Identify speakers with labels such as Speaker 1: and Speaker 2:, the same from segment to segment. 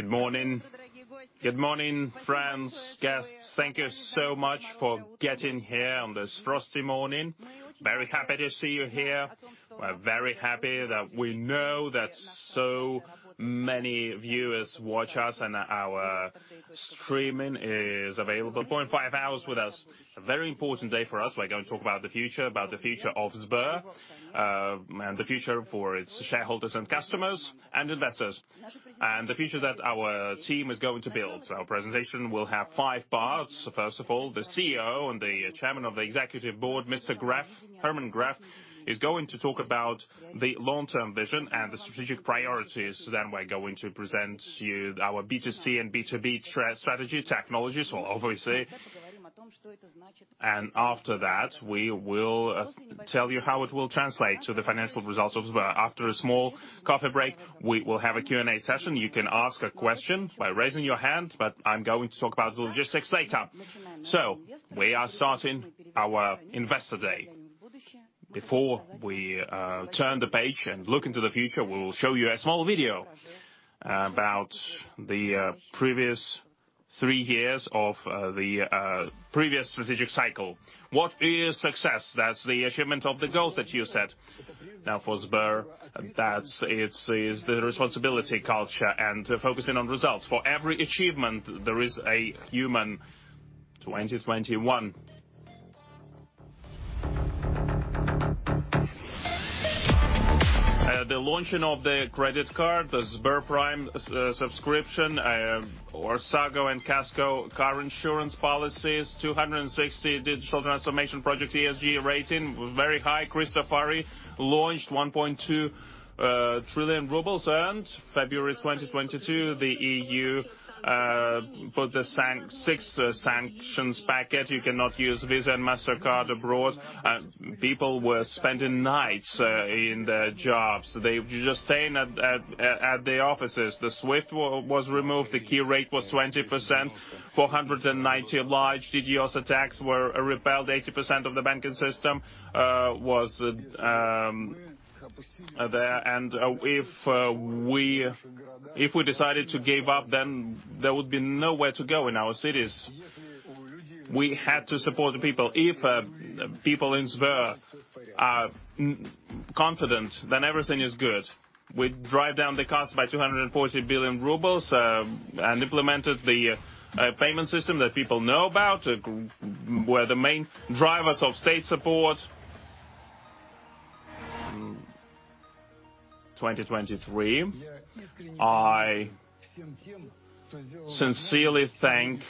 Speaker 1: Good morning. Good morning, friends, guests. Thank you so much for getting here on this frosty morning. Very happy to see you here. We're very happy that we know that so many viewers watch us, and our streaming is available. 0.5 hours with us. A very important day for us. We're going to talk about the future, about the future of Sber, and the future for its shareholders and customers, and investors, and the future that our team is going to build. Our presentation will have five parts. First of all, the CEO and Chairman of the Executive Board, Mr. Gref, Herman Gref, is going to talk about the long-term vision and the strategic priorities. Then we're going to present you our B2C and B2B strategy, technologies, obviously. After that, we will tell you how it will translate to the financial results of Sber. After a small coffee break, we will have a Q&A session. You can ask a question by raising your hand, but I'm going to talk about the logistics later. We are starting our Investor Day. Before we turn the page and look into the future, we will show you a small video about the previous three years of the previous strategic cycle. What is success? That's the achievement of the goals that you set. Now, for Sber, that's the responsibility, culture, and focusing on results. For every achievement, there is a human. 2021. The launching of the credit card, the SberPrime subscription, OSAGO and KASKO car insurance policies, 260 digital transformation project, ESG rating was very high. Christofari launched, 1.2 trillion rubles earned. February 2022, the EU put the six sanctions package. You cannot use Visa and Mastercard abroad. People were spending nights in their jobs. They were just staying at the offices. The SWIFT was removed, the key rate was 20%. 490 large DDoS attacks were repelled. 80% of the banking system was there, and if we decided to give up, then there would be nowhere to go in our cities. We had to support the people. If people in Sber are confident, then everything is good. We drive down the cost by 240 billion rubles, and implemented the payment system that people know about, were the main drivers of state support. 2023. I sincerely thank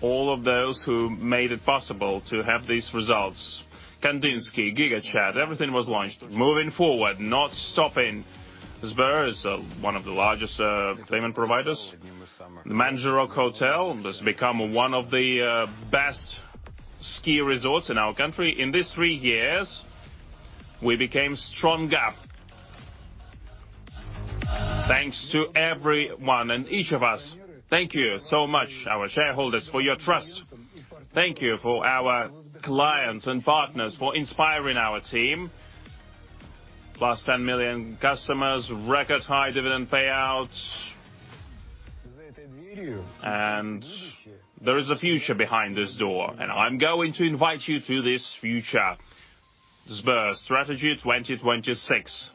Speaker 1: all of those who made it possible to have these results. Kandinsky, GigaChat, everything was launched. Moving forward, not stopping. Sber is one of the largest payment providers. Manzherok Hotel has become one of the best ski resorts in our country. In these three years, we became stronger. Thanks to everyone and each of us. Thank you so much, our shareholders, for your trust. Thank you for our clients and partners for inspiring our team. +10 million customers, record high dividend payouts. And there is a future behind this door, and I'm going to invite you to this future. Sber's Strategy 2026.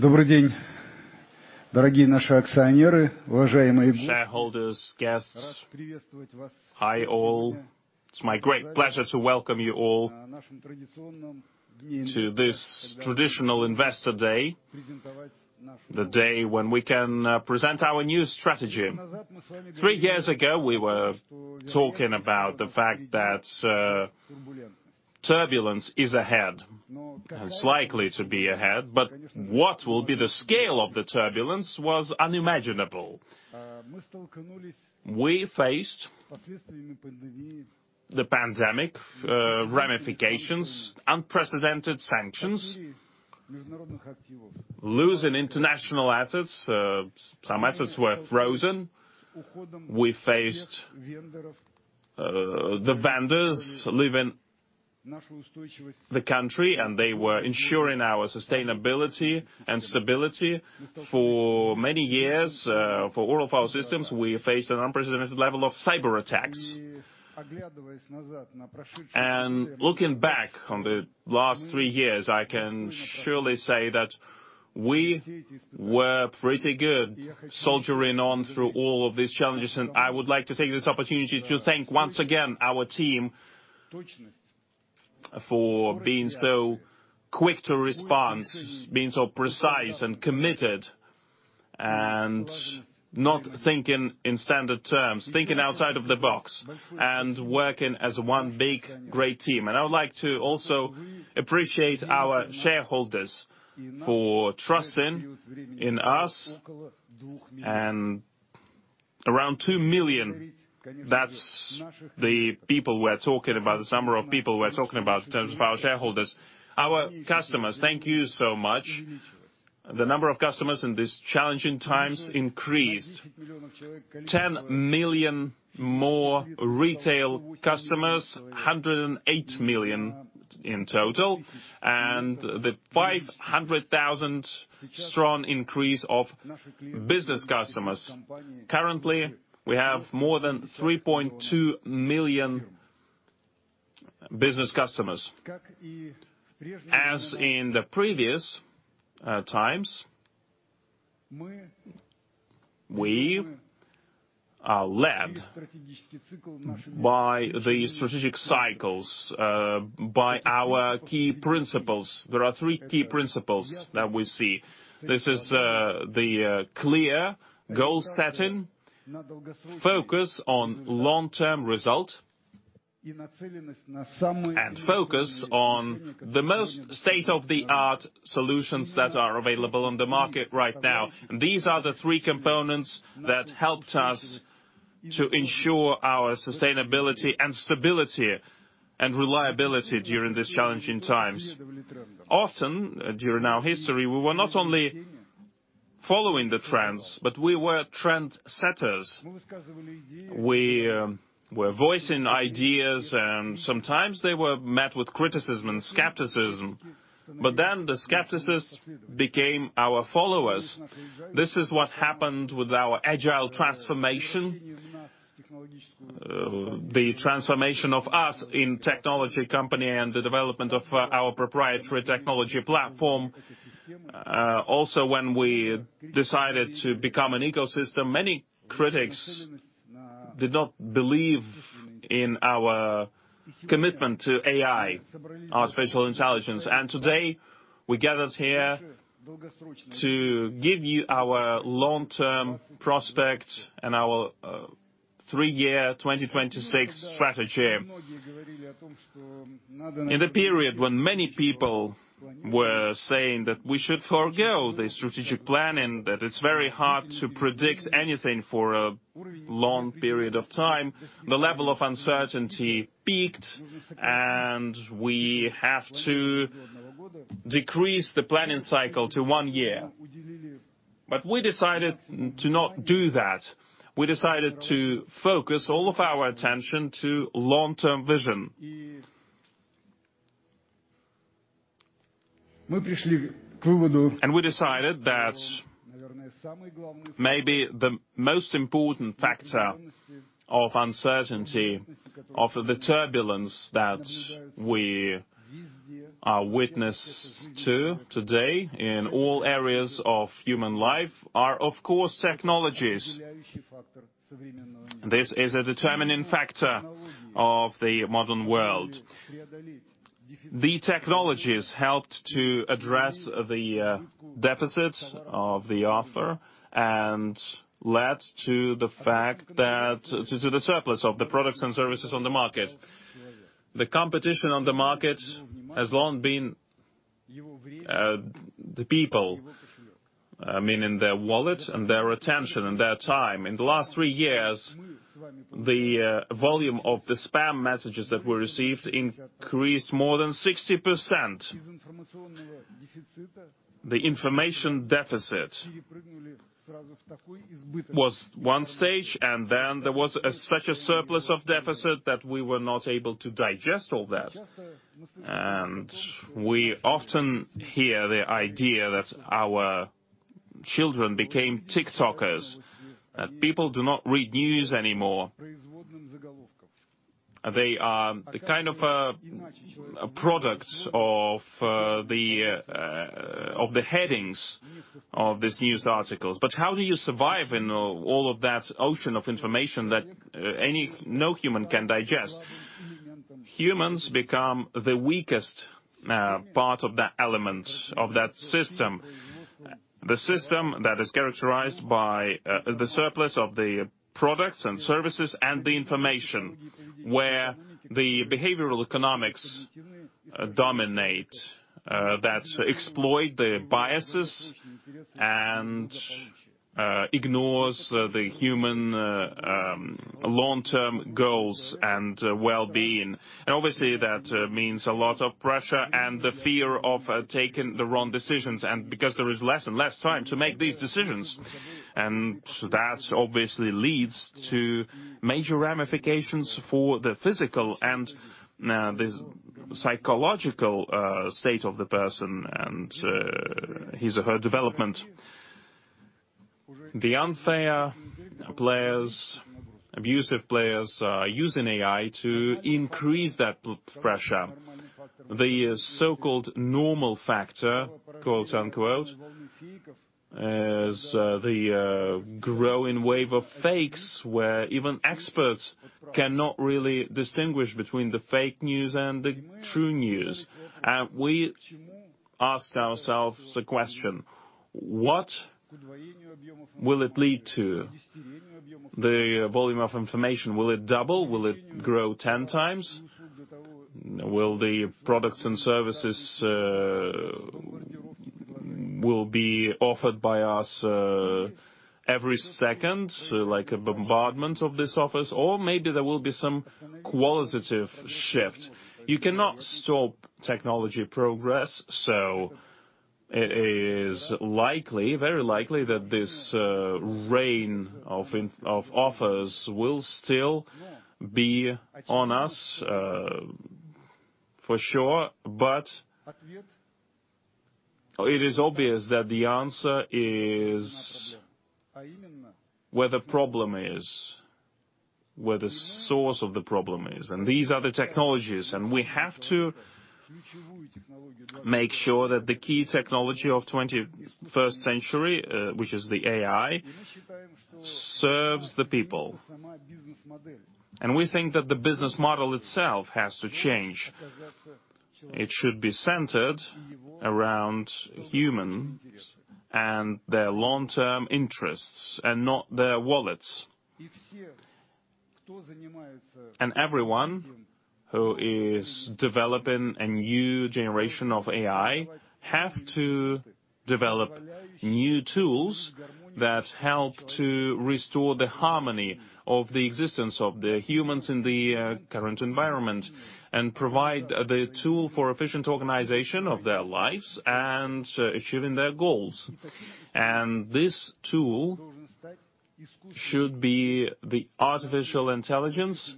Speaker 1: Shareholders, guests, hi, all. It's my great pleasure to welcome you all to this traditional Investor Day, the day when we can present our new strategy. Three years ago, we were talking about the fact that turbulence is ahead, and it's likely to be ahead, but what will be the scale of the turbulence was unimaginable. We faced the pandemic, ramifications, unprecedented sanctions, losing international assets, some assets were frozen. We faced the vendors leaving the country, and they were ensuring our sustainability and stability for many years, for all of our systems. We faced an unprecedented level of cyberattacks. And looking back on the last three years, I can surely say that we were pretty good soldiering on through all of these challenges, and I would like to take this opportunity to thank once again our team for being so quick to respond, being so precise and committed, and not thinking in standard terms, thinking outside of the box, and working as one big, great team. I would like to also appreciate our shareholders for trusting in us. Around 2 million, that's the people we're talking about, the number of people we're talking about in terms of our shareholders. Our customers, thank you so much. The number of customers in these challenging times increased. 10 million more retail customers, 108 million in total, and the 500,000-strong increase of business customers. Currently, we have more than 3.2 million business customers. As in the previous times, we are led by the strategic cycles by our key principles. There are three key principles that we see. This is the clear goal setting, focus on long-term result, and focus on the most state-of-the-art solutions that are available on the market right now. These are the three components that helped us to ensure our sustainability and stability and reliability during these challenging times. Often, during our history, we were not only following the trends, but we were trend setters. We were voicing ideas, and sometimes they were met with criticism and skepticism, but then the skeptics became our followers. This is what happened with our agile transformation, the transformation of us in technology company and the development of our proprietary technology platform. Also, when we decided to become an ecosystem, many critics did not believe in our commitment to AI, artificial intelligence. And today, we gathered here to give you our long-term prospect and our three-year 2026 strategy. In the period when many people were saying that we should forgo the strategic planning, that it's very hard to predict anything for a long period of time, the level of uncertainty peaked, and we have to decrease the planning cycle to one year. But we decided to not do that. We decided to focus all of our attention to long-term vision. And we decided that maybe the most important factor of uncertainty, of the turbulence that we are witness to today in all areas of human life, are, of course, technologies. This is a determining factor of the modern world. The technologies helped to address the deficits of the Soviet and led to the fact that the surplus of the products and services on the market. The competition on the market has long been the people, meaning their wallet and their attention and their time. In the last three years, the volume of the spam messages that we received increased more than 60%. The information deficit was one stage, and then there was a such a surplus of deficit that we were not able to digest all that. We often hear the idea that our children became TikTokers, that people do not read news anymore. They are the kind of product of the headings of these news articles. But how do you survive in all of that ocean of information that no human can digest? Humans become the weakest part of that element, of that system. The system that is characterized by the surplus of the products and services and the information, where the behavioral economics dominate that exploit the biases and ignores the human long-term goals and well-being. Obviously, that means a lot of pressure and the fear of taking the wrong decisions, and because there is less and less time to make these decisions. That obviously leads to major ramifications for the physical and the psychological state of the person and his or her development. The unfair players, abusive players, are using AI to increase that blood pressure. The so-called "normal factor," quote, unquote, as the growing wave of fakes, where even experts cannot really distinguish between the fake news and the true news. We ask ourselves the question: What will it lead to? The volume of information, will it double? Will it grow 10 times? Will the products and services will be offered by us every second, so like a bombardment of this office, or maybe there will be some qualitative shift. You cannot stop technology progress, so it is likely, very likely that this reign of offers will still be on us, for sure. But it is obvious that the answer is where the problem is, where the source of the problem is, and these are the technologies. And we have to make sure that the key technology of twenty-first century, which is the AI, serves the people. And we think that the business model itself has to change. It should be centered around human and their long-term interests, and not their wallets. Everyone who is developing a new generation of AI have to develop new tools that help to restore the harmony of the existence of the humans in the current environment, and provide the tool for efficient organization of their lives and achieving their goals. This tool should be the artificial intelligence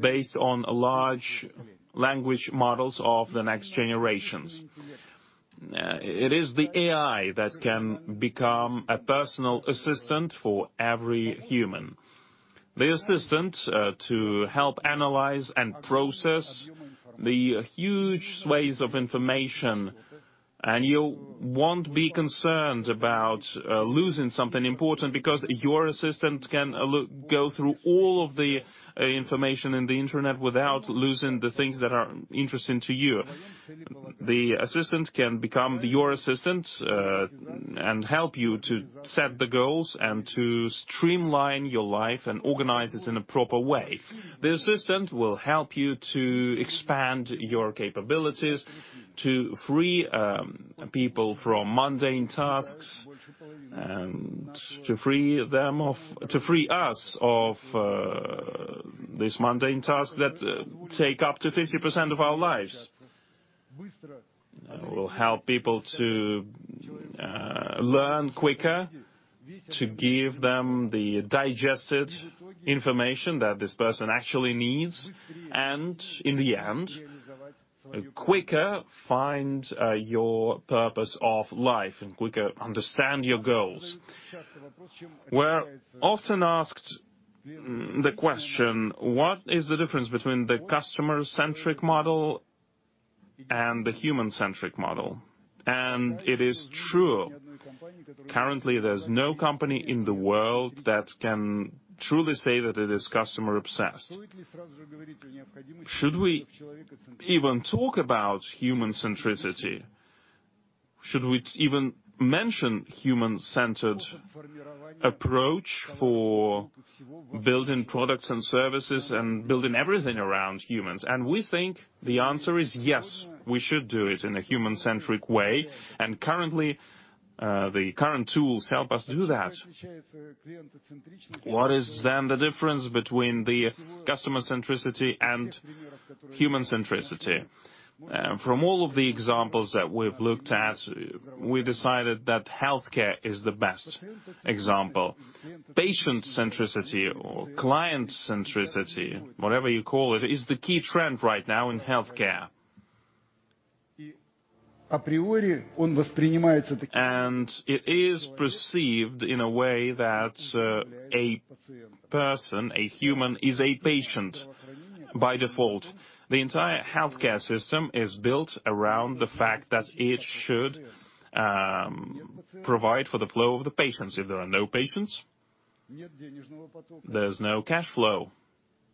Speaker 1: based on large language models of the next generations. It is the AI that can become a personal assistant for every human. The assistant to help analyze and process the huge swaths of information, and you won't be concerned about losing something important because your assistant can go through all of the information in the internet without losing the things that are interesting to you. The assistant can become your assistant and help you to set the goals and to streamline your life and organize it in a proper way. The assistant will help you to expand your capabilities to free people from mundane tasks, and to free them of To free us of this mundane task that take up to 50% of our lives. Will help people to learn quicker, to give them the digested information that this person actually needs, and in the end, quicker find your purpose of life and quicker understand your goals. We're often asked the question: What is the difference between the customer-centric model and the human-centric model? And it is true. Currently, there's no company in the world that can truly say that it is customer obsessed. Should we even talk about human centricity? Should we even mention human-centered approach for building products and services and building everything around humans? And we think the answer is yes, we should do it in a human-centric way, and currently, the current tools help us do that. What is then the difference between the customer centricity and human centricity? From all of the examples that we've looked at, we decided that healthcare is the best example. Patient centricity or client centricity, whatever you call it, is the key trend right now in healthcare. And it is perceived in a way that, a person, a human, is a patient by default. The entire healthcare system is built around the fact that it should, provide for the flow of the patients. If there are no patients, there's no cash flow,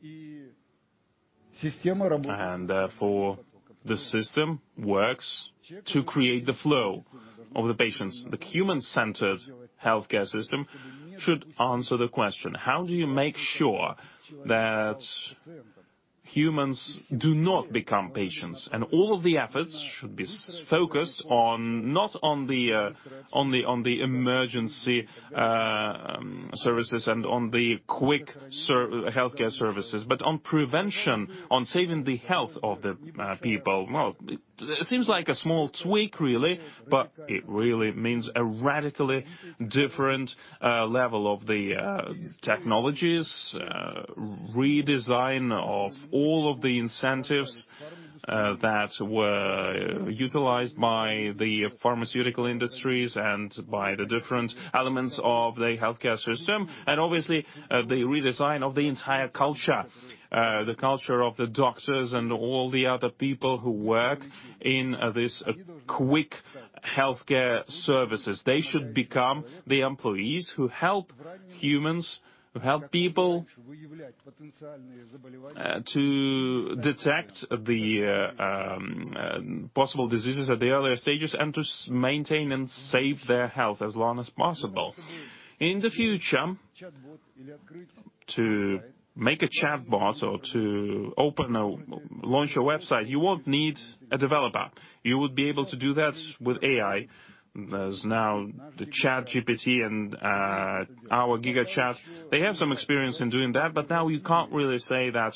Speaker 1: and therefore, the system works to create the flow of the patients. The human-centered healthcare system should answer the question: How do you make sure that humans do not become patients? All of the efforts should be so focused on, not on the emergency services and on the quick service healthcare services, but on prevention, on saving the health of the people. Well, it seems like a small tweak, really, but it really means a radically different level of the technologies, redesign of all of the incentives that were utilized by the pharmaceutical industries and by the different elements of the healthcare system, and obviously, the redesign of the entire culture. The culture of the doctors and all the other people who work in this quick healthcare services. They should become the employees who help humans, who help people, to detect the possible diseases at the earlier stages, and to maintain and save their health as long as possible. In the future-
Speaker 2: ...To make a chatbot or to open a, launch a website, you won't need a developer. You would be able to do that with AI. There's now the ChatGPT and our GigaChat. They have some experience in doing that, but now you can't really say that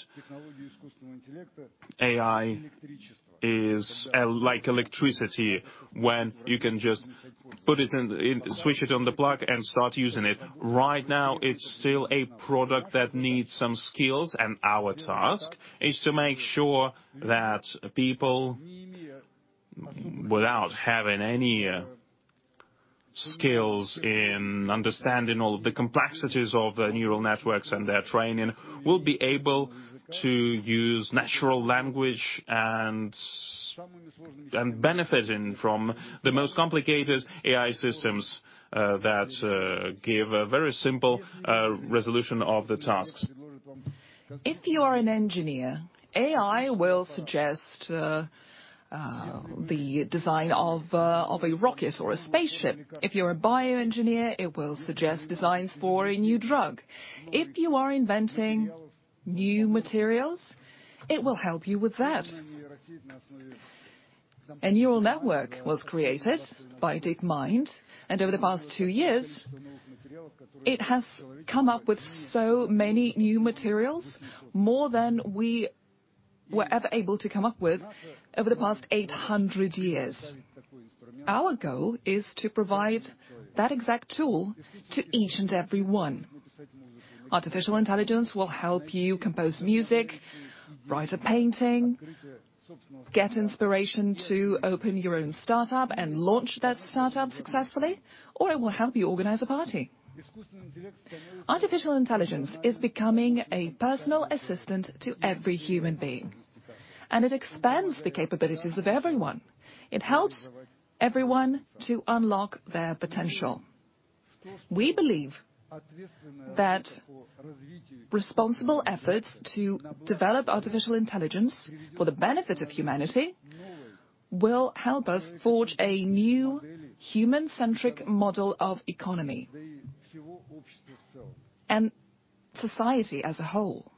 Speaker 2: AI is like electricity, when you can just put it in, switch it on the plug and start using it. Right now, it's still a product that needs some skills, and our task is to make sure that people, without having any skills in understanding all of the complexities of the neural networks and their training, will be able to use natural language and benefiting from the most complicated AI systems that give a very simple resolution of the tasks. If you are an engineer, AI will suggest the design of a rocket or a spaceship. If you're a bioengineer, it will suggest designs for a new drug. If you are inventing new materials, it will help you with that. A neural network was created by DeepMind, and over the past 2 years, it has come up with so many new materials, more than we were ever able to come up with over the past 800 years. Our goal is to provide that exact tool to each and every one. Artificial intelligence will help you compose music, write a painting, get inspiration to open your own startup, and launch that startup successfully, or it will help you organize a party. Artificial intelligence is becoming a personal assistant to every human being, and it expands the capabilities of everyone. It helps everyone to unlock their potential. We believe that responsible efforts to develop artificial intelligence for the benefit of humanity will help us forge a new human-centric model of economy and society as a whole.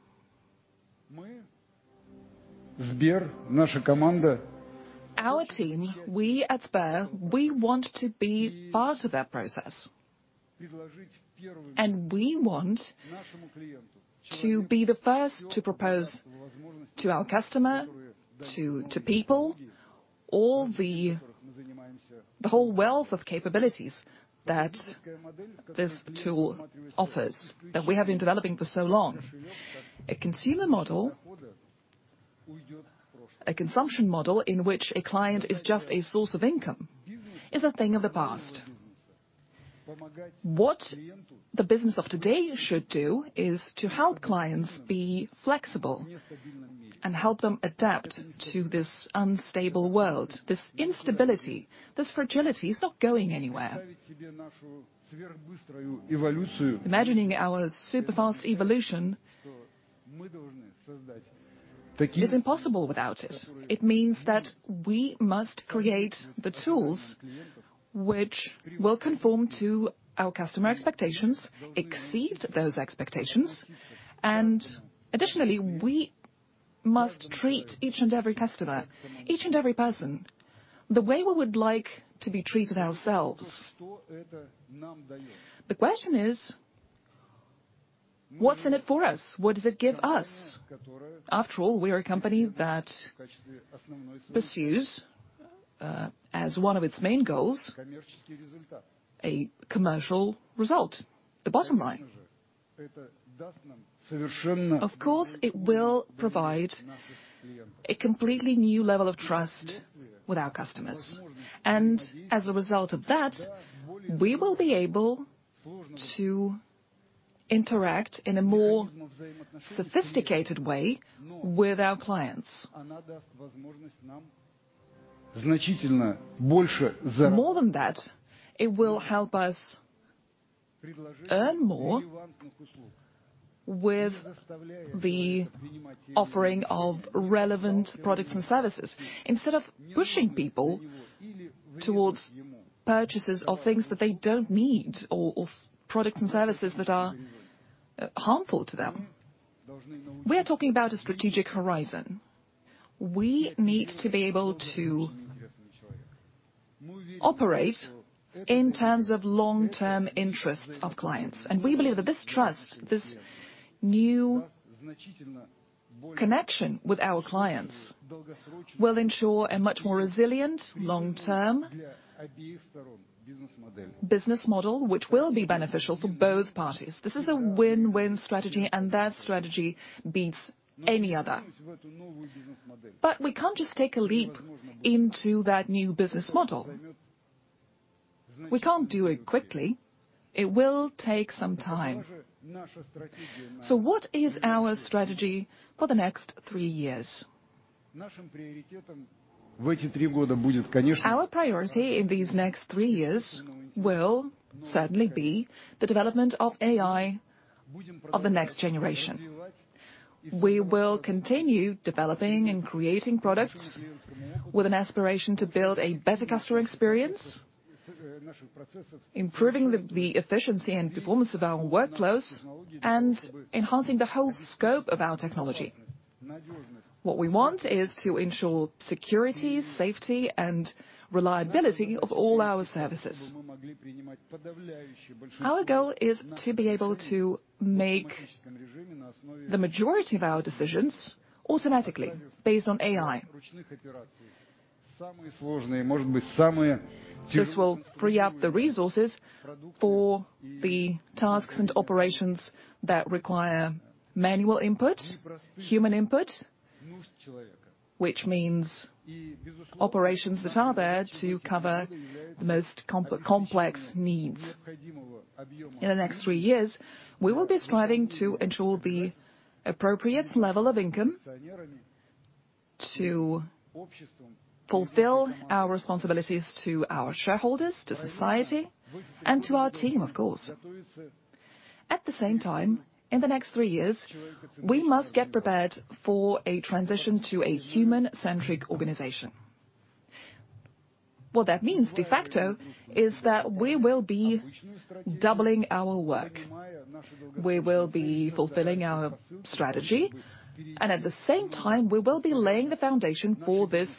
Speaker 2: Our team, we at Sber, we want to be part of that process, and we want to be the first to propose to our customer, to people, all the whole wealth of capabilities that this tool offers, that we have been developing for so long. A consumer model, a consumption model, in which a client is just a source of income, is a thing of the past. What the business of today should do is to help clients be flexible and help them adapt to this unstable world. This instability, this fragility, is not going anywhere. Imagining our super fast evolution is impossible without it. It means that we must create the tools which will conform to our customer expectations, exceed those expectations, and additionally, we must treat each and every customer, each and every person, the way we would like to be treated ourselves. The question is: What's in it for us? What does it give us? After all, we are a company that pursues, as one of its main goals, a commercial result, the bottom line. Of course, it will provide a completely new level of trust with our customers, and as a result of that, we will be able to interact in a more sophisticated way with our clients. More than that, it will help us earn more with the offering of relevant products and services, instead of pushing people towards purchases of things that they don't need, or, or products and services that are harmful to them. We are talking about a strategic horizon. We need to be able to operate in terms of long-term interests of clients, and we believe that this trust, this new connection with our clients, will ensure a much more resilient, long-term business model, which will be beneficial for both parties. This is a win-win strategy, and that strategy beats any other. But we can't just take a leap into that new business model. We can't do it quickly. It will take some time. So what is our strategy for the next three years? Our priority in these next three years will certainly be the development of AI of the next generation.... We will continue developing and creating products with an aspiration to build a better customer experience, improving the efficiency and performance of our workflows, and enhancing the whole scope of our technology. What we want is to ensure security, safety, and reliability of all our services. Our goal is to be able to make the majority of our decisions automatically based on AI. This will free up the resources for the tasks and operations that require manual input, human input, which means operations that are there to cover the most complex needs. In the next three years, we will be striving to ensure the appropriate level of income, to fulfill our responsibilities to our shareholders, to society, and to our team, of course. At the same time, in the next three years, we must get prepared for a transition to a human-centric organization. What that means, de facto, is that we will be doubling our work. We will be fulfilling our strategy, and at the same time, we will be laying the foundation for this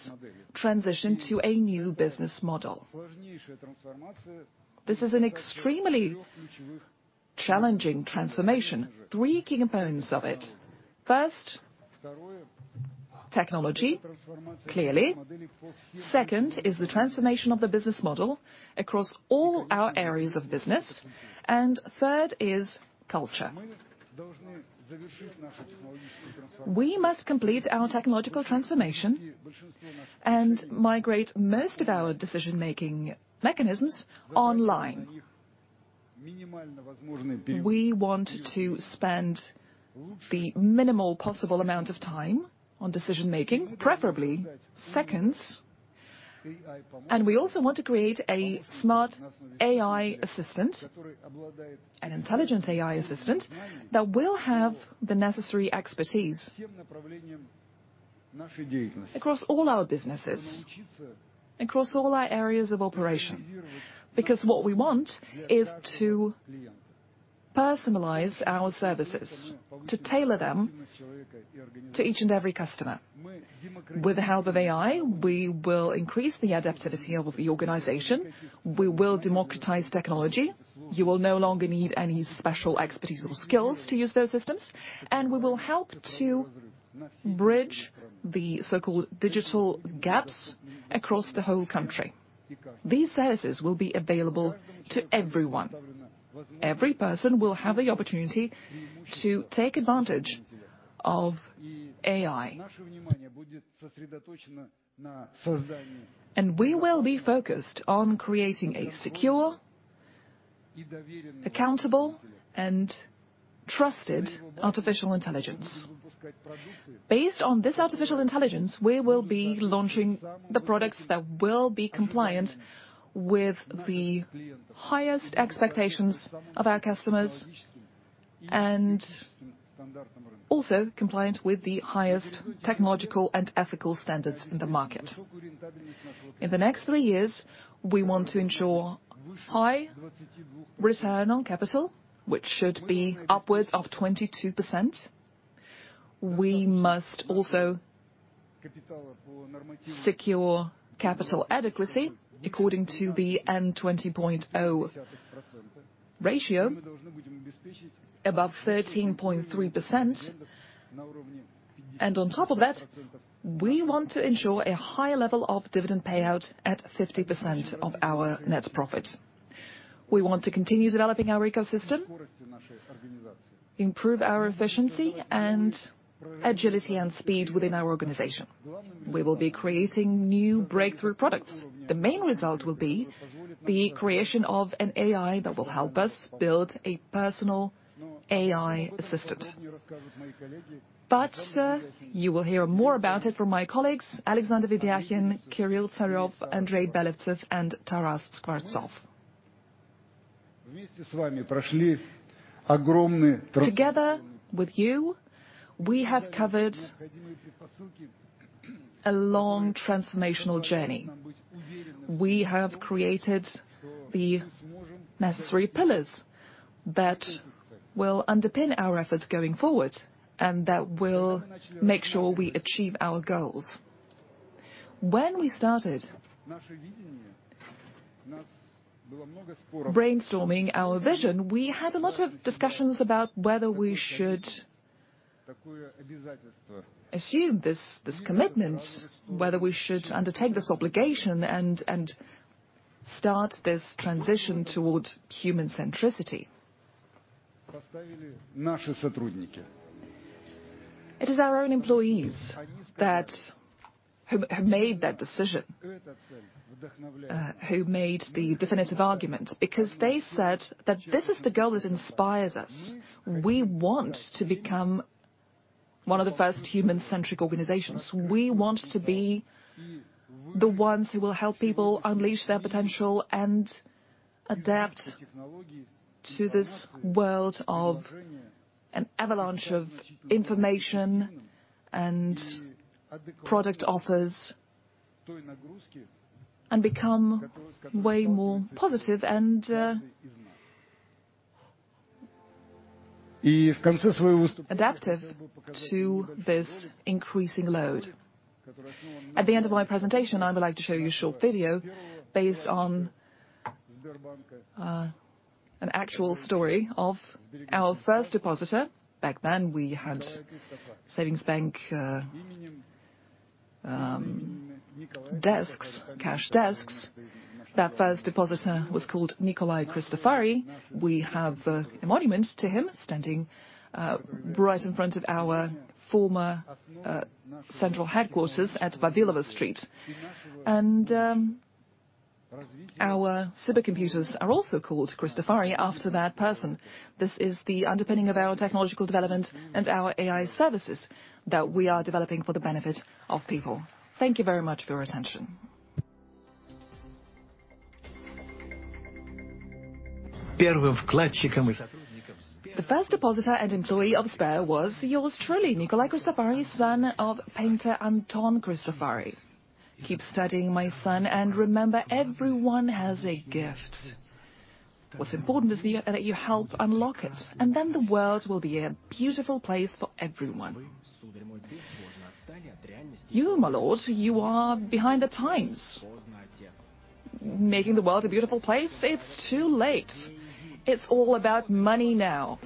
Speaker 2: transition to a new business model. This is an extremely challenging transformation. Three key components of it: first, technology, clearly. Second is the transformation of the business model across all our areas of business. And third is culture. We must complete our technological transformation and migrate most of our decision-making mechanisms online. We want to spend the minimal possible amount of time on decision making, preferably seconds, and we also want to create a smart AI assistant, an intelligent AI assistant, that will have the necessary expertise across all our businesses, across all our areas of operation, because what we want is to personalize our services, to tailor them to each and every customer. With the help of AI, we will increase the adaptivity of the organization. We will democratize technology. You will no longer need any special expertise or skills to use those systems, and we will help to bridge the so-called digital gaps across the whole country. These services will be available to everyone. Every person will have the opportunity to take advantage of AI. We will be focused on creating a secure, accountable, and trusted artificial intelligence. Based on this artificial intelligence, we will be launching the products that will be compliant with the highest expectations of our customers, and also compliant with the highest technological and ethical standards in the market. In the next three years, we want to ensure high return on capital, which should be upwards of 22%. We must also secure capital adequacy according to the CAR, above 13.3%, and on top of that, we want to ensure a high level of dividend payout at 50% of our net profit. We want to continue developing our ecosystem, improve our efficiency and agility and speed within our organization. We will be creating new breakthrough products. The main result will be the creation of an AI that will help us build a personal AI assistant. But, you will hear more about it from my colleagues, Alexander Vedyakhin, Kirill Tsarev, Andrey Belevtsev, and Taras Skvortsov. Together with you, we have covered a long transformational journey. We have created the necessary pillars that will underpin our efforts going forward, and that will make sure we achieve our goals. When we started brainstorming our vision, we had a lot of discussions about whether we should assume this commitment, whether we should undertake this obligation and start this transition toward human centricity. It is our own employees that have made that decision, who made the definitive argument, because they said that this is the goal that inspires us. We want to become one of the first human-centric organizations. We want to be the ones who will help people unleash their potential and adapt to this world of an avalanche of information and product offers, and become way more positive and adaptive to this increasing load. At the end of my presentation, I would like to show you a short video based on an actual story of our first depositor. Back then, we had savings bank desks, cash desks. That first depositor was called Nikolai Kristofari. We have a monument to him standing right in front of our former central headquarters at Vavilov Street. And our supercomputers are also called Christofari, after that person. This is the underpinning of our technological development and our AI services that we are developing for the benefit of people. Thank you very much for your attention. The first depositor and employee of Sber was yours truly, Nikolai Kristofari, son of painter Anton Christofari. "Keep studying, my son, and remember, everyone has a gift. What's important is that you, that you help unlock it, and then the world will be a beautiful place for everyone." "You, my lord, you are behind the times. Making the world a beautiful place? It's too late! It's all about money now.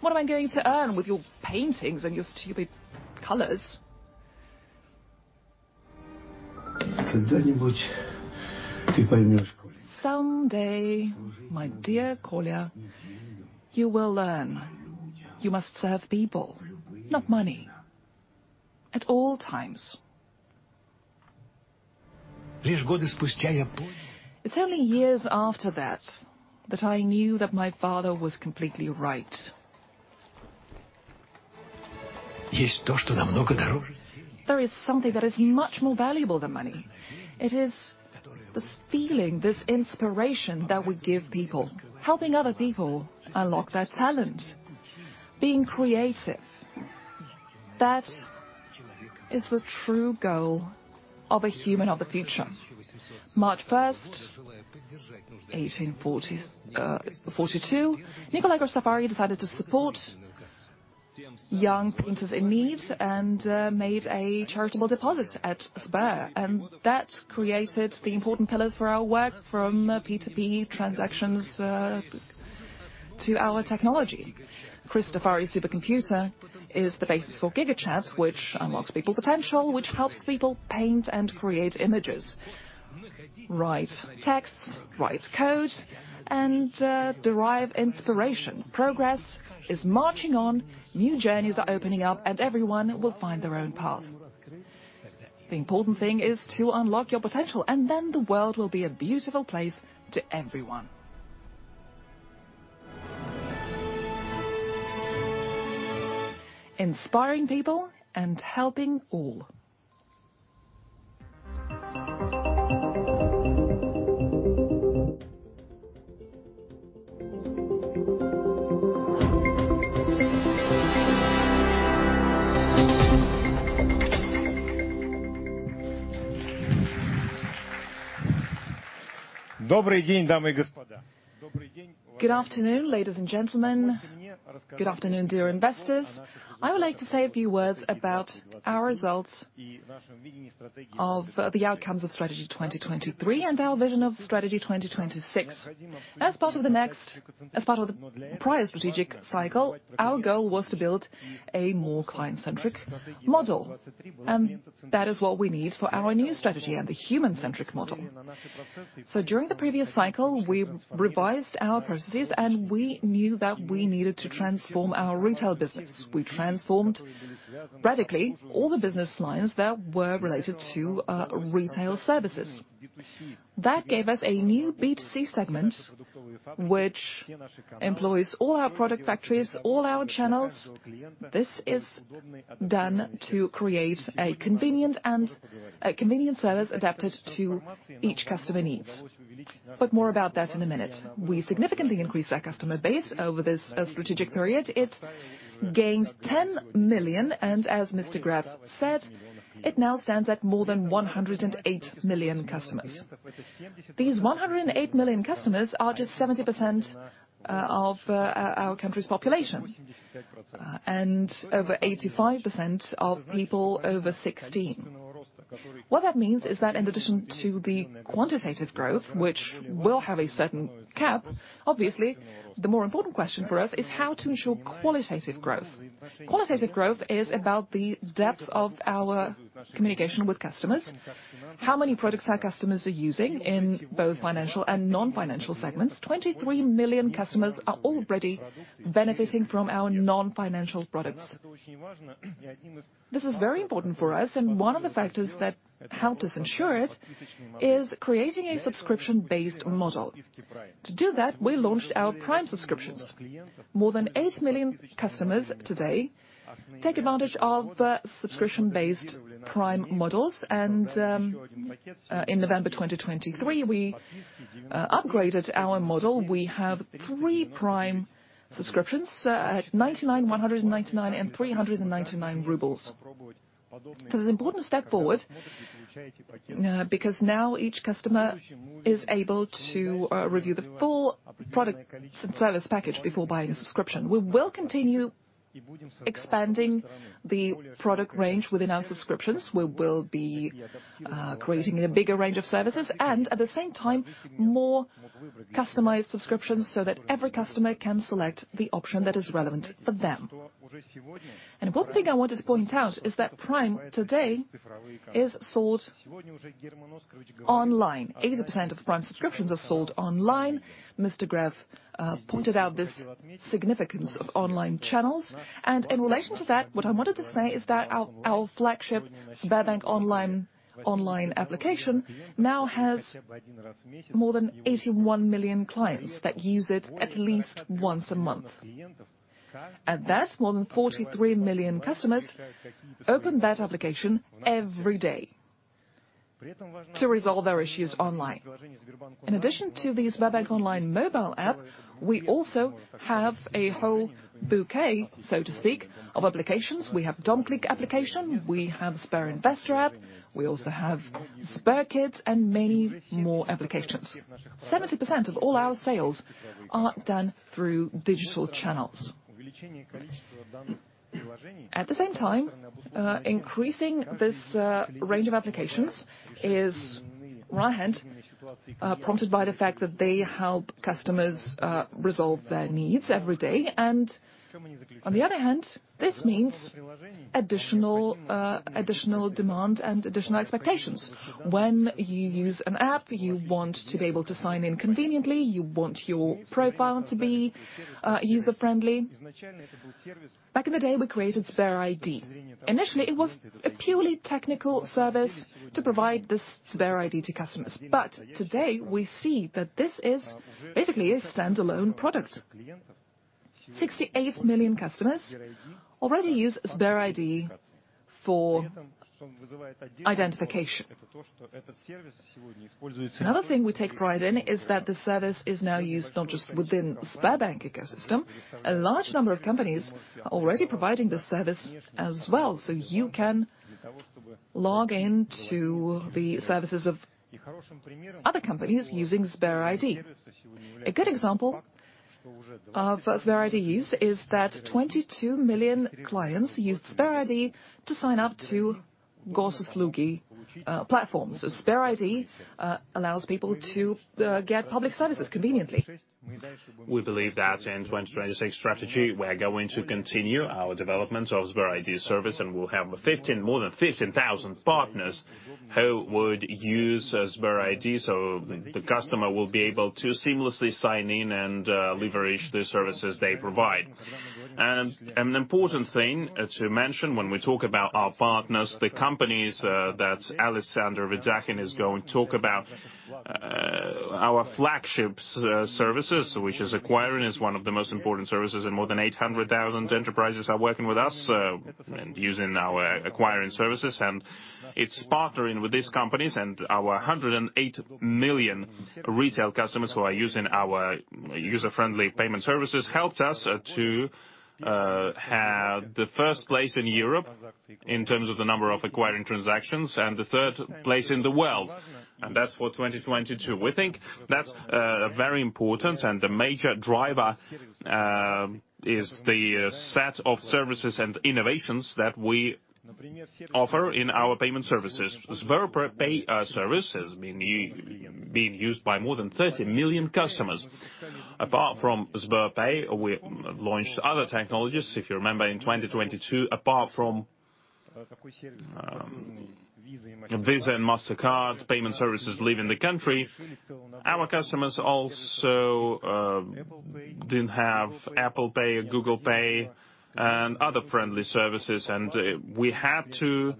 Speaker 2: What am I going to earn with your paintings and your stupid colors?" "Someday, my dear Kolya, you will learn. You must serve people, not money, at all times." It's only years after that, that I knew that my father was completely right. There is something that is much more valuable than money. It is this feeling, this inspiration that we give people, helping other people unlock their talent, being creative. That is the true goal of a human of the future. March 1, 1842, Nikolai Kristofari decided to support young painters in need and made a charitable deposit at Sber, and that created the important pillars for our work, from P2P transactions to our technology. Christofari supercomputer is the basis for GigaChat, which unlocks people's potential, which helps people paint and create images, write texts, write code, and derive inspiration. Progress is marching on, new journeys are opening up, and everyone will find their own path. The important thing is to unlock your potential, and then the world will be a beautiful place to everyone. Inspiring people and helping all. Good afternoon, ladies and gentlemen. Good afternoon, dear investors. I would like to say a few words about our results of the outcomes of Strategy 2023 and our vision of Strategy 2026. As part of the prior strategic cycle, our goal was to build a more client-centric model, and that is what we need for our new strategy and the human-centric model. So during the previous cycle, we revised our processes, and we knew that we needed to transform our retail business. We transformed, radically, all the business lines that were related to retail services.
Speaker 3: That gave us a new B2C segment, which employs all our product factories, all our channels. This is done to create a convenient and a convenient service adapted to each customer needs, but more about that in a minute. We significantly increased our customer base over this strategic period. It gained 10 million, and as Mr. Gref said, it now stands at more than 108 million customers. These 108 million customers are just 70% of our country's population, and over 85% of people over sixteen. What that means is that in addition to the quantitative growth, which will have a certain cap, obviously, the more important question for us is how to ensure qualitative growth.
Speaker 2: Qualitative growth is about the depth of our communication with customers, how many products our customers are using in both financial and non-financial segments. 23 million customers are already benefiting from our non-financial products. This is very important for us, and one of the factors that helped us ensure it is creating a subscription-based model. To do that, we launched our Prime subscriptions. More than 8 million customers today take advantage of subscription-based Prime models, and in November 2023, we upgraded our model. We have 3 Prime subscriptions at 99, 199, and 399 rubles. Because it's an important step forward, because now each customer is able to review the full product and service package before buying a subscription. We will continue expanding the product range within our subscriptions. We will be creating a bigger range of services and, at the same time, more customized subscriptions so that every customer can select the option that is relevant for them. One thing I wanted to point out is that Prime today is sold online. 80% of Prime subscriptions are sold online. Mr. Gref pointed out this significance of online channels, and in relation to that, what I wanted to say is that our flagship SberBank Online application now has more than 81 million clients that use it at least once a month. Thus, more than 43 million customers open that application every day to resolve their issues online. In addition to the SberBank Online mobile app, we also have a whole bouquet, so to speak, of applications. We have DomClick application, we have SberInvestor app, we also have SberKids and many more applications. 70% of all our sales are done through digital channels. At the same time, increasing this range of applications is, on one hand, prompted by the fact that they help customers resolve their needs every day. And on the other hand, this means additional additional demand and additional expectations. When you use an app, you want to be able to sign in conveniently, you want your profile to be user-friendly. Back in the day, we created Sber ID. Initially, it was a purely technical service to provide this Sber ID to customers, but today we see that this is basically a standalone product. 68 million customers already use Sber ID for identification. Another thing we take pride in is that the service is now used not just within the Sberbank ecosystem. A large number of companies are already providing this service as well, so you can log in to the services of other companies using Sber ID. A good example of Sber ID use is that 22 million clients used Sber ID to sign up to Gosuslugi platforms. So Sber ID allows people to get public services conveniently.
Speaker 1: We believe that in 2026 strategy, we are going to continue our development of Sber ID service, and we'll have more than 15,000 partners who would use Sber ID, so the customer will be able to seamlessly sign in and leverage the services they provide. And an important thing to mention when we talk about our partners, the companies that Alexander Vedyakhin is going to talk about, our flagship services, which is acquiring, is one of the most important services, and more than 800,000 enterprises are working with us and using our acquiring services. It's partnering with these companies and our 108 million retail customers who are using our user-friendly payment services, helped us to have the first place in Europe in terms of the number of acquiring transactions, and the third place in the world, and that's for 2022. We think that's very important, and the major driver is the set of services and innovations that we offer in our payment services. SberPay service has been being used by more than 30 million customers. Apart from SberPay, we launched other technologies. If you remember, in 2022, apart from Visa and Mastercard payment services leaving the country, our customers also didn't have Apple Pay, Google Pay, and other friendly services, and we had to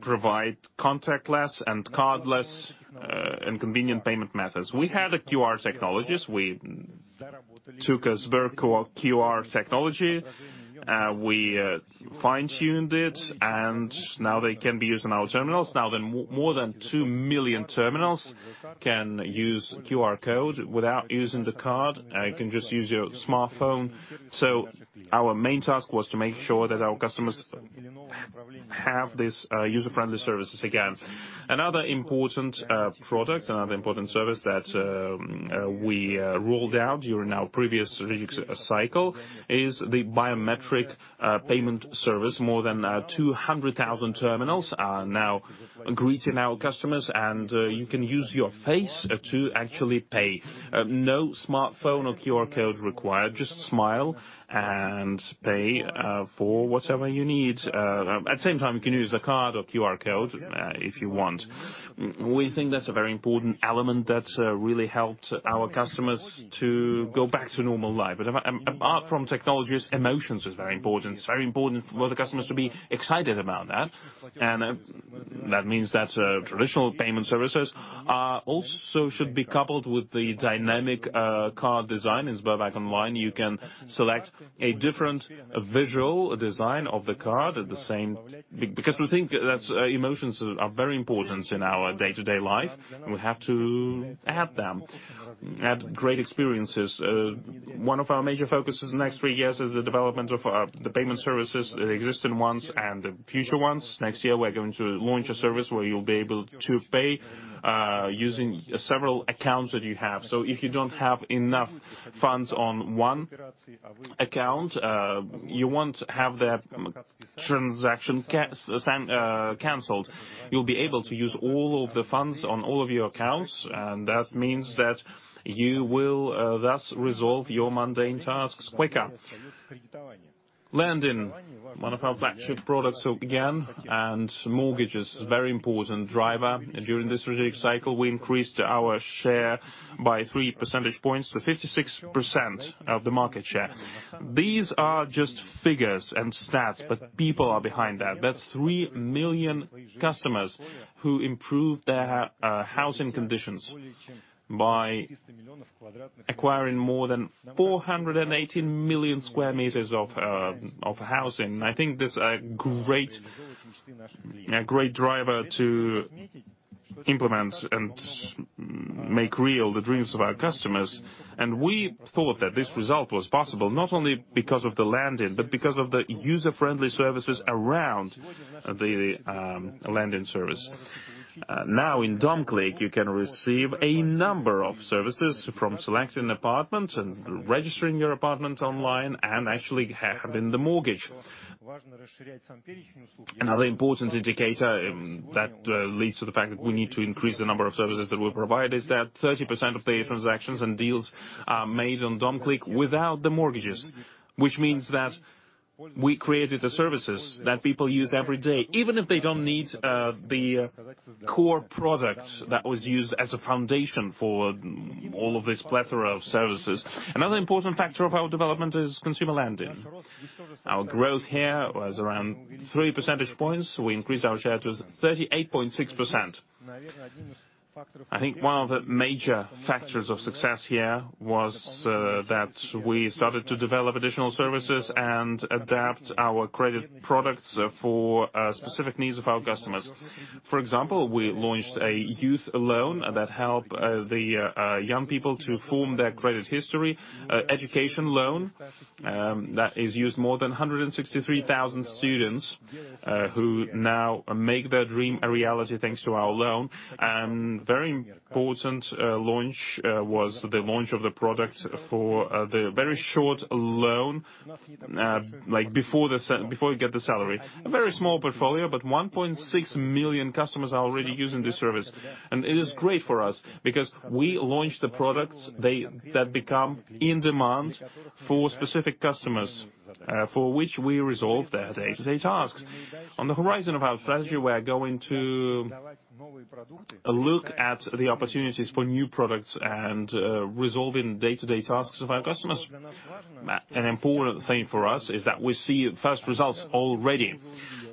Speaker 1: provide contactless and cardless and convenient payment methods. We had a QR technologies. We took a Sber QR technology, we fine-tuned it, and now they can be used on our terminals. Now, more than 2 million terminals can use QR code without using the card. You can just use your smartphone. So our main task was to make sure that our customers have these user-friendly services again. Another important product, another important service that we rolled out during our previous cycle is the biometric payment service. More than 200,000 terminals are now greeting our customers, and you can use your face to actually pay. No smartphone or QR code required, just smile and pay for whatever you need. At the same time, you can use a card or QR code if you want. We think that's a very important element that really helped our customers to go back to normal life. But apart from technologies, emotions is very important. It's very important for the customers to be excited about that, and that means that traditional payment services also should be coupled with the dynamic card design. In SberBank Online, you can select a different visual design of the card at the same... Because we think that's emotions are very important in our day-to-day life, and we have to have them, have great experiences. One of our major focuses in the next three years is the development of the payment services, the existing ones and the future ones. Next year, we're going to launch a service where you'll be able to pay using several accounts that you have. So if you don't have enough funds on one account, you won't have that transaction canceled. You'll be able to use all of the funds on all of your accounts, and that means that you will thus resolve your mundane tasks quicker. Lending, one of our flagship products again, and mortgages, very important driver. During this strategic cycle, we increased our share by three percentage points to 56% of the market share. These are just figures and stats, but people are behind that. That's 3 million customers who improved their housing conditions by acquiring more than 418 million square meters of housing. I think this is a great, a great driver to implement and make real the dreams of our customers, and we thought that this result was possible, not only because of the lending, but because of the user-friendly services around the lending service. Now, in DomClick, you can receive a number of services from selecting an apartment and registering your apartment online and actually having the mortgage. Another important indicator that leads to the fact that we need to increase the number of services that we provide is that 30% of the transactions and deals are made on DomClick without the mortgages, which means that we created the services that people use every day, even if they don't need the core product that was used as a foundation for all of this plethora of services. Another important factor of our development is consumer lending. Our growth here was around 3 percentage points. We increased our share to 38.6%. I think one of the major factors of success here was that we started to develop additional services and adapt our credit products for specific needs of our customers. For example, we launched a youth loan that help the young people to form their credit history, education loan that is used more than 163,000 students who now make their dream a reality, thanks to our loan. And very important launch was the launch of the product for the very short loan like before you get the salary. A very small portfolio, but 1.6 million customers are already using this service, and it is great for us because we launched the products that become in demand for specific customers for which we resolve their day-to-day tasks. On the horizon of our strategy, we are going to look at the opportunities for new products and resolving day-to-day tasks of our customers. An important thing for us is that we see first results already.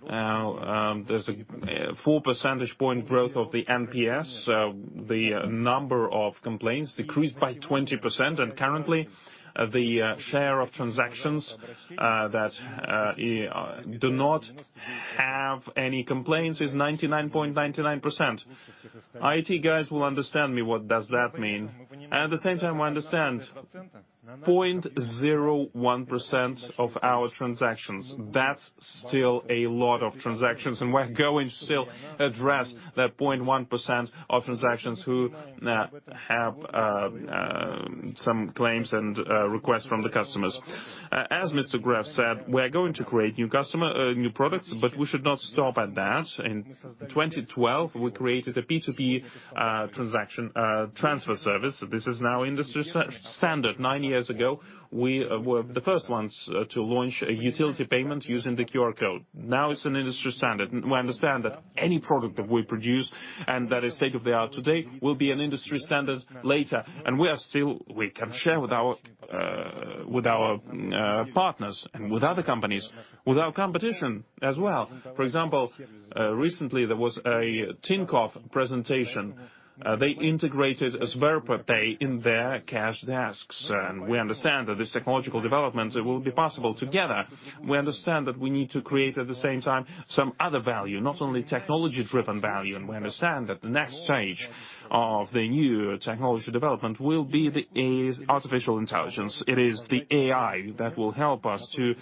Speaker 1: Now, there's a four percentage point growth of the NPS, so the number of complaints decreased by 20%, and currently, the share of transactions that do not have any complaints is 99.99%. IT guys will understand me, what does that mean? At the same time, we understand 0.01% of our transactions, that's still a lot of transactions, and we're going to still address that 0.1% of transactions who have some claims and requests from the customers. As Mr. Gref said, we're going to create new customer new products, but we should not stop at that. In 2012, we created a B2B transaction transfer service. This is now industry standard. Nine years ago, we were the first ones to launch a utility payment using the QR code. Now, it's an industry standard, and we understand that any product that we produce and that is state of the art today, will be an industry standard later, and we can share with our partners and with other companies, with our competition as well. For example, recently, there was a Tinkoff presentation. They integrated SberPay in their cash desks, and we understand that this technological development, it will be possible together. We understand that we need to create, at the same time, some other value, not only technology-driven value, and we understand that the next stage of the new technology development will be the, is artificial intelligence. It is the AI that will help us to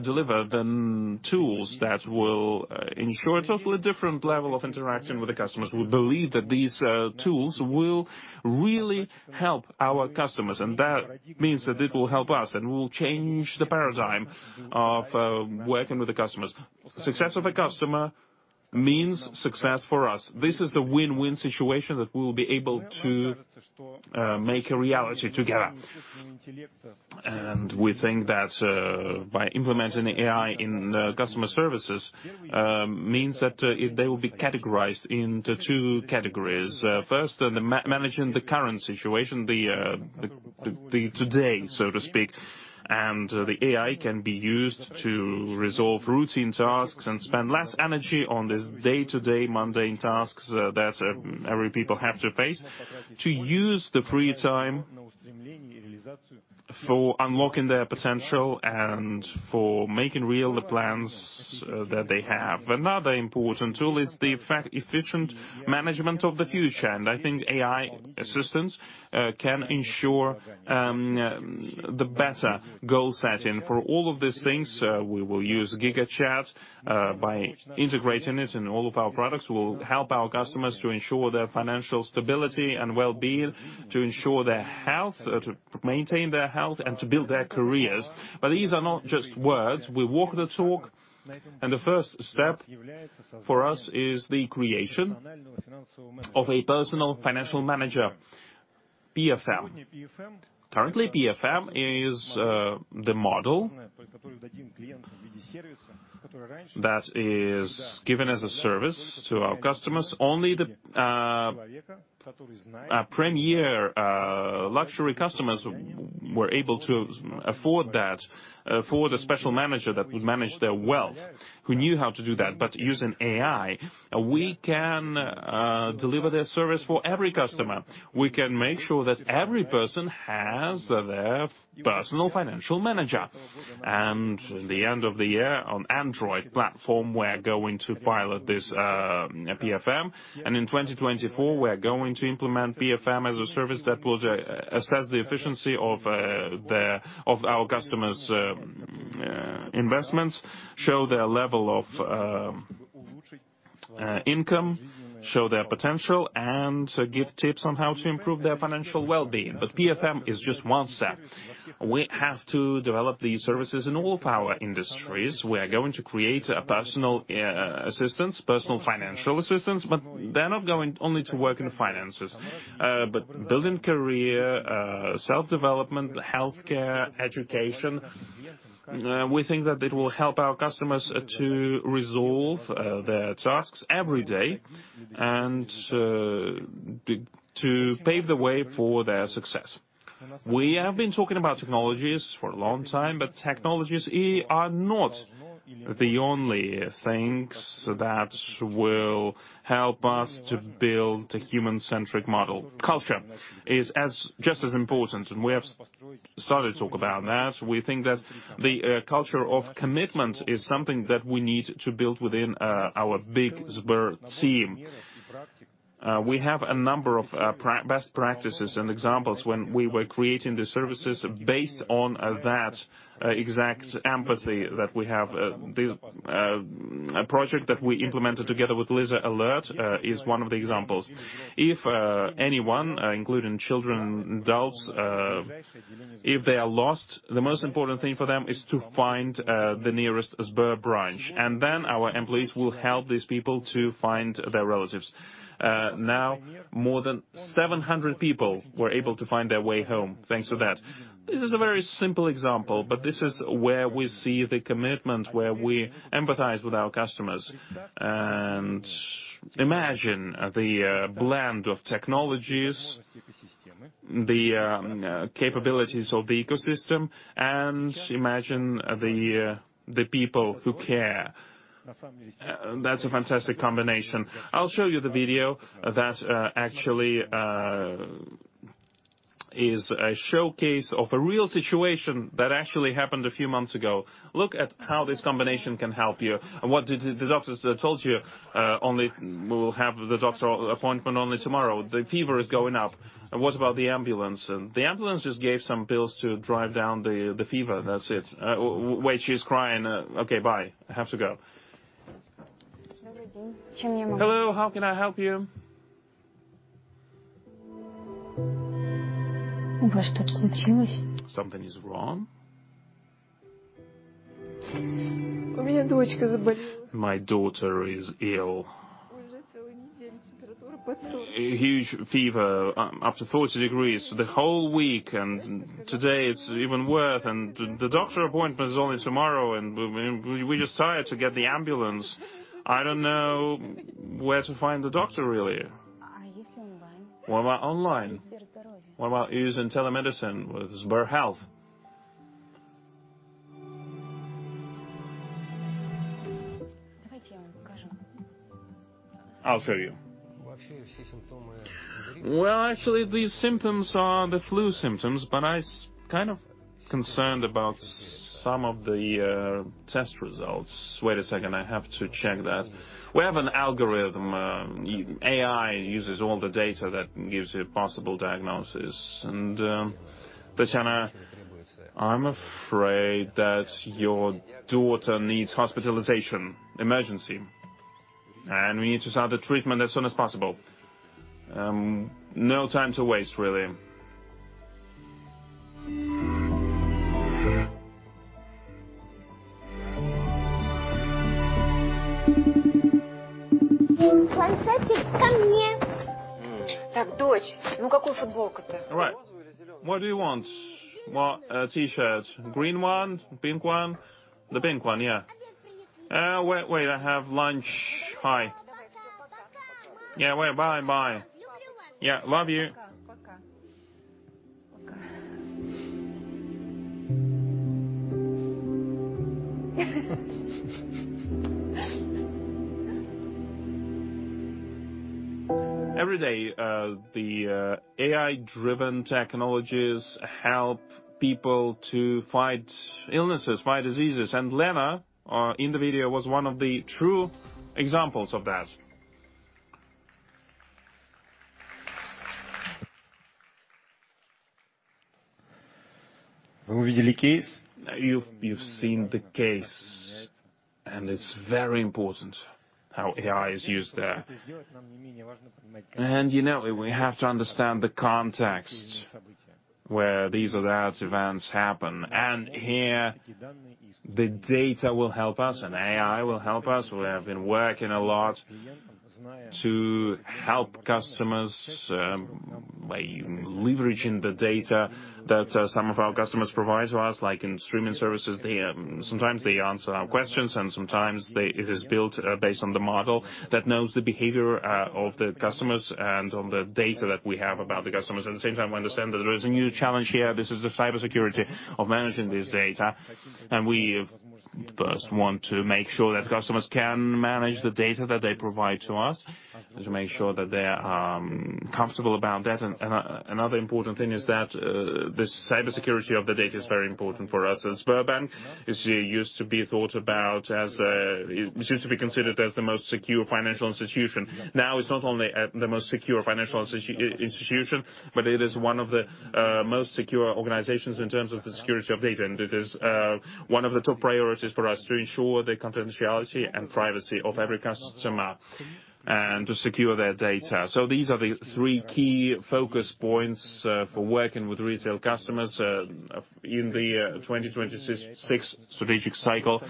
Speaker 1: deliver the tools that will ensure a totally different level of interaction with the customers. We believe that these tools will really help our customers, and that means that it will help us, and we will change the paradigm of working with the customers. Success of the customer means success for us. This is a win-win situation that we'll be able to make a reality together. We think that by implementing the AI in the customer services means that they will be categorized into two categories. First, on managing the current situation, the today, so to speak, and the AI can be used to resolve routine tasks and spend less energy on this day-to-day mundane tasks that every people have to face, to use the free time for unlocking their potential and for making real the plans that they have. Another important tool is the effect efficient management of the future, and I think AI assistance can ensure the better goal-setting. For all of these things, we will use GigaChat by integrating it in all of our products. We will help our customers to ensure their financial stability and wellbeing, to ensure their health, to maintain their health and to build their careers. But these are not just words. We walk the talk, and the first step for us is the creation of a personal financial manager... PFM. Currently, PFM is the model that is given as a service to our customers. Only the premier luxury customers were able to afford that for the special manager that would manage their wealth, who knew how to do that. But using AI, we can deliver their service for every customer. We can make sure that every person has their personal financial manager. In the end of the year, on Android platform, we're going to pilot this PFM, and in 2024, we're going to implement PFM as a service that will assess the efficiency of our customers' investments, show their level of income, show their potential, and give tips on how to improve their financial well-being. PFM is just one step. We have to develop these services in all of our industries. We are going to create a personal financial assistance, but they're not going only to work in finances, but building career, self-development, healthcare, education. We think that it will help our customers to resolve their tasks every day and to pave the way for their success. We have been talking about technologies for a long time, but technologies are not the only things that will help us to build a human-centric model. Culture is just as important, and we have started to talk about that. We think that the culture of commitment is something that we need to build within our big Sber team. We have a number of best practices and examples when we were creating the services based on that exact empathy that we have. A project that we implemented together with LizaAlert is one of the examples. If anyone, including children, adults, if they are lost, the most important thing for them is to find the nearest Sber branch, and then our employees will help these people to find their relatives. Now, more than 700 people were able to find their way home thanks to that. This is a very simple example, but this is where we see the commitment, where we empathize with our customers, and imagine the blend of technologies, the capabilities of the ecosystem, and imagine the people who care. That's a fantastic combination. I'll show you the video that actually is a showcase of a real situation that actually happened a few months ago. Look at how this combination can help you. And what did the doctors told you? "Only we'll have the doctor appointment only tomorrow. The fever is going up." And what about the ambulance? And the ambulance just gave some pills to drive down the fever, that's it. Wait, she's crying. Okay, bye. I have to go. Hello, how can I help you? Something is wrong? My daughter is ill. A huge fever, up to 40 degrees the whole week, and today it's even worse, and the doctor appointment is only tomorrow, and we just tried to get the ambulance. I don't know where to find the doctor, really. What about online? What about using telemedicine with SberHealth? I'll show you. Well, actually, these symptoms are the flu symptoms, but I kind of concerned about some of the test results. Wait a second, I have to check that. We have an algorithm. AI uses all the data that gives a possible diagnosis. Tatiana, I'm afraid that your daughter needs hospitalization, emergency, and we need to start the treatment as soon as possible. No time to waste, really. All right, what do you want? What, T-shirt. Green one, pink one? The pink one, yeah. Wait, wait, I have lunch. Hi. Yeah, wait. Bye-bye. Yeah. Love you. Every day, the AI-driven technologies help people to fight illnesses, fight diseases, and Lena, in the video, was one of the true examples of that. You've seen the case... It's very important how AI is used there. You know, we have to understand the context where these or that events happen, and here, the data will help us, and AI will help us. We have been working a lot to help customers by leveraging the data that some of our customers provide to us, like in streaming services. They sometimes answer our questions, and sometimes they - it is built based on the model that knows the behavior of the customers and on the data that we have about the customers. At the same time, we understand that there is a new challenge here. This is the cybersecurity of managing this data, and we first want to make sure that customers can manage the data that they provide to us, to make sure that they are comfortable about that. Another important thing is that the cybersecurity of the data is very important for us as Sberbank is used to be thought about as it seems to be considered as the most secure financial institution. Now, it's not only the most secure financial institution, but it is one of the most secure organizations in terms of the security of data. It is one of the top priorities for us to ensure the confidentiality and privacy of every customer, and to secure their data. So these are the three key focus points for working with retail customers in the 2026 strategic cycle.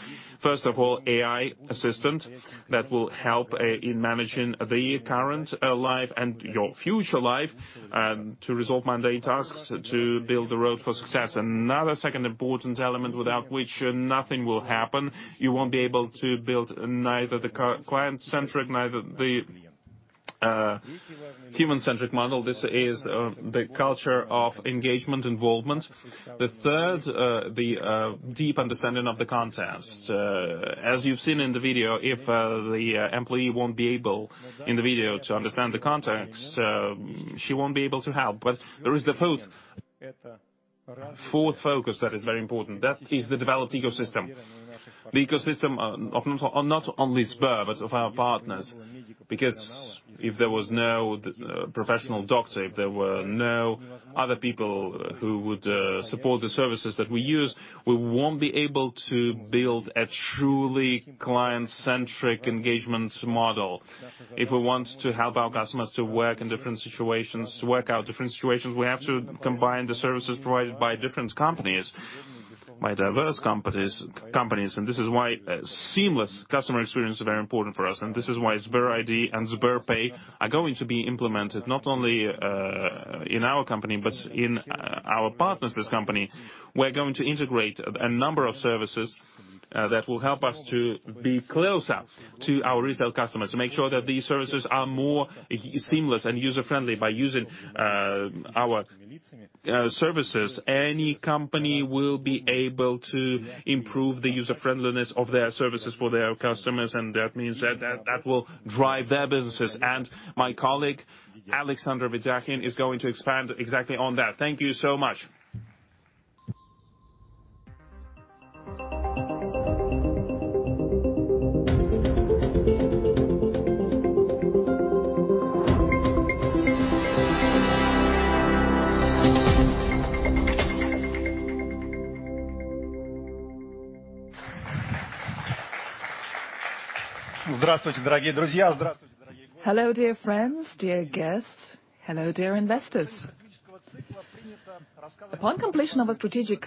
Speaker 1: First of all, AI assistant that will help in managing the current life and your future life to resolve mundane tasks, to build the road for success. Another second important element, without which nothing will happen, you won't be able to build neither the client-centric, neither the human-centric model. This is the culture of engagement, involvement. The third, the deep understanding of the context. As you've seen in the video, if the employee won't be able, in the video, to understand the context, she won't be able to help. But there is the fourth focus that is very important. That is the developed ecosystem. The ecosystem of not only Sber, but of our partners, because if there was no professional doctor, if there were no other people who would support the services that we use, we won't be able to build a truly client-centric engagement model. If we want to help our customers to work in different situations, work out different situations, we have to combine the services provided by different companies, by diverse companies, companies, and this is why seamless customer experience is very important for us, and this is why Sber ID and SberPay are going to be implemented not only in our company, but in our partners' company. We're going to integrate a number of services that will help us to be closer to our retail customers, to make sure that these services are more seamless and user-friendly. By using our services, any company will be able to improve the user-friendliness of their services for their customers, and that means that will drive their businesses. My colleague, Alexander Vedyakhin, is going to expand exactly on that. Thank you so much.
Speaker 4: Hello, dear friends, dear guests. Hello, dear investors. Upon completion of a strategic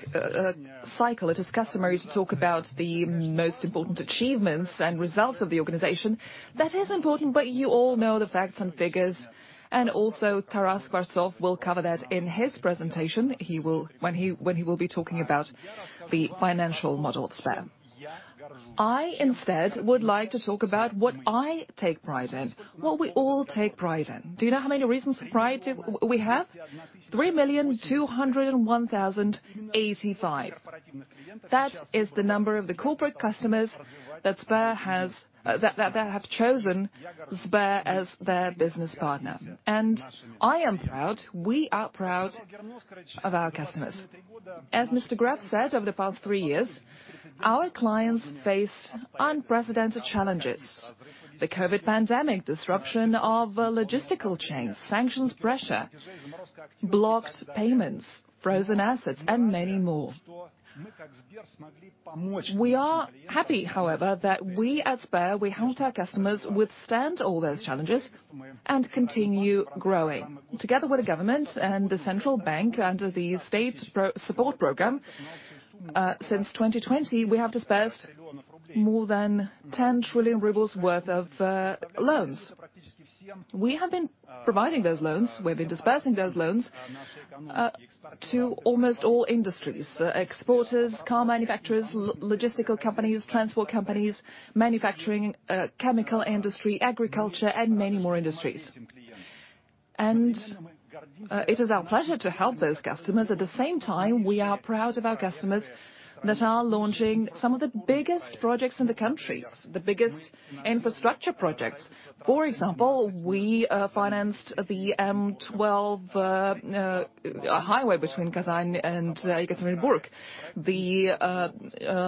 Speaker 4: cycle, it is customary to talk about the most important achievements and results of the organization. That is important, but you all know the facts and figures, and also Taras Skvortsov will cover that in his presentation. He will, when he will be talking about the financial model of Sber. I, instead, would like to talk about what I take pride in, what we all take pride in. Do you know how many reasons to pride we have? 3,201,085. That is the number of the corporate customers that Sber has, that have chosen Sber as their business partner, and I am proud, we are proud of our customers. As Mr.
Speaker 5: Gref said, over the past three years, our clients faced unprecedented challenges: the COVID pandemic, disruption of logistical chains, sanctions pressure, blocked payments, frozen assets, and many more. We are happy, however, that we, at Sber, we helped our customers withstand all those challenges and continue growing. Together with the government and the central bank, under the state pro-support program, since 2020, we have dispersed more than 10 trillion rubles worth of loans. We have been providing those loans, we've been dispersing those loans, to almost all industries: exporters, car manufacturers, logistical companies, transport companies, manufacturing, chemical industry, agriculture, and many more industries. It is our pleasure to help those customers. At the same time, we are proud of our customers that are launching some of the biggest projects in the countries, the biggest infrastructure projects. For example, we financed the M12 highway between Kazan and Ekaterinburg, the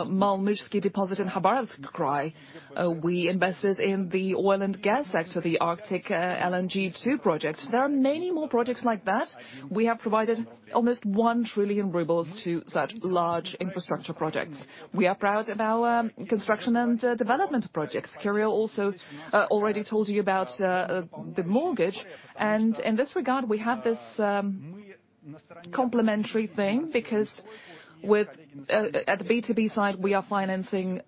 Speaker 5: Malmyzhsky deposit in Khabarovsk Krai. We invested in the oil and gas sector, the Arctic LNG 2 project. There are many more projects like that. We have provided almost 1 trillion rubles to such large infrastructure projects. We are proud of our construction and development projects. Kirill also already told you about the mortgage, and in this regard, we have this complementary thing, because with at the B2B side, we are financing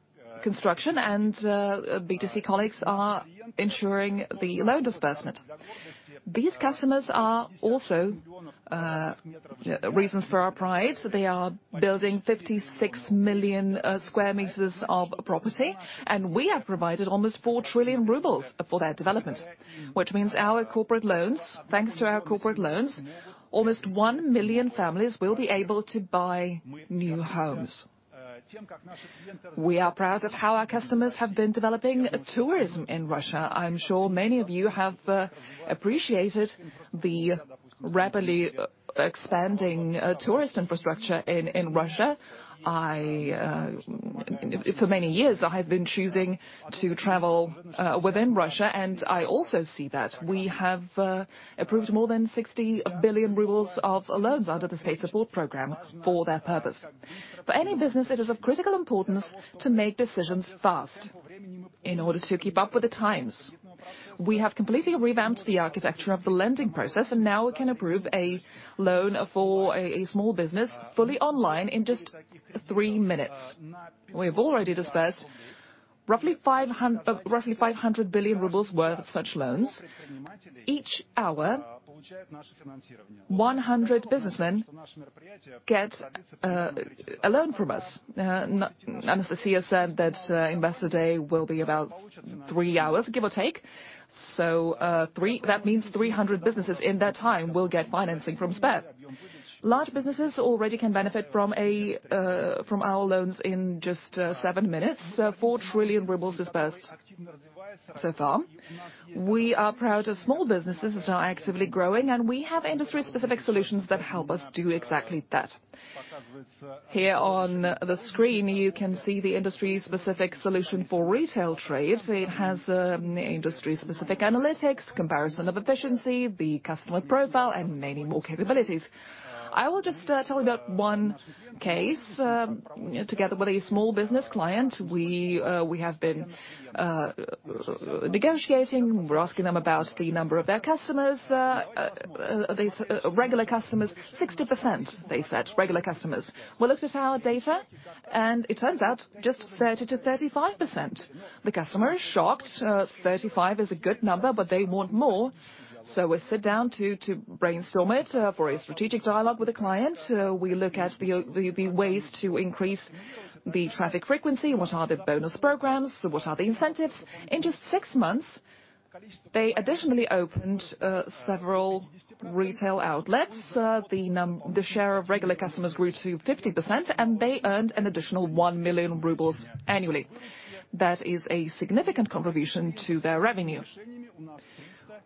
Speaker 5: construction and B2C colleagues are ensuring the loan disbursement. These customers are also reasons for our pride. They are building 56 million square meters of property, and we have provided almost 4 trillion rubles for their development, which means our corporate loans. Thanks to our corporate loans, almost 1 million families will be able to buy new homes. We are proud of how our customers have been developing tourism in Russia. I'm sure many of you have appreciated the rapidly expanding tourist infrastructure in Russia. For many years, I have been choosing to travel within Russia, and I also see that. We have approved more than 60 billion rubles of loans under the state support program for that purpose. For any business, it is of critical importance to make decisions fast in order to keep up with the times. We have completely revamped the architecture of the lending process, and now we can approve a loan for a small business fully online in just three minutes. We have already dispersed roughly 500 billion rubles worth of such loans. Each hour, 100 businessmen get a loan from us. And as the CEO said, that Investor Day will be about three hours, give or take. So, that means 300 businesses in that time will get financing from Sber. Large businesses already can benefit from our loans in just 7 minutes, 4 trillion rubles dispersed so far. We are proud of small businesses that are actively growing, and we have industry-specific solutions that help us do exactly that. Here on the screen, you can see the industry-specific solution for retail trade. It has industry-specific analytics, comparison of efficiency, the customer profile, and many more capabilities. I will just tell you about one case. Together with a small business client, we have been negotiating. We're asking them about the number of their customers, regular customers. "60%," they said, "regular customers." We looked at our data, and it turns out just 30%-35%. The customer is shocked. 35 is a good number, but they want more. So we sit down to brainstorm it for a strategic dialogue with the client. We look at the ways to increase the traffic frequency, what are the bonus programs, what are the incentives? In just six months, they additionally opened several retail outlets. The share of regular customers grew to 50%, and they earned an additional 1 million rubles annually. That is a significant contribution to their revenue.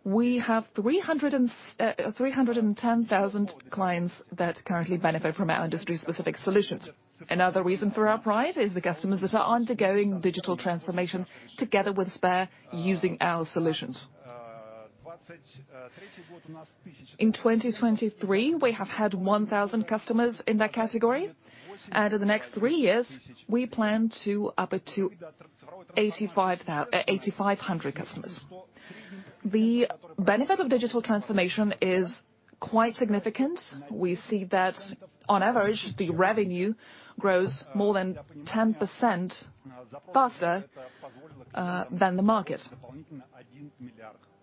Speaker 5: We have 310,000 clients that currently benefit from our industry-specific solutions. Another reason for our pride is the customers that are undergoing digital transformation together with Sber using our solutions. In 2023, we have had 1,000 customers in that category, and in the next three years, we plan to up it to 8,500 customers. The benefit of digital transformation is quite significant. We see that on average, the revenue grows more than 10% faster than the market.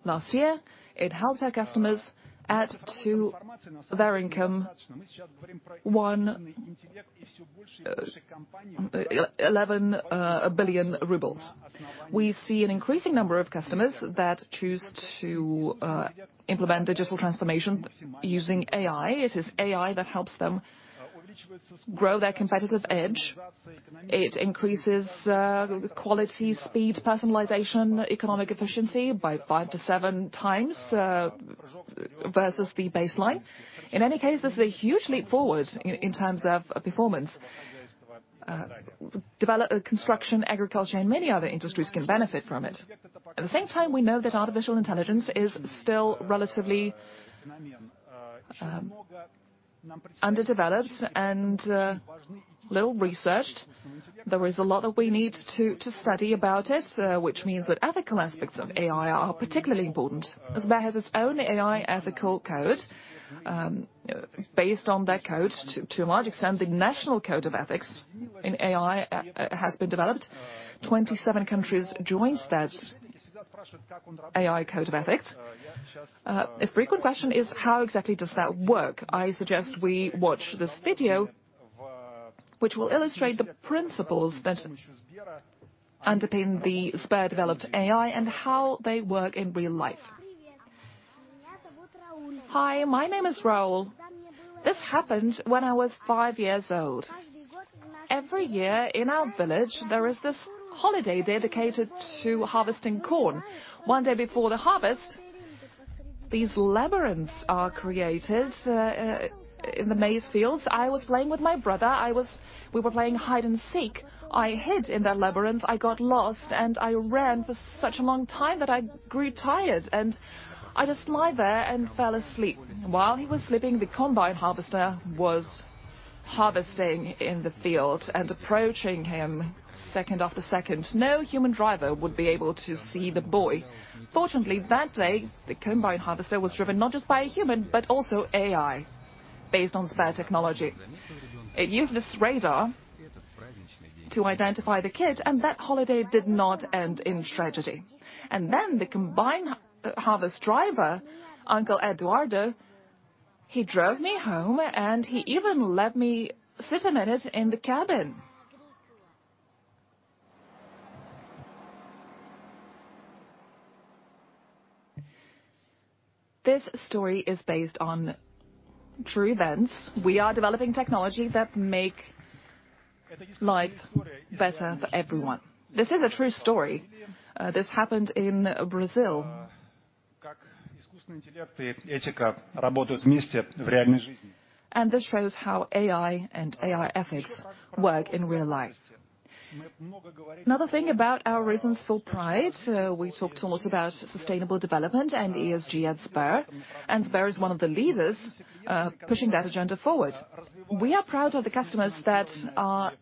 Speaker 5: Last year, it helped our customers add to their income 11 billion rubles. We see an increasing number of customers that choose to implement digital transformation using AI. It is AI that helps them grow their competitive edge. It increases quality, speed, personalization, economic efficiency by 5-7x versus the baseline. In any case, this is a huge leap forward in terms of performance. Construction, agriculture, and many other industries can benefit from it. At the same time, we know that artificial intelligence is still relatively underdeveloped and little researched. There is a lot that we need to study about it, which means that ethical aspects of AI are particularly important. Sber has its own AI ethical code. Based on that code, to a large extent, the national code of ethics in AI has been developed. 27 countries joined that AI code of ethics. A frequent question is: How exactly does that work? I suggest we watch this video, which will illustrate the principles that underpin the Sber-developed AI and how they work in real life. Hi, my name is Raul. This happened when I was five years old. Every year in our village, there is this holiday dedicated to harvesting corn. One day before the harvest-... These labyrinths are created in the maze fields. I was playing with my brother. We were playing hide and seek. I hid in that labyrinth, I got lost, and I ran for such a long time that I grew tired, and I just lied there and fell asleep. While he was sleeping, the combine harvester was harvesting in the field and approaching him second after second. No human driver would be able to see the boy. Fortunately, that day, the combine harvester was driven not just by a human, but also AI, based on Sber technology. It used its radar to identify the kid, and that holiday did not end in tragedy. And then the combine, harvest driver, Uncle Eduardo, he drove me home, and he even let me sit in it, in the cabin. This story is based on true events. We are developing technology that make life better for everyone. This is a true story. This happened in Brazil. And this shows how AI and AI ethics work in real life. Another thing about our reasons for pride, we talked almost about sustainable development and ESG at Sber, and Sber is one of the leaders, pushing that agenda forward. We are proud of the customers that are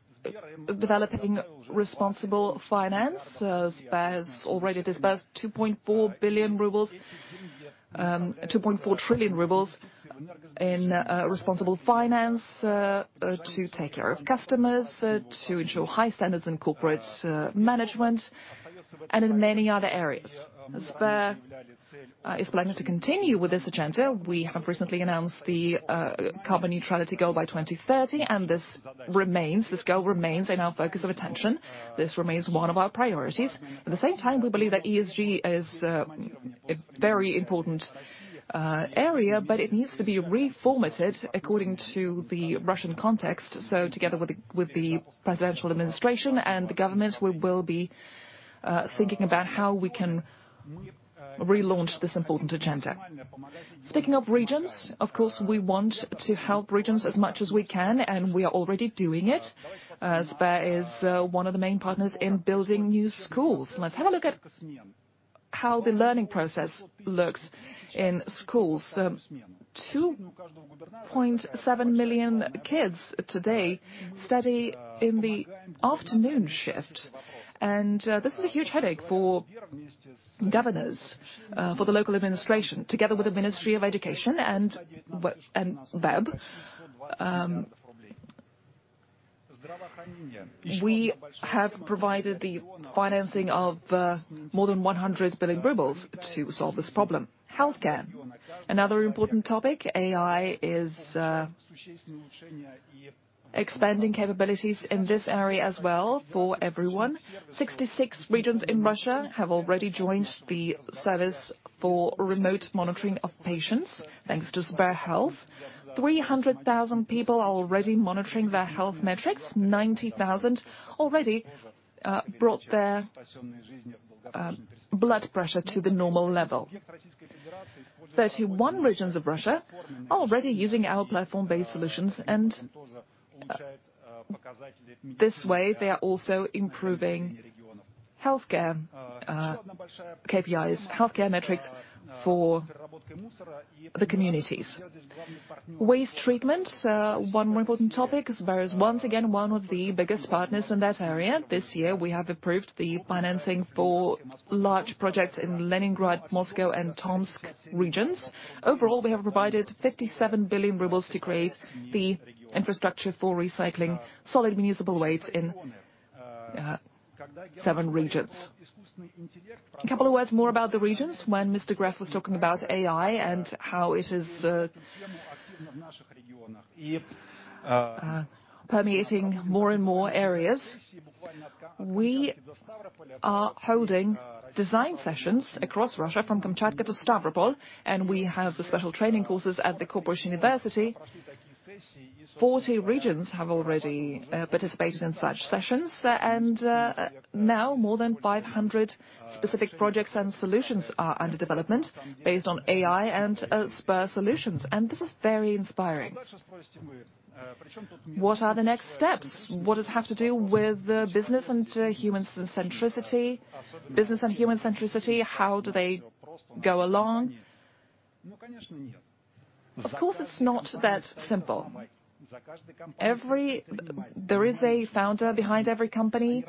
Speaker 5: developing responsible finance. Sber has already disbursed 2.4 billion rubles, 2.4 trillion rubles in responsible finance, to take care of customers, to ensure high standards in corporate management, and in many other areas. Sber is planning to continue with this agenda. We have recently announced the carbon neutrality goal by 2030, and this remains, this goal remains in our focus of attention. This remains one of our priorities. At the same time, we believe that ESG is a very important area, but it needs to be reformatted according to the Russian context. So together with the presidential administration and the government, we will be thinking about how we can relaunch this important agenda. Speaking of regions, of course, we want to help regions as much as we can, and we are already doing it. Sber is one of the main partners in building new schools. Let's have a look at how the learning process looks in schools. 2.7 million kids today study in the afternoon shift, and this is a huge headache for governors for the local administration. Together with the Ministry of Education and VEB, we have provided the financing of more than 100 billion rubles to solve this problem. Healthcare, another important topic, AI is expanding capabilities in this area as well for everyone. 66 regions in Russia have already joined the service for remote monitoring of patients, thanks to SberHealth. 300,000 people are already monitoring their health metrics. 90,000 already brought their blood pressure to the normal level. 31 regions of Russia are already using our platform-based solutions, and this way, they are also improving healthcare KPIs, healthcare metrics for the communities. Waste treatment, one more important topic, Sber is once again one of the biggest partners in that area. This year, we have approved the financing for large projects in Leningrad Region, Moscow Region, and Tomsk Region. Overall, we have provided 57 billion rubles to create the infrastructure for recycling solid municipal waste in seven regions. A couple of words more about the regions. When Mr. Gref was talking about AI and how it is permeating more and more areas. We are holding design sessions across Russia, from Kamchatka to Stavropol, and we have the special training courses at the corporate university. 40 regions have already participated in such sessions, and now more than 500 specific projects and solutions are under development based on AI and Sber solutions, and this is very inspiring. What are the next steps? What does it have to do with the business and human centricity, business and human centricity? How do they go along? Of course, it's not that simple. There is a founder behind every company,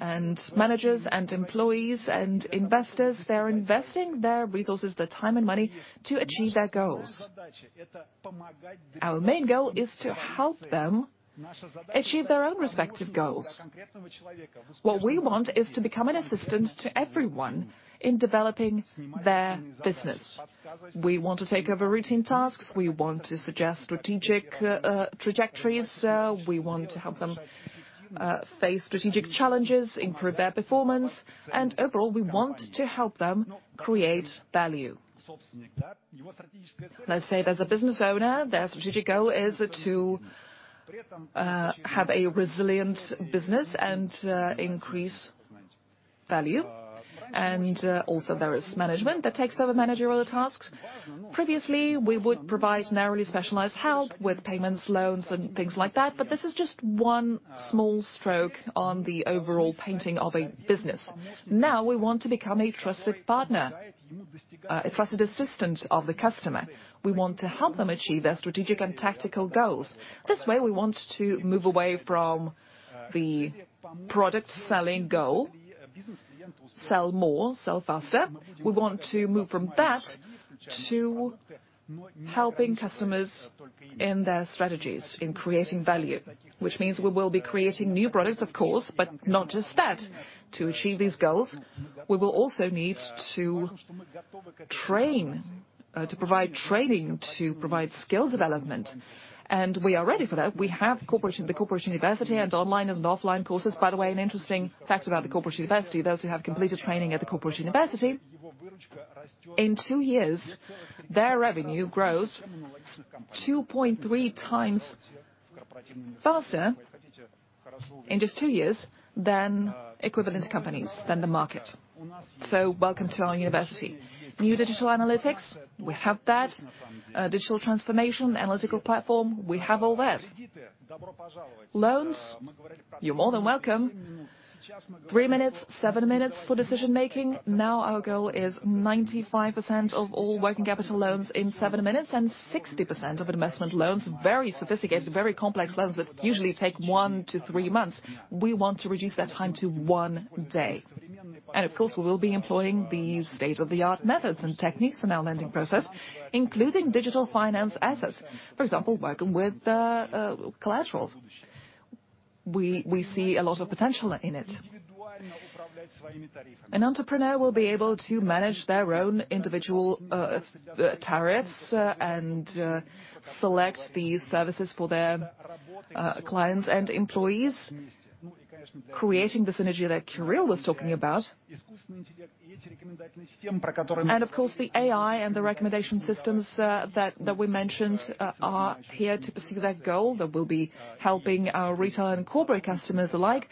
Speaker 5: and managers, and employees, and investors, they are investing their resources, their time, and money to achieve their goals. Our main goal is to help them achieve their own respective goals. What we want is to become an assistant to everyone in developing their business. We want to take over routine tasks. We want to suggest strategic trajectories. We want to help them face strategic challenges, improve their performance, and overall, we want to help them create value. Let's say, as a business owner, their strategic goal is to have a resilient business and increase value, and also there is management that takes over managerial tasks. Previously, we would provide narrowly specialized help with payments, loans, and things like that, but this is just one small stroke on the overall painting of a business. Now, we want to become a trusted partner, a trusted assistant of the customer. We want to help them achieve their strategic and tactical goals. This way, we want to move away from the product selling goal, sell more, sell faster. We want to move from that to helping customers in their strategies, in creating value, which means we will be creating new products, of course, but not just that. To achieve these goals, we will also need to train, to provide training, to provide skill development, and we are ready for that. We have corporation, the corporate university and online and offline courses. By the way, an interesting fact about the corporate university, those who have completed training at the corporate university, in two years, their revenue grows 2.3 times faster in just two years than equivalent companies than the market. So welcome to our university. New digital analytics, we have that. Digital transformation, analytical platform, we have all that. Loans, you're more than welcome. 3 minutes, 7 minutes for decision-making. Now, our goal is 95% of all working capital loans in 7 minutes, and 60% of investment loans, very sophisticated, very complex loans that usually take 1-3 months, we want to reduce that time to 1 day. And of course, we will be employing the state-of-the-art methods and techniques in our lending process, including digital finance assets. For example, working with collaterals. We see a lot of potential in it. An entrepreneur will be able to manage their own individual tariffs, and select these services for their clients and employees, creating the synergy that Kirill was talking about. Of course, the AI and the recommendation systems that we mentioned are here to pursue that goal, that will be helping our retail and corporate customers alike,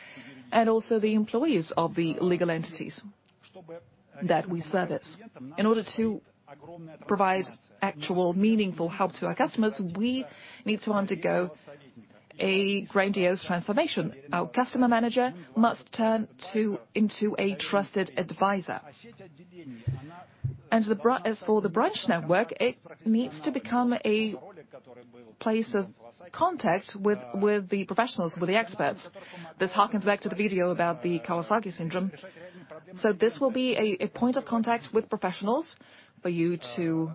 Speaker 5: and also the employees of the legal entities that we service. In order to provide actual, meaningful help to our customers, we need to undergo a grandiose transformation. Our customer manager must turn into a trusted advisor. As for the branch network, it needs to become a place of contact with the professionals, with the experts. This harkens back to the video about the Kawasaki syndrome. So this will be a point of contact with professionals for you to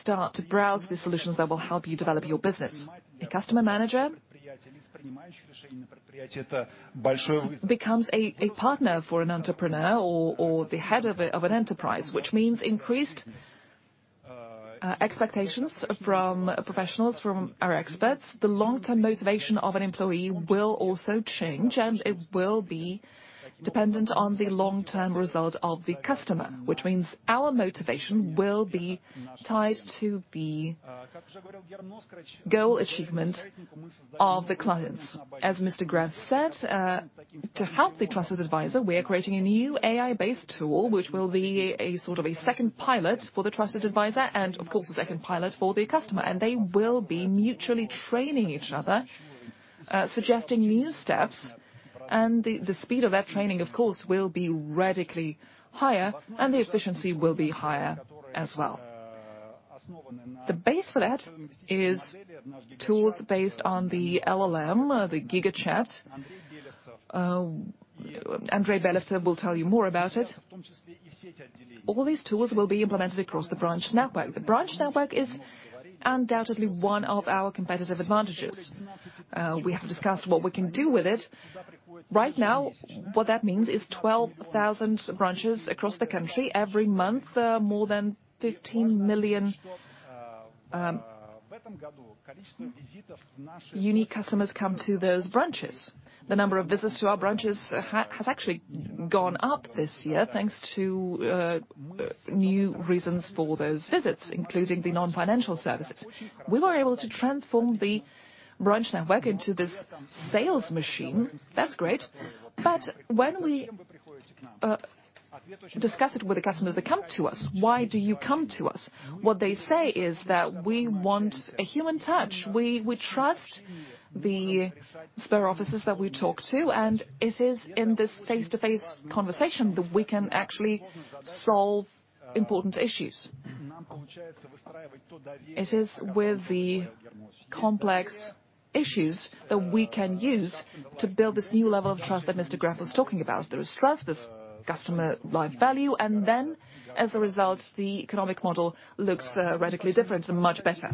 Speaker 5: start to browse the solutions that will help you develop your business. A customer manager becomes a partner for an entrepreneur or the head of a of an enterprise, which means increased expectations from professionals, from our experts. The long-term motivation of an employee will also change, and it will be dependent on the long-term result of the customer, which means our motivation will be tied to the goal achievement of the clients. As Mr. Gref said, to help the trusted advisor, we are creating a new AI-based tool, which will be a sort of a second pilot for the trusted advisor and, of course, a second pilot for the customer, and they will be mutually training each other, suggesting new steps. And the speed of that training, of course, will be radically higher, and the efficiency will be higher as well. The base for that is tools based on the LLM, the GigaChat. Andrey Belevtsev will tell you more about it. All these tools will be implemented across the branch network. The branch network is undoubtedly one of our competitive advantages. We have discussed what we can do with it. Right now, what that means is 12,000 branches across the country. Every month, more than 15 million unique customers come to those branches. The number of visits to our branches has actually gone up this year, thanks to new reasons for those visits, including the non-financial services. We were able to transform the branch network into this sales machine. That's great, but when we discuss it with the customers that come to us, "Why do you come to us?" What they say is that: "We want a human touch. We trust the Sber offices that we talk to, and it is in this face-to-face conversation that we can actually solve important issues. It is with the complex issues that we can use to build this new level of trust that Mr. Gref was talking about. There is trust, there's customer life value, and then, as a result, the economic model looks radically different and much better.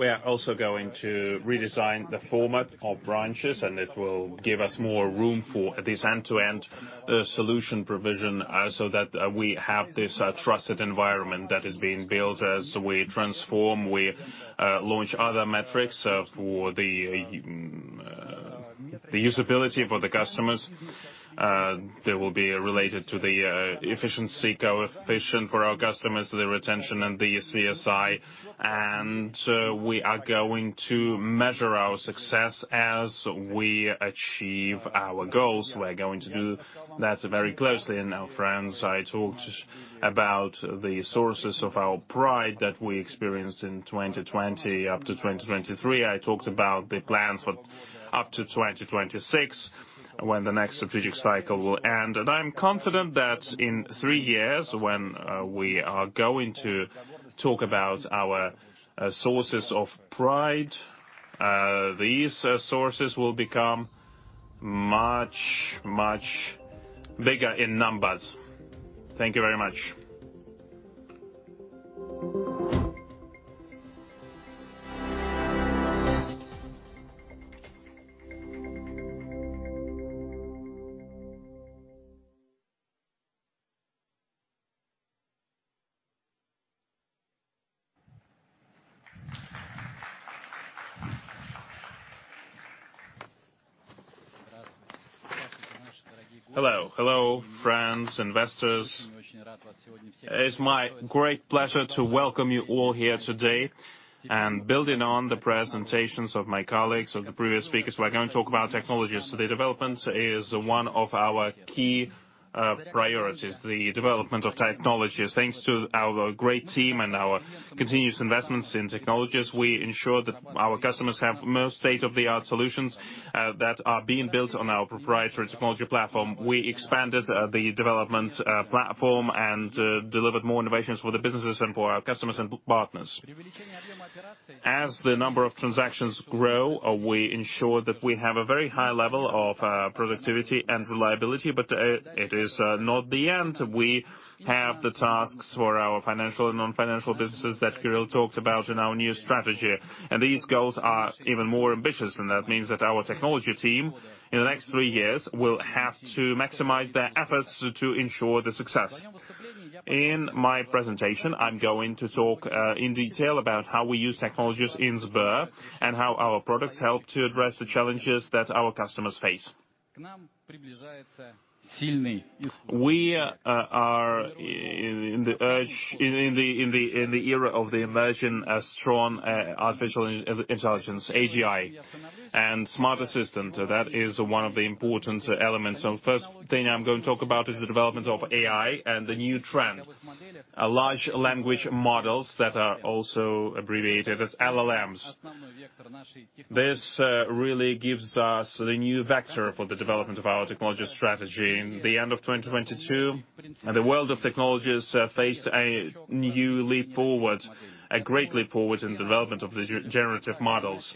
Speaker 5: We are also going to redesign the format of branches, and it will give us more room for this end-to-end solution provision, so that we have this trusted environment that is being built as we transform. We launch other metrics for the usability for the customers. They will be related to the efficiency coefficient for our customers, the retention and the CSI. And we are going to measure our success as we achieve our goals. We're going to do that very closely, and our friends, I talked about the sources of our pride that we experienced in 2020 up to 2023. I talked about the plans for up to 2026, when the next strategic cycle will end.
Speaker 2: And I'm confident that in three years, when we are going to talk about our sources of pride, these sources will become much, much bigger in numbers. Thank you very much. Hello. Hello, friends, investors. It's my great pleasure to welcome you all here today. And building on the presentations of my colleagues, of the previous speakers, we're going to talk about technologies. The development is one of our key priorities, the development of technologies. Thanks to our great team and our continuous investments in technologies, we ensure that our customers have the most state-of-the-art solutions that are being built on our proprietary technology platform. We expanded the development platform and delivered more innovations for the businesses and for our customers and partners. As the number of transactions grow, we ensure that we have a very high level of productivity and reliability, but it is not the end. We have the tasks for our financial and non-financial businesses that Kirill talked about in our new strategy, and these goals are even more ambitious, and that means that our technology team, in the next three years, will have to maximize their efforts to ensure the success. In my presentation, I'm going to talk in detail about how we use technologies in Sber, and how our products help to address the challenges that our customers face. We are in the surge in the era of the emerging a strong artificial intelligence, AGI, and smart assistant, that is one of the important elements. So first thing I'm going to talk about is the development of AI and the new trend, a large language models that are also abbreviated as LLMs. This really gives us the new vector for the development of our technology strategy. In the end of 2022, and the world of technologies faced a new leap forward, a great leap forward in the development of the generative models.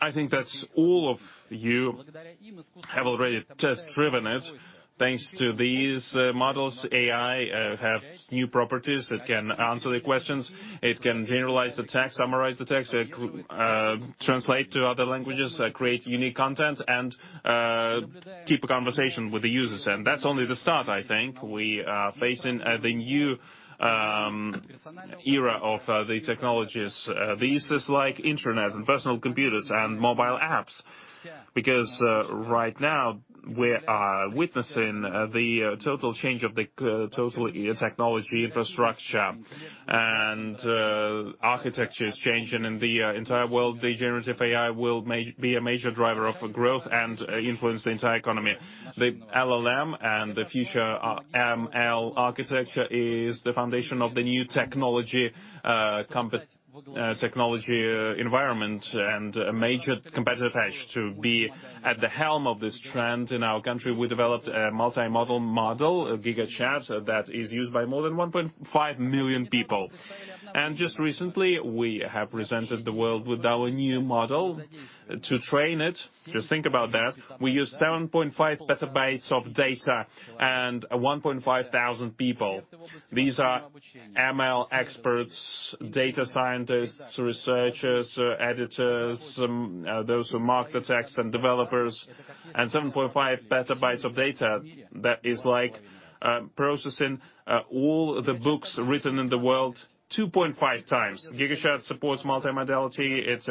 Speaker 2: I think that all of you have already test-driven it. Thanks to these models, AI have new properties that can answer the questions, it can generalize the text, summarize the text, translate to other languages, create unique content, and keep a conversation with the users. And that's only the start, I think. We are facing the new era of the technologies. This is like internet and personal computers and mobile apps, because right now, we are witnessing the total change of the total technology infrastructure, and architecture is changing in the entire world. The generative AI will be a major driver of growth and influence the entire economy. The LLM and the future ML architecture is the foundation of the new technology competitive environment, and a major competitive edge to be at the helm of this trend. In our country, we developed a multimodal model, GigaChat, that is used by more than 1.5 million people. And just recently, we have presented the world with our new model. To train it, just think about that, we used 7.5 PB of data and 1,500 people. These are ML experts, data scientists, researchers, editors, those who mark the text, and developers, and 7.5 PB of data that is like processing all the books written in the world 2.5x. GigaChat supports multimodality, it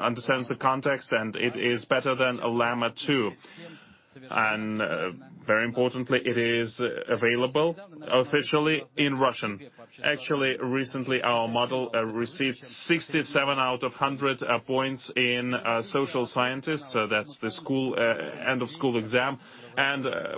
Speaker 2: understands the context, and it is better than Llama 2. And very importantly, it is available officially in Russian. Actually, recently, our model received 67 out of 100 points in social scientists, so that's the school end of school exam.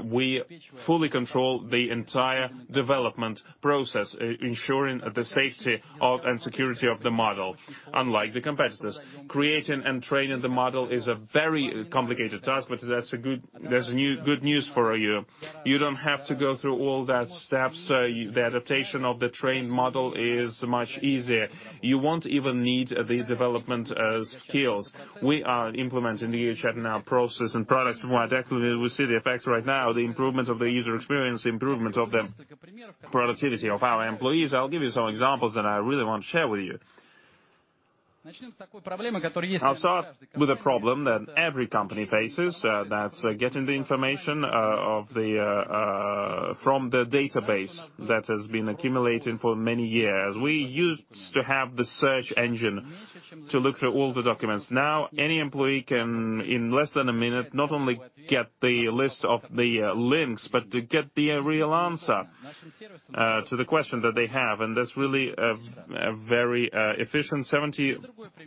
Speaker 2: We fully control the entire development process, ensuring the safety and security of the model, unlike the competitors. Creating and training the model is a very complicated task, but there's new, good news for you. You don't have to go through all that steps, the adaptation of the trained model is much easier. You won't even need the development skills. We are implementing GigaChat in our process and products more accurately. We see the effects right now, the improvement of the user experience, improvement of the productivity of our employees. I'll give you some examples that I really want to share with you. I'll start with a problem that every company faces, that's getting the information from the database that has been accumulating for many years. We used to have the search engine to look through all the documents. Now, any employee can, in less than a minute, not only get the list of the links, but to get the real answer to the question that they have, and that's really a very efficient.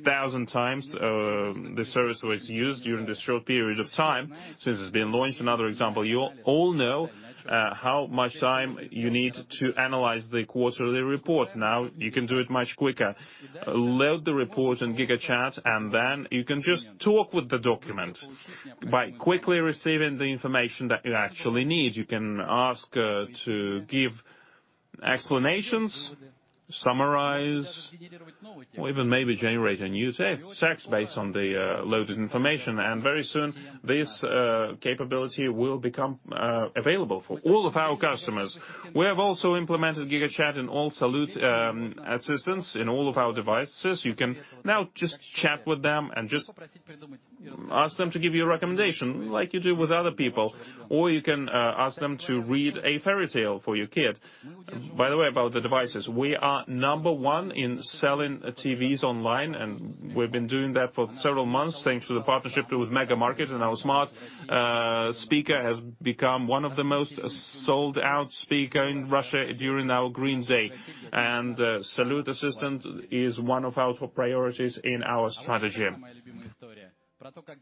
Speaker 2: 70,000x the service was used during this short period of time since it's been launched. Another example, you all know how much time you need to analyze the quarterly report. Now, you can do it much quicker. Load the report in GigaChat, and then you can just talk with the document by quickly receiving the information that you actually need. You can ask to give explanations, summarize, or even maybe generate a new text based on the loaded information, and very soon, this capability will become available for all of our customers. We have also implemented GigaChat in all Salute assistants in all of our devices. You can now just chat with them and just ask them to give you a recommendation, like you do with other people, or you can ask them to read a fairy tale for your kid. By the way, about the devices, we are number one in selling TVs online, and we've been doing that for several months, thanks to the partnership with Megamarket, and our smart speaker has become one of the most sold out speaker in Russia during our Green Day. Salute assistant is one of our top priorities in our strategy.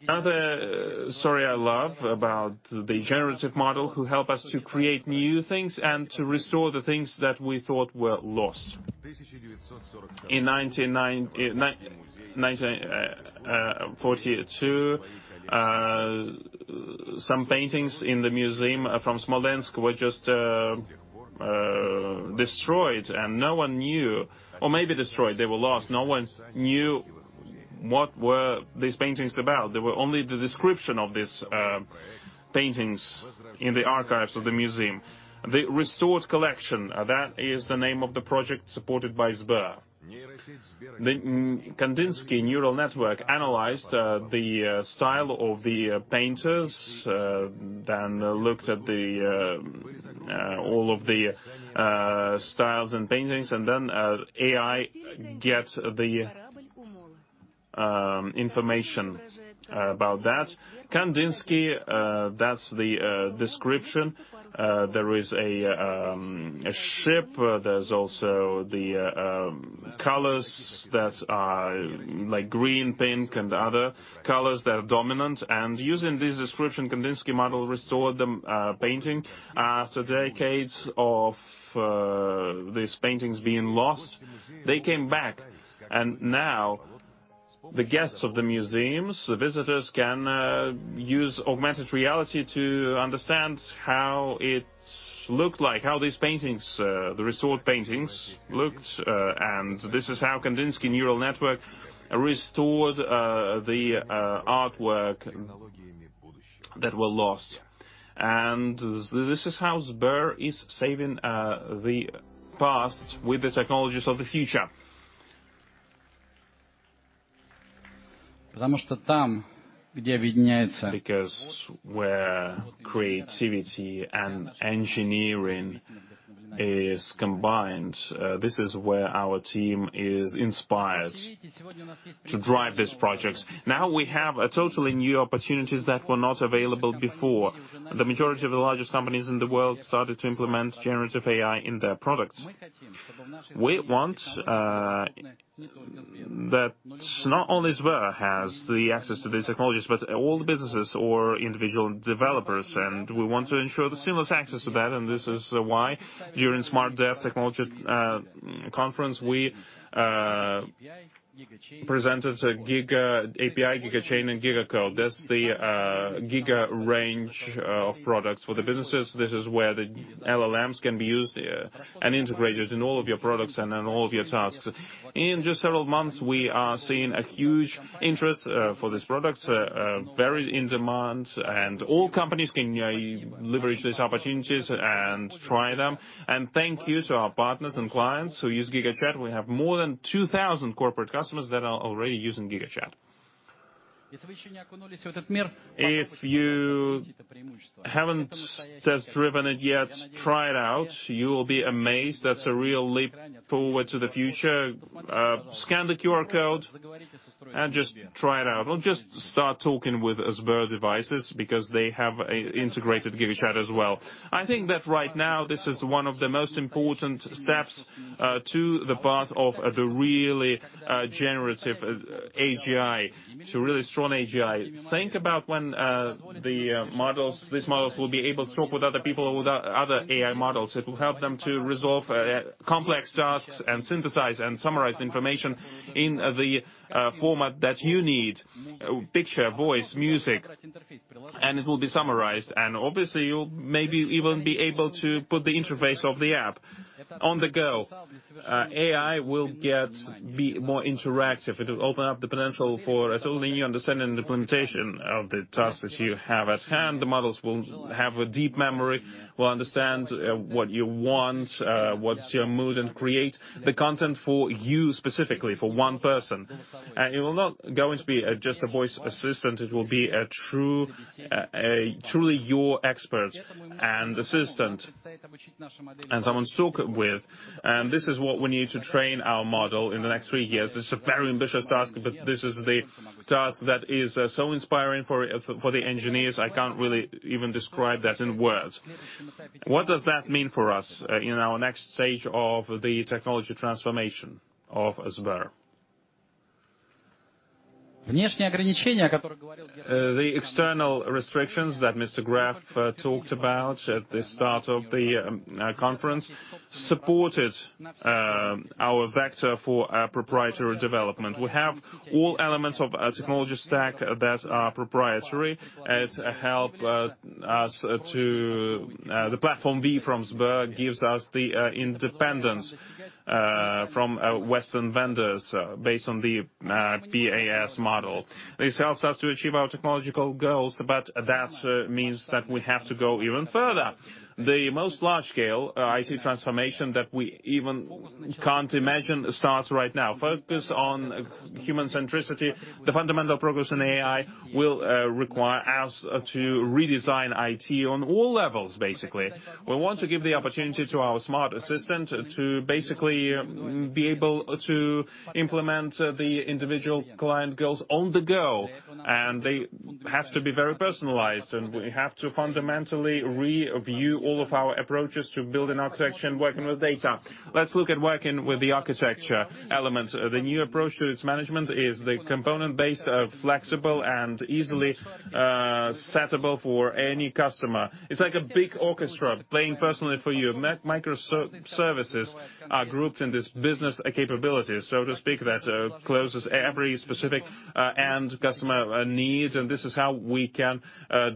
Speaker 2: Another story I love about the generative model, who help us to create new things and to restore the things that we thought were lost. In 1942, some paintings in the museum from Smolensk were just destroyed, and no one knew what were these paintings about. Or maybe destroyed, they were lost. No one knew what were these paintings about. There were only the description of these paintings in the archives of the museum. The Restored Collection, that is the name of the project, supported by Sber. The Kandinsky neural network analyzed the style of the painters, then looked at all of the styles and paintings, and then AI get the information about that. Kandinsky, that's the description. There is a ship. There's also the colors that are like green, pink, and other colors that are dominant. And using this description, Kandinsky model restored the painting. After decades of these paintings being lost, they came back, and now the guests of the museums, the visitors can use augmented reality to understand how it looked like, how these paintings, the restored paintings looked, and this is how the Kandinsky neural network restored the artwork that were lost. This is how Sber is saving the past with the technologies of the future. Because where creativity and engineering is combined, this is where our team is inspired to drive these projects. Now, we have a totally new opportunities that were not available before. The majority of the largest companies in the world started to implement generative AI in their products. We want that not only Sber has the access to these technologies, but all the businesses or individual developers, and we want to ensure the seamless access to that, and this is why, during SmartDev Technology Conference, we presented a Giga API, GigaChain and GigaCode. That's the Giga range of products for the businesses. This is where the LLMs can be used and integrated in all of your products and in all of your tasks. In just several months, we are seeing a huge interest for these products, very in demand, and all companies can leverage these opportunities and try them. And thank you to our partners and clients who use GigaChat. We have more than 2,000 corporate customers that are already using GigaChat. If you haven't test-driven it yet, try it out. You will be amazed. That's a real leap forward to the future. Scan the QR code and just try it out. Or just start talking with Sber devices because they have integrated GigaChat as well. I think that right now, this is one of the most important steps to the path of the really generative AGI, to really strong AGI. Think about when the models, these models will be able to talk with other people, other AI models. It will help them to resolve complex tasks and synthesize and summarize information in the format that you need: picture, voice, music, and it will be summarized, and obviously, you'll maybe even be able to put the interface of the app on the go. AI will get, be more interactive.
Speaker 4: It will open up the potential for a totally new understanding and implementation of the tasks that you have at hand. The models will have a deep memory, will understand, what you want, what's your mood, and create the content for you, specifically, for one person. And it will not going to be, just a voice assistant, it will be a true, a truly your expert and assistant, and someone to talk with. And this is what we need to train our model in the next three years. This is a very ambitious task, but this is the task that is, so inspiring for, for, for the engineers. I can't really even describe that in words. What does that mean for us, in our next stage of the technology transformation of Sber? The external restrictions that Mr.
Speaker 2: Gref talked about at the start of the conference supported our vector for proprietary development. We have all elements of a technology stack that are proprietary. It help us to... The Platform V from Sber gives us the independence from Western vendors based on the PaaS model. This helps us to achieve our technological goals, but that means that we have to go even further. The most large scale IT transformation that we even can't imagine starts right now. Focus on human centricity, the fundamental progress in AI will require us to redesign IT on all levels, basically.
Speaker 1: We want to give the opportunity to our smart assistant to basically be able to implement the individual client goals on the go, and they have to be very personalized, and we have to fundamentally review all of our approaches to building architecture and working with data. Let's look at working with the architecture elements. The new approach to its management is the component-based flexible and easily settable for any customer. It's like a big orchestra playing personally for you. Microservices are grouped in this business capabilities, so to speak, that closes every specific end customer need, and this is how we can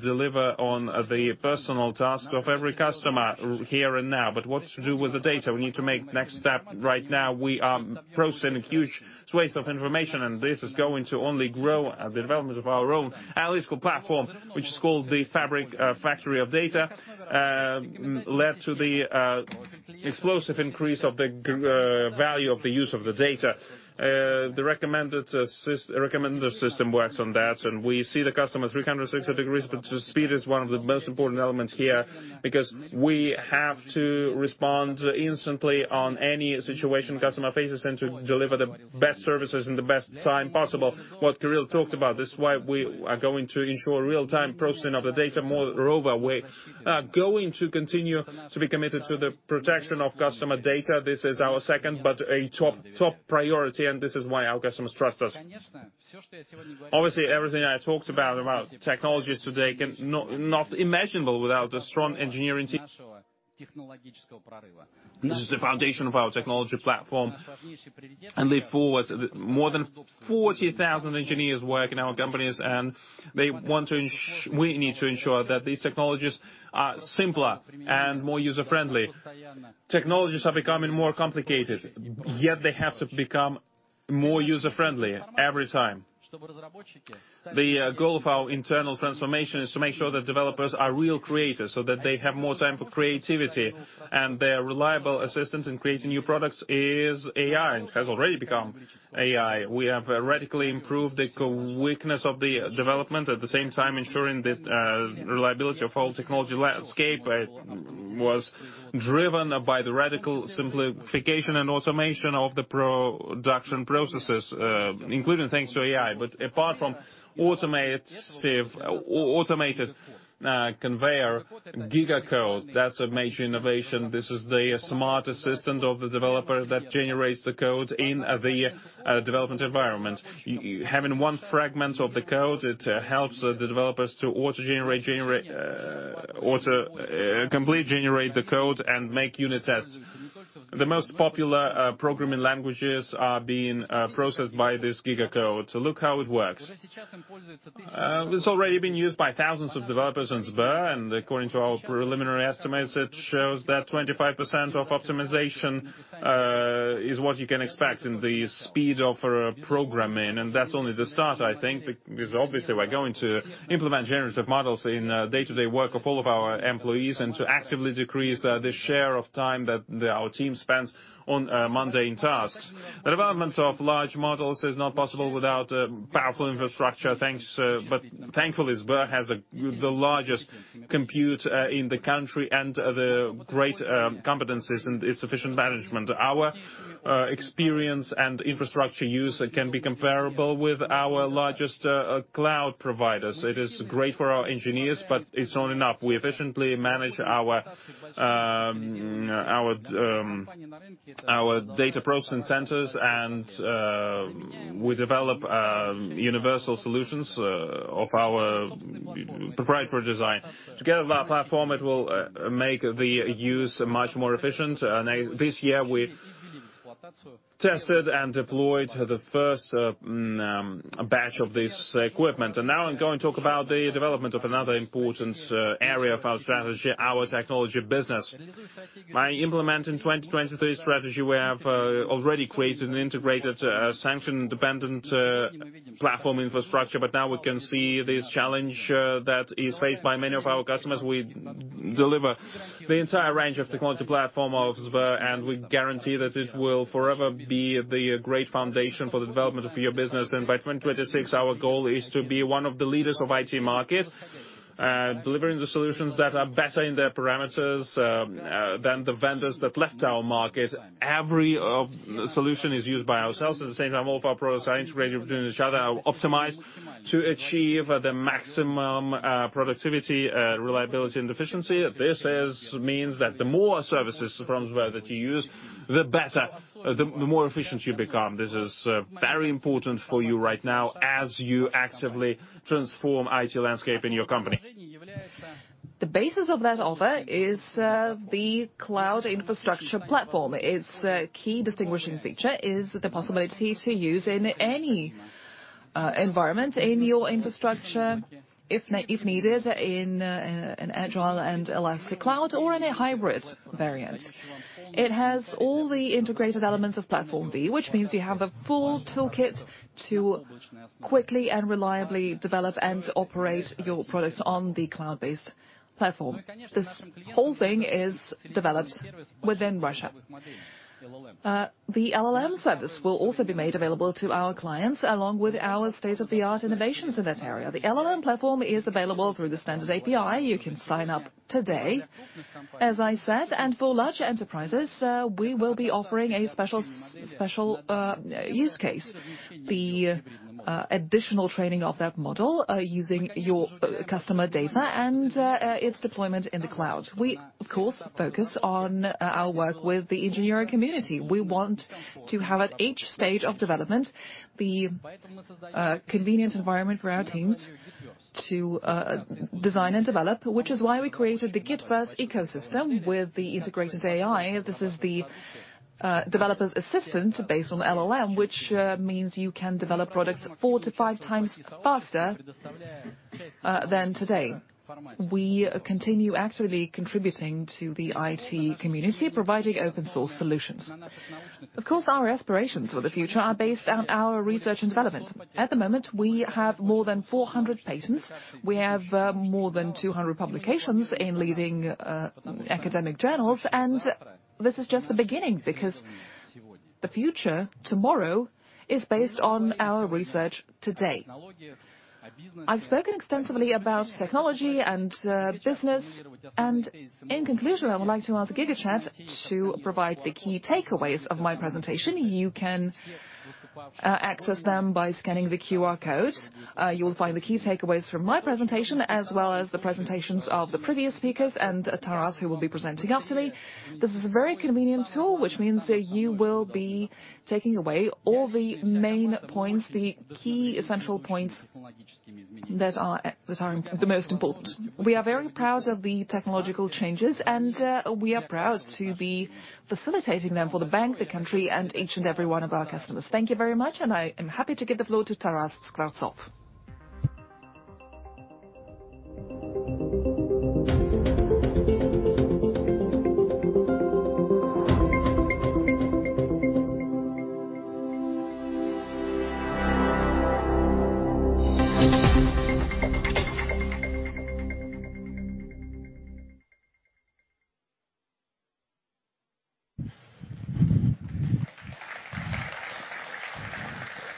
Speaker 1: deliver on the personal task of every customer here and now. But what to do with the data? We need to make next step.
Speaker 2: Right now, we are processing huge swaths of information, and this is going to only grow. And the development of our own analytical platform, which is called the Fabric Factory of Data, led to the explosive increase of the value of the use of the data. The recommender system works on that, and we see the customer 360 degrees, but speed is one of the most important elements here because we have to respond instantly on any situation customer faces and to deliver the best services in the best time possible. What Kirill talked about, this is why we are going to ensure real-time processing of the data. Moreover, we are going to continue to be committed to the protection of customer data. This is our second, but a top, top priority, and this is why our customers trust us. Obviously, everything I talked about about technologies today cannot be imagined without a strong engineering team. This is the foundation of our technology platform, and there are more than 40,000 engineers who work in our companies, and we need to ensure that these technologies are simpler and more user-friendly. Technologies are becoming more complicated, yet they have to become more user-friendly every time. The goal of our internal transformation is to make sure that developers are real creators, so that they have more time for creativity, and their reliable assistance in creating new products is AI, and has already become AI. We have radically improved the core weakness of the development, at the same time ensuring that reliability of all technology landscape was driven by the radical simplification and automation of the production processes, including thanks to AI. But apart from automated CI/CD, GigaCode, that's a major innovation. This is the smart assistant of the developer that generates the code in the development environment. Having one fragment of the code, it helps the developers to auto-generate, auto-complete, generate the code and make unit tests. The most popular programming languages are being processed by this GigaCode. So look how it works. It's already been used by thousands of developers in Sber, and according to our preliminary estimates, it shows that 25% of optimization is what you can expect in the speed of programming, and that's only the start, I think. Because obviously we're going to implement generative models in day-to-day work of all of our employees and to actively decrease the share of time that our team spends on mundane tasks. The development of large models is not possible without a powerful infrastructure. Thanks, but thankfully, Sber has the largest compute in the country and the great competencies and its efficient management. Our experience and infrastructure use can be comparable with our largest cloud providers. It is great for our engineers, but it's not enough.
Speaker 1: We efficiently manage our data processing centers, and we develop universal solutions of our proprietary design. Together with our platform, it will make the use much more efficient. And this year, we tested and deployed the first batch of this equipment. And now I'm going to talk about the development of another important area of our strategy, our technology business. By implementing 2023 strategy, we have already created an integrated sanction-independent platform infrastructure, but now we can see this challenge that is faced by many of our customers. We deliver the entire range of technology platform of Sber, and we guarantee that it will forever be the great foundation for the development of your business.
Speaker 2: And by 2026, our goal is to be one of the leaders of IT market, delivering the solutions that are better in their parameters than the vendors that left our market. Every solution is used by ourselves. At the same time, all of our products are integrated between each other, are optimized to achieve the maximum productivity, reliability and efficiency. This means that the more services from Sber that you use, the better, the, the more efficient you become. This is very important for you right now as you actively transform IT landscape in your company. ...The basis of that offer is the cloud infrastructure platform. Its key distinguishing feature is the possibility to use in any environment in your infrastructure if needed, in an agile and elastic cloud or in a hybrid variant. It has all the integrated elements of Platform V, which means you have a full toolkit to quickly and reliably develop and operate your products on the cloud-based platform. This whole thing is developed within Russia. The LLM service will also be made available to our clients, along with our state-of-the-art innovations in that area. The LLM platform is available through the standard API. You can sign up today, as I said. And for large enterprises, we will be offering a special use case. The additional training of that model using your customer data and its deployment in the cloud. We, of course, focus on our work with the engineering community. We want to have, at each stage of development, the convenient environment for our teams to design and develop, which is why we created the GitVerse ecosystem with the integrated AI. This is the developer's assistant based on LLM, which means you can develop products 4-5x faster than today. We continue actively contributing to the IT community, providing open-source solutions. Of course, our aspirations for the future are based on our research and development. At the moment, we have more than 400 patents. We have more than 200 publications in leading academic journals, and this is just the beginning because the future, tomorrow, is based on our research today. I've spoken extensively about technology and business, and in conclusion, I would like to ask GigaChat to provide the key takeaways of my presentation. You can access them by scanning the QR code. You will find the key takeaways from my presentation, as well as the presentations of the previous speakers and Taras, who will be presenting after me. This is a very convenient tool, which means that you will be taking away all the main points, the key essential points that are the most important.
Speaker 5: We are very proud of the technological changes, and, we are proud to be facilitating them for the bank, the country, and each and every one of our customers. Thank you very much, and I am happy to give the floor to Taras Skvortsov.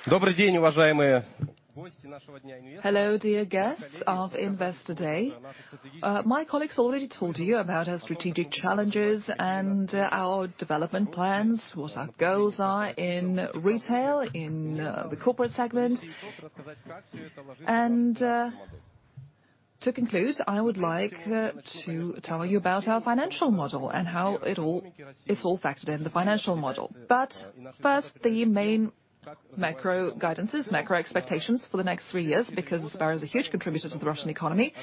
Speaker 5: Hello, dear guests of Investor Day. My colleagues already told you about our strategic challenges and, our development plans, what our goals are in retail, in, the corporate segment. And, to conclude, I would like, to tell you about our financial model and how it all, it's all factored in the financial model. But first, the main macro guidances, macro expectations for the next three years, because Sber is a huge contributor to the Russian economy.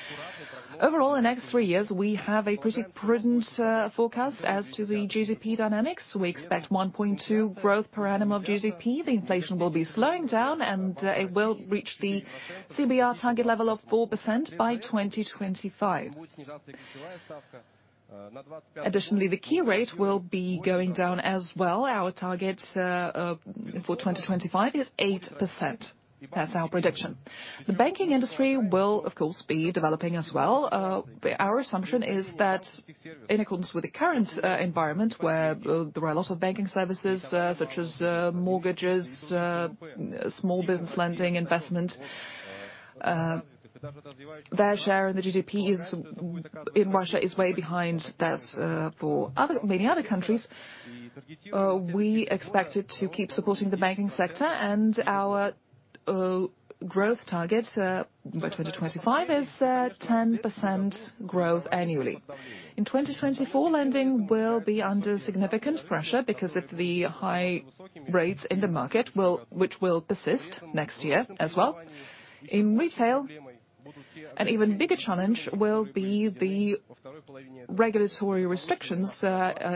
Speaker 5: Overall, the next three years, we have a pretty prudent, forecast as to the GDP dynamics. We expect 1.2 growth per annum of GDP. The inflation will be slowing down, and it will reach the CBR target level of 4% by 2025. Additionally, the key rate will be going down as well. Our target for 2025 is 8%. That's our prediction. The banking industry will, of course, be developing as well. Our assumption is that in accordance with the current environment, where there are a lot of banking services such as mortgages, small business lending, investment, their share in the GDP is, in Russia, is way behind that for other many other countries. We expect it to keep supporting the banking sector, and our growth target by 2025 is 10% growth annually. In 2024, lending will be under significant pressure because of the high rates in the market, which will persist next year as well. In retail, an even bigger challenge will be the regulatory restrictions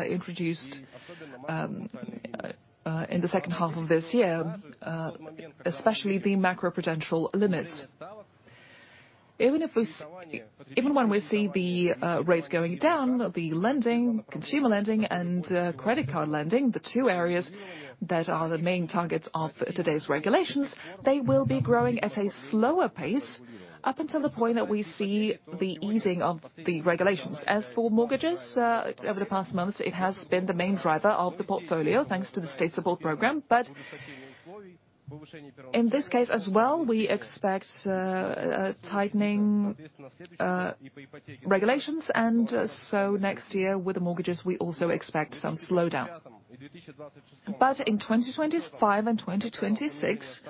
Speaker 5: introduced in the second half of this year, especially the macro-prudential limits. Even when we see the rates going down, the lending, consumer lending and credit card lending, the two areas that are the main targets of today's regulations, they will be growing at a slower pace up until the point that we see the easing of the regulations. As for mortgages, over the past months, it has been the main driver of the portfolio, thanks to the state support program. But in this case as well, we expect a tightening of regulations.
Speaker 2: Next year, with the mortgages, we also expect some slowdown. But in 2025 and 2026,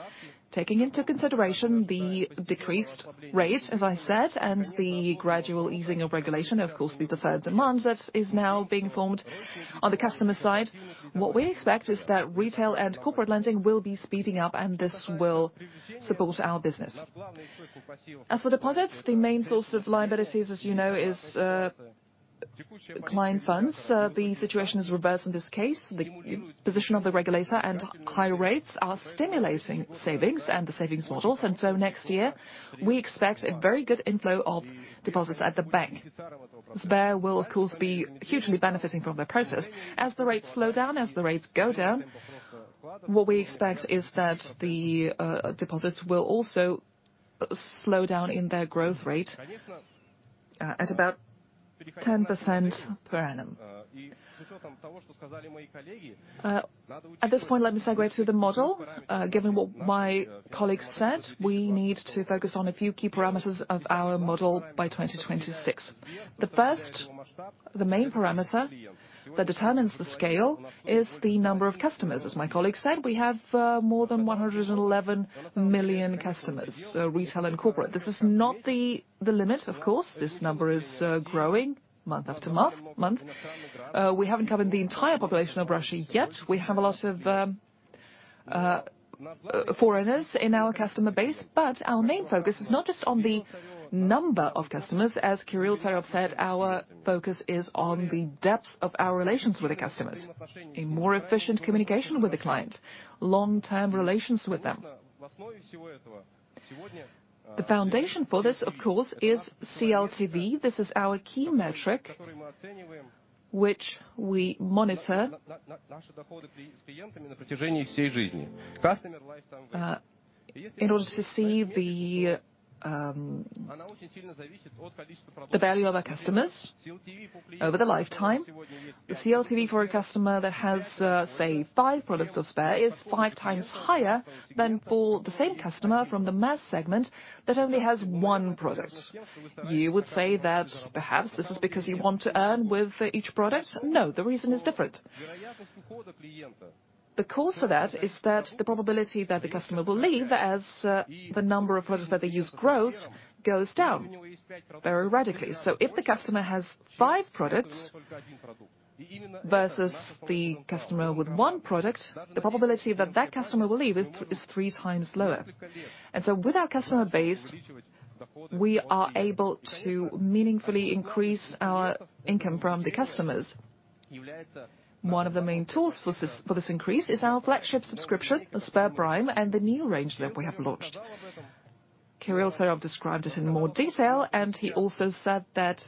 Speaker 2: taking into consideration the decreased rates, as I said, and the gradual easing of regulation, of course, the deferred demand that is now being formed on the customer side, what we expect is that retail and corporate lending will be speeding up, and this will support our business. As for deposits, the main source of liabilities, as you know, is client funds, the situation is reversed in this case. The position of the regulator and high rates are stimulating savings and the savings models, and so next year, we expect a very good inflow of deposits at the bank. Sber will, of course, be hugely benefiting from the process. As the rates slow down, as the rates go down, what we expect is that the deposits will also slow down in their growth rate at about 10% per annum. At this point, let me segue to the model. Given what my colleague said, we need to focus on a few key parameters of our model by 2026. The first, the main parameter that determines the scale is the number of customers. As my colleague said, we have more than 111 million customers, so retail and corporate. This is not the limit, of course; this number is growing month after month, month. We haven't covered the entire population of Russia yet. We have a lot of foreigners in our customer base, but our main focus is not just on the number of customers, as Kirill Tsarev said, our focus is on the depth of our relations with the customers, a more efficient communication with the client, long-term relations with them. The foundation for this, of course, is CLTV. This is our key metric, which we monitor in order to see the value of our customers over the lifetime. The CLTV for a customer that has say five products of Sber is 5x higher than for the same customer from the mass segment that only has one product. You would say that perhaps this is because you want to earn with each product? No, the reason is different. The cause for that is that the probability that the customer will leave as, the number of products that they use grows, goes down very radically. So if the customer has five products versus the customer with one product, the probability that that customer will leave is, 3x lower. And so with our customer base, we are able to meaningfully increase our income from the customers. One of the main tools for this, for this increase is our flagship subscription, SberPrime, and the new range that we have launched. Kirill Tsarev described this in more detail, and he also said that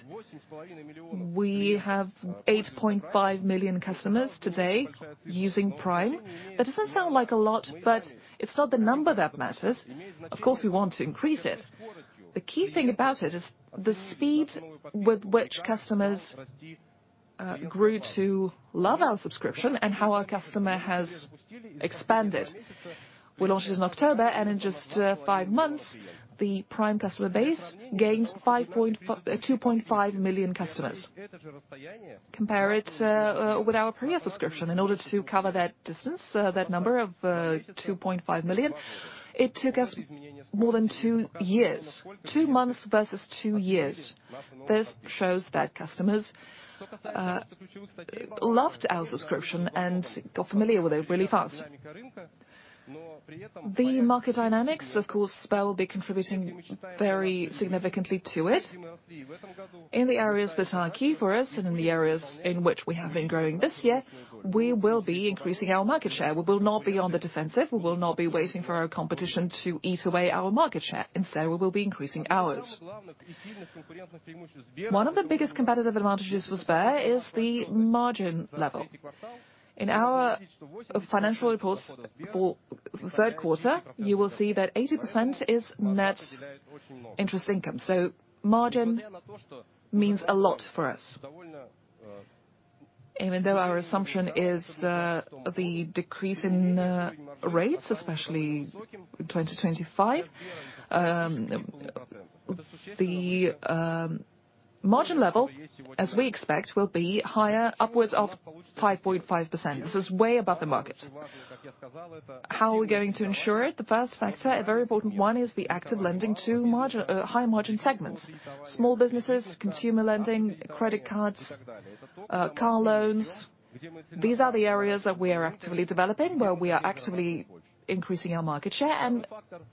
Speaker 2: we have 8.5 million customers today using Prime. That doesn't sound like a lot, but it's not the number that matters. Of course, we want to increase it. The key thing about it is the speed with which customers grew to love our subscription and how our customer has expanded. We launched this in October, and in just 5 months, the Prime customer base gained 2.5 million customers. Compare it with our Premier subscription. In order to cover that distance, that number of 2.5 million, it took us more than 2 years. 2 months versus 2 years. This shows that customers loved our subscription and got familiar with it really fast. The market dynamics, of course, Sber will be contributing very significantly to it. In the areas that are key for us and in the areas in which we have been growing this year, we will be increasing our market share. We will not be on the defensive, we will not be waiting for our competition to eat away our market share. Instead, we will be increasing ours. One of the biggest competitive advantages for Sber is the margin level. In our financial reports for the third quarter, you will see that 80% is net interest income, so margin means a lot for us. Even though our assumption is the decrease in rates, especially in 2025, the margin level, as we expect, will be higher, upwards of 5.5%. This is way above the market. How are we going to ensure it? The first factor, a very important one, is the active lending to high-margin segments, small businesses, consumer lending, credit cards, car loans. These are the areas that we are actively developing, where we are actively increasing our market share, and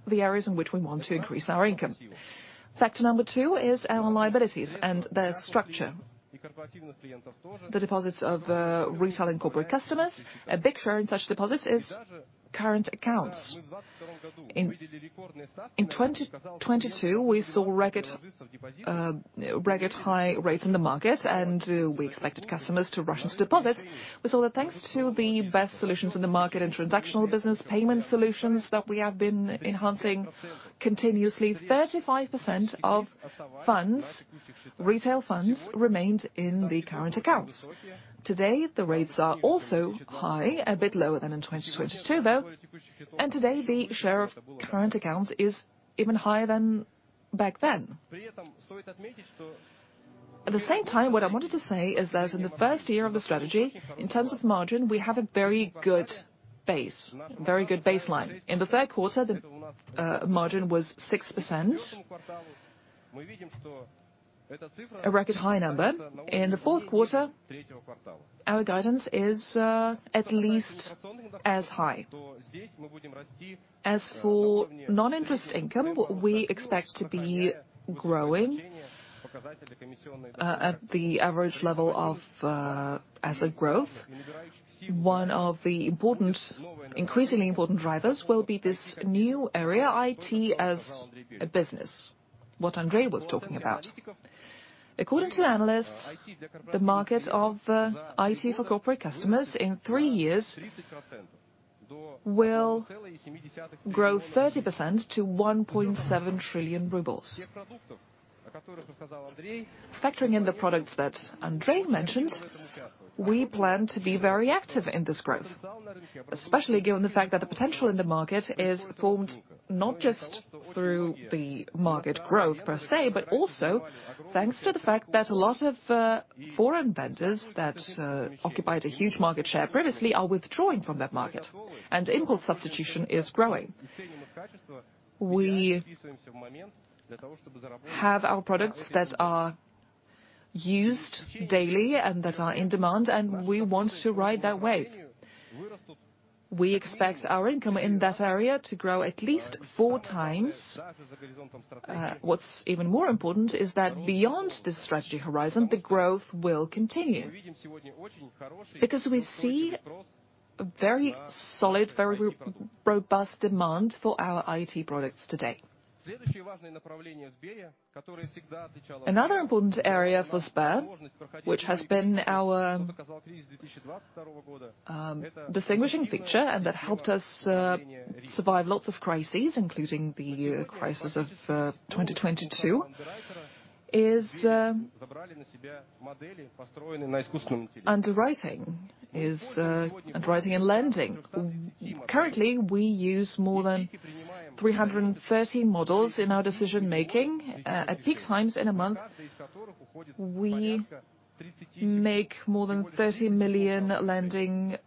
Speaker 2: the areas in which we want to increase our income. Factor number two is our liabilities and their structure. The deposits of retail and corporate customers, a big share in such deposits is current accounts. In 2022, we saw record high rates in the market, and we expected customers to rush into deposits. We saw that thanks to the best solutions in the market and transactional business payment solutions, that we have been enhancing continuously, 35% of funds, retail funds, remained in the current accounts. Today, the rates are also high, a bit lower than in 2022, though, and today, the share of current accounts is even higher than back then. At the same time, what I wanted to say is that in the first year of the strategy, in terms of margin, we have a very good base, very good baseline. In the third quarter, the margin was 6%, a record high number. In the fourth quarter, our guidance is at least as high. As for non-interest income, we expect to be growing at the average level of asset growth, one of the important, increasingly important drivers will be this new area, IT as a business, what Andrey was talking about. According to analysts, the market of IT for corporate customers in three years will grow 30% to RUB 1.7 trillion. Factoring in the products that Andrey mentioned, we plan to be very active in this growth, especially given the fact that the potential in the market is formed not just through the market growth per se, but also thanks to the fact that a lot of foreign vendors that occupied a huge market share previously are withdrawing from that market, and import substitution is growing. We have our products that are used daily and that are in demand, and we want to ride that wave. We expect our income in that area to grow at least 4x. What's even more important is that beyond this strategy horizon, the growth will continue. Because we see a very solid, very robust demand for our IT products today. Another important area for Sber, which has been our distinguishing feature, and that helped us survive lots of crises, including the crisis of 2022, is underwriting and lending. Currently, we use more than 330 models in our decision-making. At peak times in a month, we make more than 30 million lending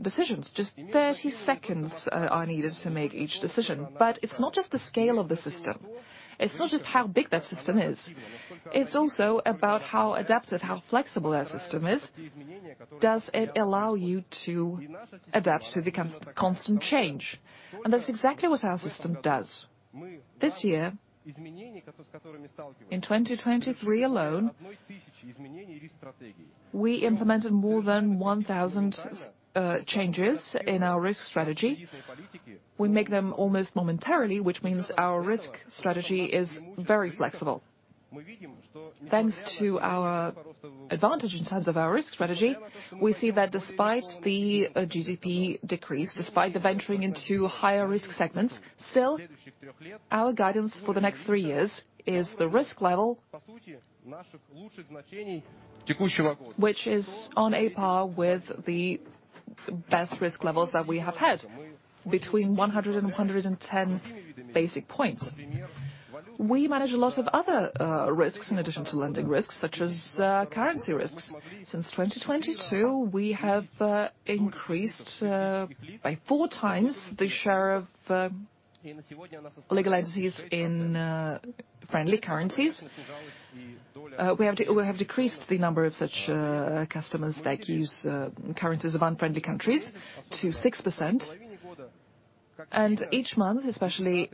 Speaker 2: decisions. Just 30 seconds are needed to make each decision, but it's not just the scale of the system. It's not just how big that system is, it's also about how adaptive, how flexible that system is. Does it allow you to adapt to the constant change? And that's exactly what our system does. This year, in 2023 alone, we implemented more than 1,000 changes in our risk strategy. We make them almost momentarily, which means our risk strategy is very flexible. Thanks to our advantage in terms of our risk strategy, we see that despite the GDP decrease, despite the venturing into higher risk segments, still, our guidance for the next three years is the risk level, which is on a par with the best risk levels that we have had, between 100 and 110 basis points. We manage a lot of other risks in addition to lending risks, such as currency risks. Since 2022, we have increased by 4x the share of legal entities in friendly currencies. We have decreased the number of such customers that use currencies of unfriendly countries to 6%. Each month, especially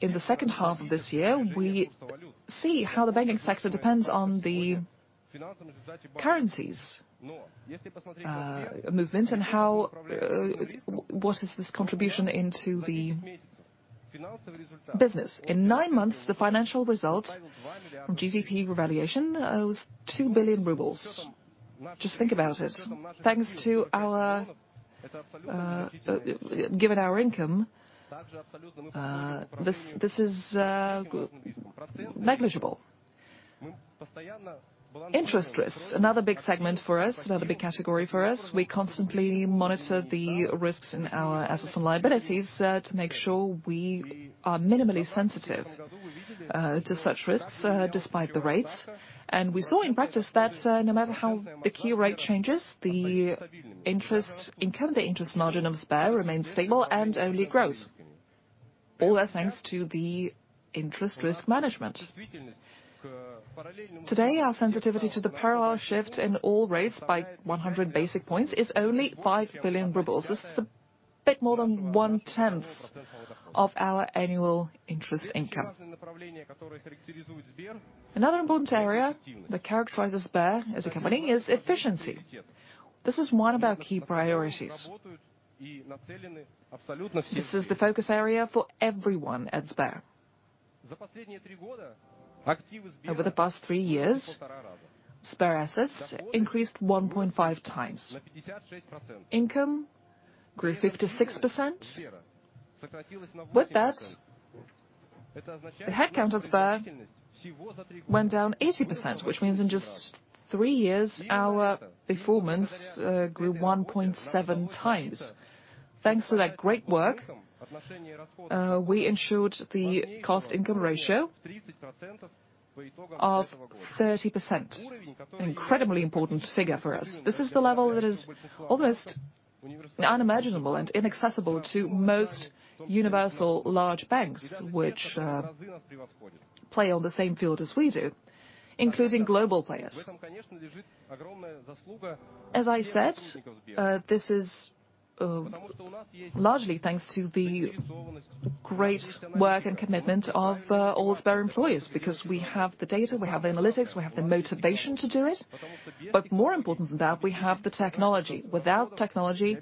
Speaker 2: in the second half of this year, we see how the banking sector depends on the currencies, movement, and how, what is this contribution into the business? In nine months, the financial results, GDP revaluation, was 2 billion rubles. Just think about it. Given our income, this, this is, negligible. Interest risks, another big segment for us, another big category for us. We constantly monitor the risks in our assets and liabilities, to make sure we are minimally sensitive, to such risks, despite the rates. We saw in practice that, no matter how the key rate changes, the interest, income, the interest margin of Sber remains stable and only grows. All that thanks to the interest risk management. Today, our sensitivity to the parallel shift in all rates by 100 basis points is only 5 billion rubles. This is a bit more than one-tenth of our annual interest income. Another important area that characterizes Sber as a company is efficiency. This is one of our key priorities. This is the focus area for everyone at Sber. Over the past 3 years, Sber assets increased 1.5x. Income grew 56%. With that, the headcount of Sber went down 80%, which means in just 3 years, our performance grew 1.7x. Thanks to that great work, we ensured the cost-income ratio of 30%, an incredibly important figure for us. This is the level that is almost unimaginable and inaccessible to most universal large banks, which play on the same field as we do, including global players. As I said, largely thanks to the great work and commitment of all Sber employees, because we have the data, we have the analytics, we have the motivation to do it. But more important than that, we have the technology. Without technology,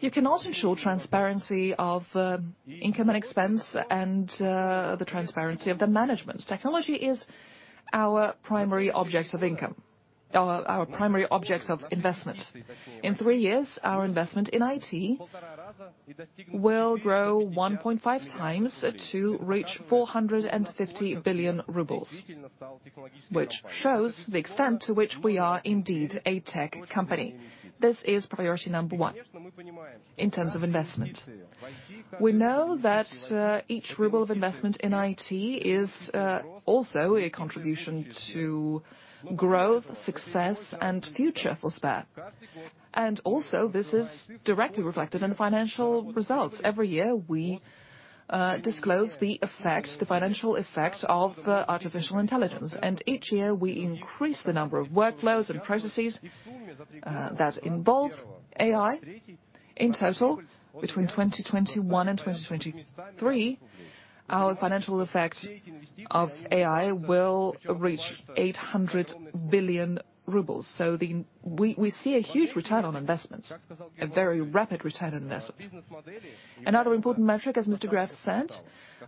Speaker 2: you cannot ensure transparency of income and expense and the transparency of the management. Technology is our primary objects of income, our primary objects of investment. In three years, our investment in IT will grow 1.5x to reach 450 billion rubles, which shows the extent to which we are indeed a tech company. This is priority number one in terms of investment. We know that each ruble of investment in IT is also a contribution to growth, success, and future for Sber. And also, this is directly reflected in the financial results. Every year, we disclose the effect, the financial effect of artificial intelligence, and each year we increase the number of workflows and processes that involve AI. In total, between 2021 and 2023, our financial effect of AI will reach 800 billion rubles. So we see a huge return on investment, a very rapid return on investment. Another important metric, as Mr. Gref said,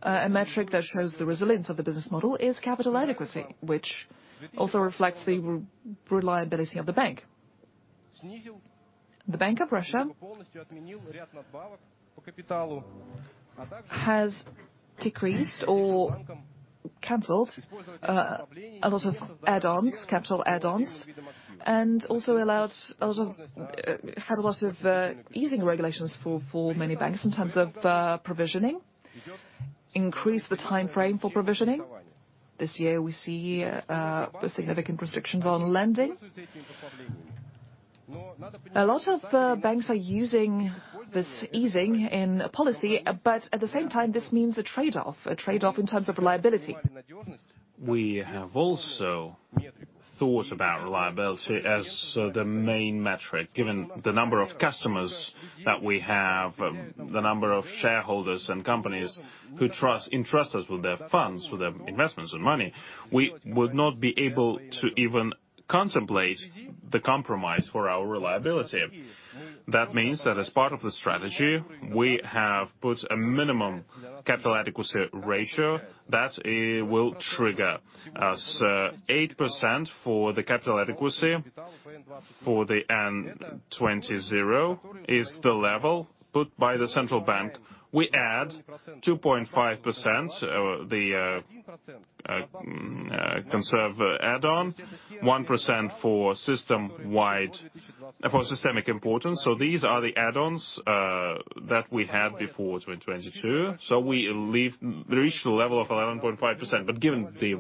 Speaker 2: a metric that shows the resilience of the business model is capital adequacy, which also reflects the reliability of the bank. The Bank of Russia has decreased or canceled a lot of add-ons, capital add-ons, and also allowed a lot of easing regulations for many banks in terms of provisioning, increased the timeframe for provisioning. This year, we see the significant restrictions on lending. A lot of banks are using this easing in policy, but at the same time, this means a trade-off, a trade-off in terms of reliability.
Speaker 1: We have also thought about reliability as the main metric, given the number of customers that we have, the number of shareholders and companies who trust, entrust us with their funds, with their investments and money. We would not be able to even contemplate the compromise for our reliability. That means that as part of the strategy, we have put a minimum capital adequacy ratio that will trigger us. 8% for the capital adequacy for the N20 is the level put by the central bank. We add 2.5%, the conservation add-on, 1% for systemic importance. So these are the add-ons that we had before 2022, so we reached a level of 11.5%.
Speaker 2: But given the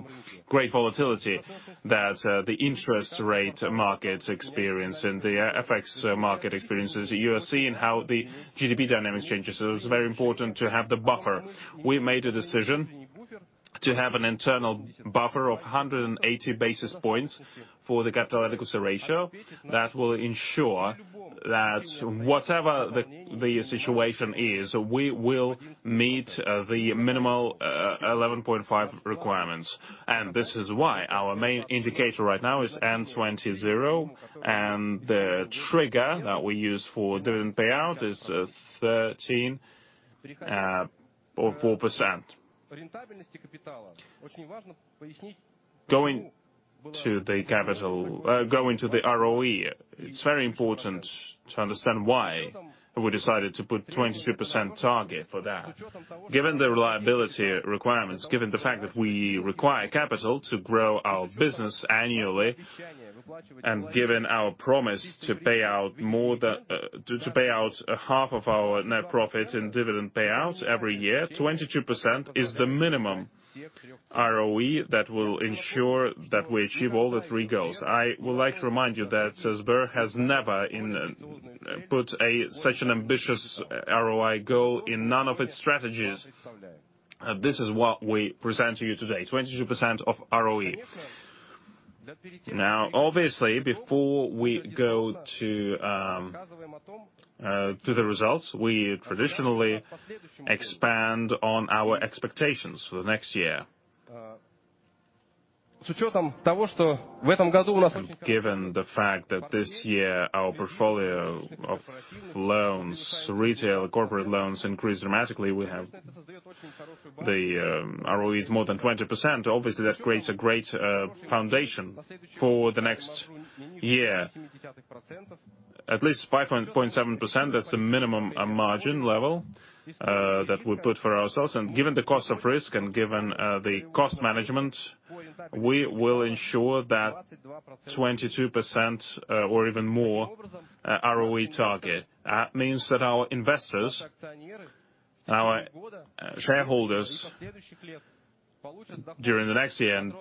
Speaker 2: great volatility that the interest rate markets experience and the FX market experiences, you are seeing how the GDP dynamic changes, so it's very important to have the buffer. We made a decision to have an internal buffer of 180 basis points for the capital adequacy ratio. That will ensure that whatever the situation is, we will meet the minimal 11.5 requirements, and this is why our main indicator right now is N20, and the trigger that we use for dividend payout is 13.3%. Going to the capital, going to the ROE, it's very important to understand why we decided to put 22% target for that. Given the reliability requirements, given the fact that we require capital to grow our business annually, and given our promise to pay out more than to pay out half of our net profit in dividend payouts every year, 22% is the minimum ROE that will ensure that we achieve all the three goals. I would like to remind you that Sber has never put such an ambitious ROI goal in none of its strategies. This is what we present to you today, 22% ROE. Now, obviously, before we go to the results, we traditionally expand on our expectations for the next year. Given the fact that this year our portfolio of loans, retail, corporate loans, increased dramatically, we have the ROEs more than 20%. Obviously, that creates a great foundation for the next year. At least 5.7%, that's the minimum margin level that we put for ourselves. And given the cost of risk and given the cost management, we will ensure that 22% or even more ROE target. That means that our investors, our shareholders during the next year and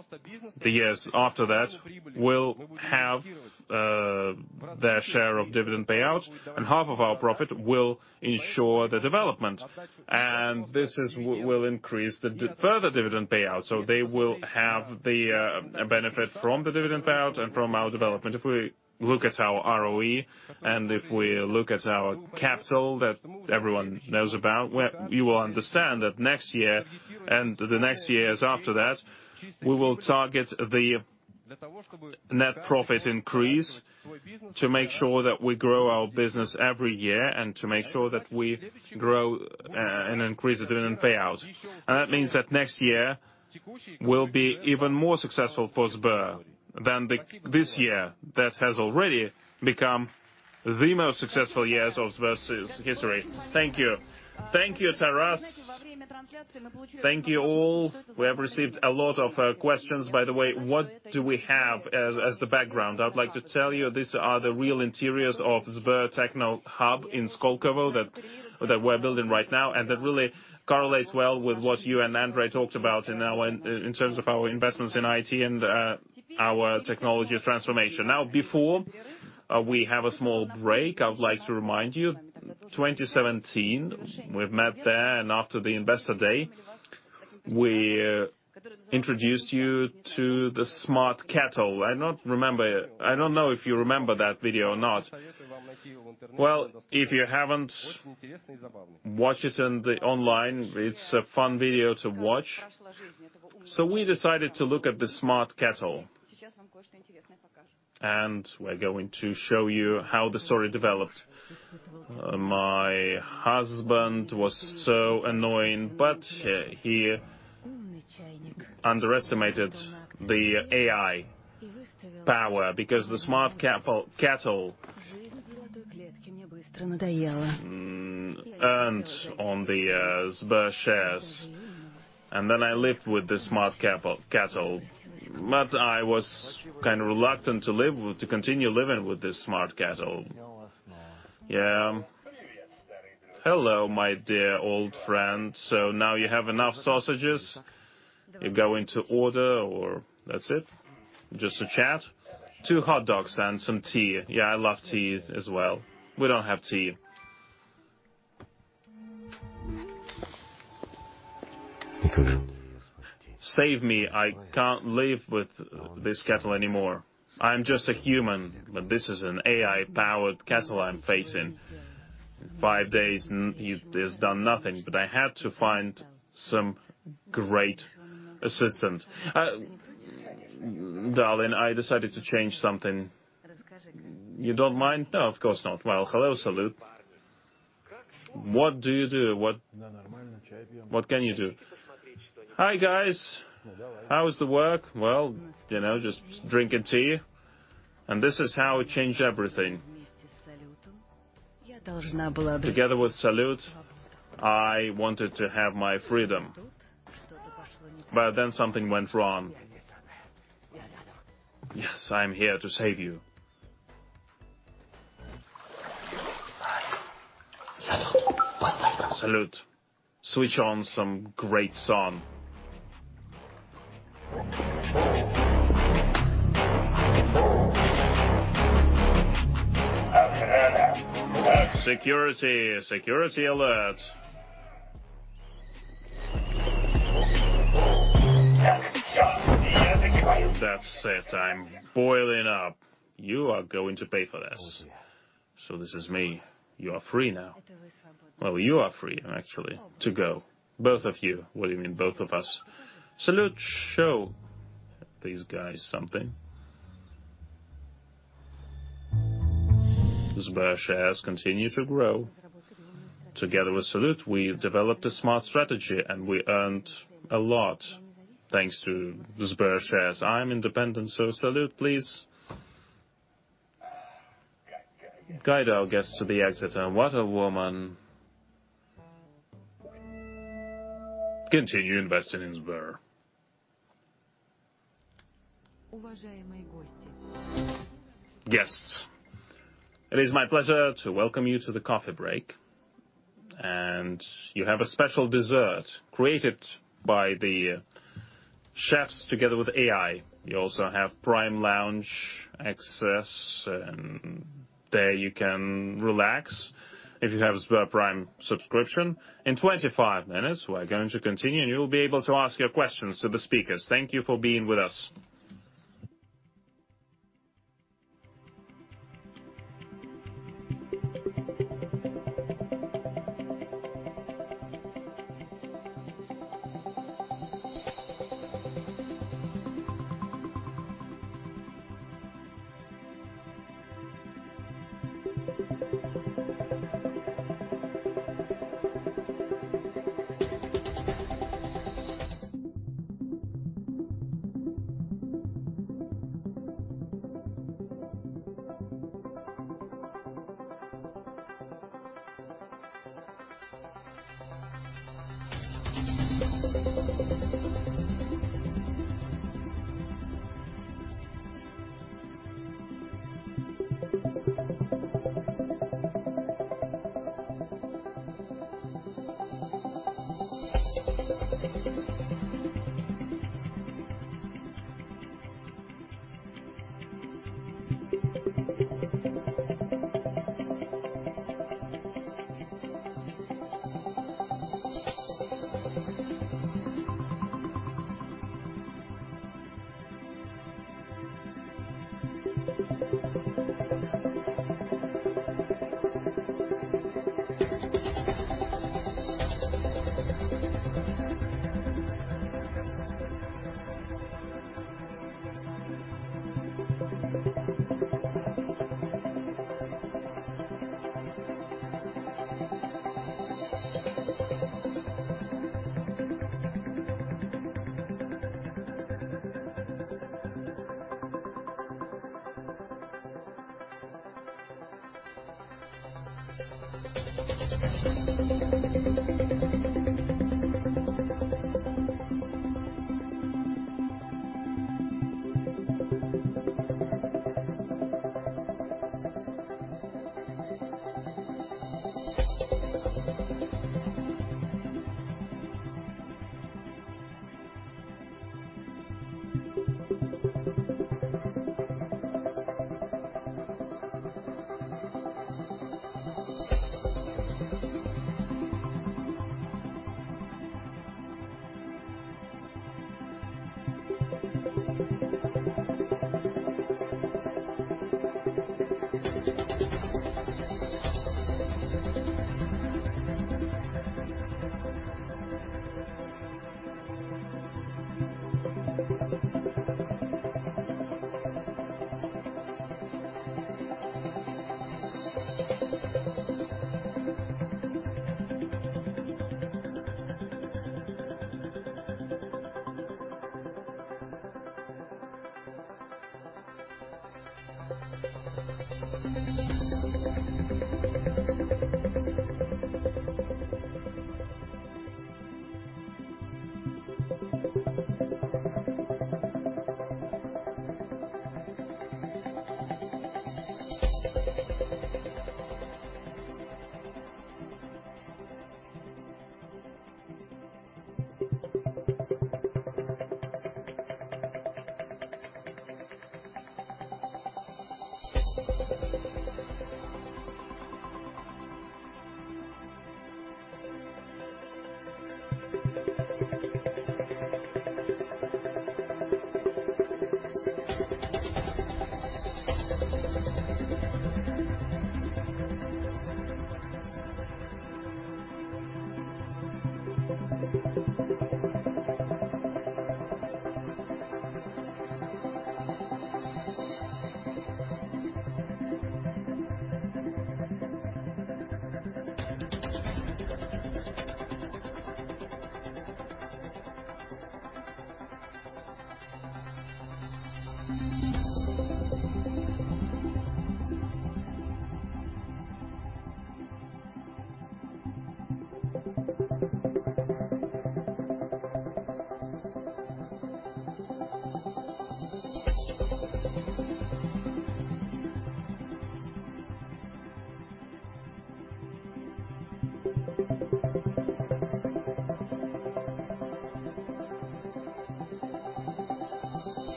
Speaker 2: the years after that, will have their share of dividend payouts, and half of our profit will ensure the development, and this will increase the further dividend payouts. So they will have the benefit from the dividend payout and from our development. If we look at our ROE, and if we look at our capital that everyone knows about, well, you will understand that next year, and the next years after that, we will target the net profit increase to make sure that we grow our business every year and to make sure that we grow, and increase the dividend payout. And that means that next year will be even more successful for Sber than the, this year, that has already become the most successful years of Sber's history. Thank you. Thank you, Taras. Thank you, all. We have received a lot of questions. By the way, what do we have as the background?
Speaker 1: I'd like to tell you, these are the real interiors of Sber Technohub in Skolkovo that we're building right now, and that really correlates well with what you and Andrey talked about in our terms of our investments in IT and our technology transformation. Now, before we have a small break, I would like to remind you, 2017, we've met there, and after the Investor Day, we introduced you to the smart kettle. I not remember, I don't know if you remember that video or not. Well, if you haven't watched it in the online, it's a fun video to watch. So we decided to look at the smart kettle. We're going to show you how the story developed. My husband was so annoyed, but he underestimated the AI power because the smart kettle, kettle-... Earned on the Sber shares, and then I lived with the smart kettle. But I was kind of reluctant to live with, to continue living with this smart kettle.
Speaker 6: Yeah. Hello, my dear old friend. So now you have enough sausages? You're going to order, or that's it? Just a chat.
Speaker 1: Two hot dogs and some tea.
Speaker 6: Yeah, I love tea as well.
Speaker 1: We don't have tea. Save me! I can't live with this kettle anymore. I'm just a human, but this is an AI-powered kettle I'm facing. Five days, and it's done nothing, but I had to find some great assistant. Darling, I decided to change something. You don't mind? No, of course not. Well, hello, Salute. What do you do? What can you do?
Speaker 6: Hi, guys. How is the work?
Speaker 1: Well, you know, just drinking tea. This is how I changed everything. Together with Salute, I wanted to have my freedom. But then something went wrong. Yes, I'm here to save you. Salute, switch on some great song.
Speaker 6: Security, security alert!
Speaker 1: That's it. I'm boiling up. You are going to pay for this.
Speaker 6: This is me.
Speaker 1: You are free now. Well, you are free, actually, to go. Both of you. What do you mean both of us? Salute, show these guys something. Sber shares continue to grow. Together with Salute, we developed a smart strategy, and we earned a lot thanks to the Sber shares. I'm independent, so, Salute, please... Guide our guests to the exit.
Speaker 6: What a woman!
Speaker 1: Continue investing in Sber. Guests, it is my pleasure to welcome you to the coffee break, and you have a special dessert created by the chefs together with AI. You also have Prime Lounge access, and there you can relax if you have SberPrime subscription. In 25 minutes, we're going to continue, and you'll be able to ask your questions to the speakers. Thank you for being with us.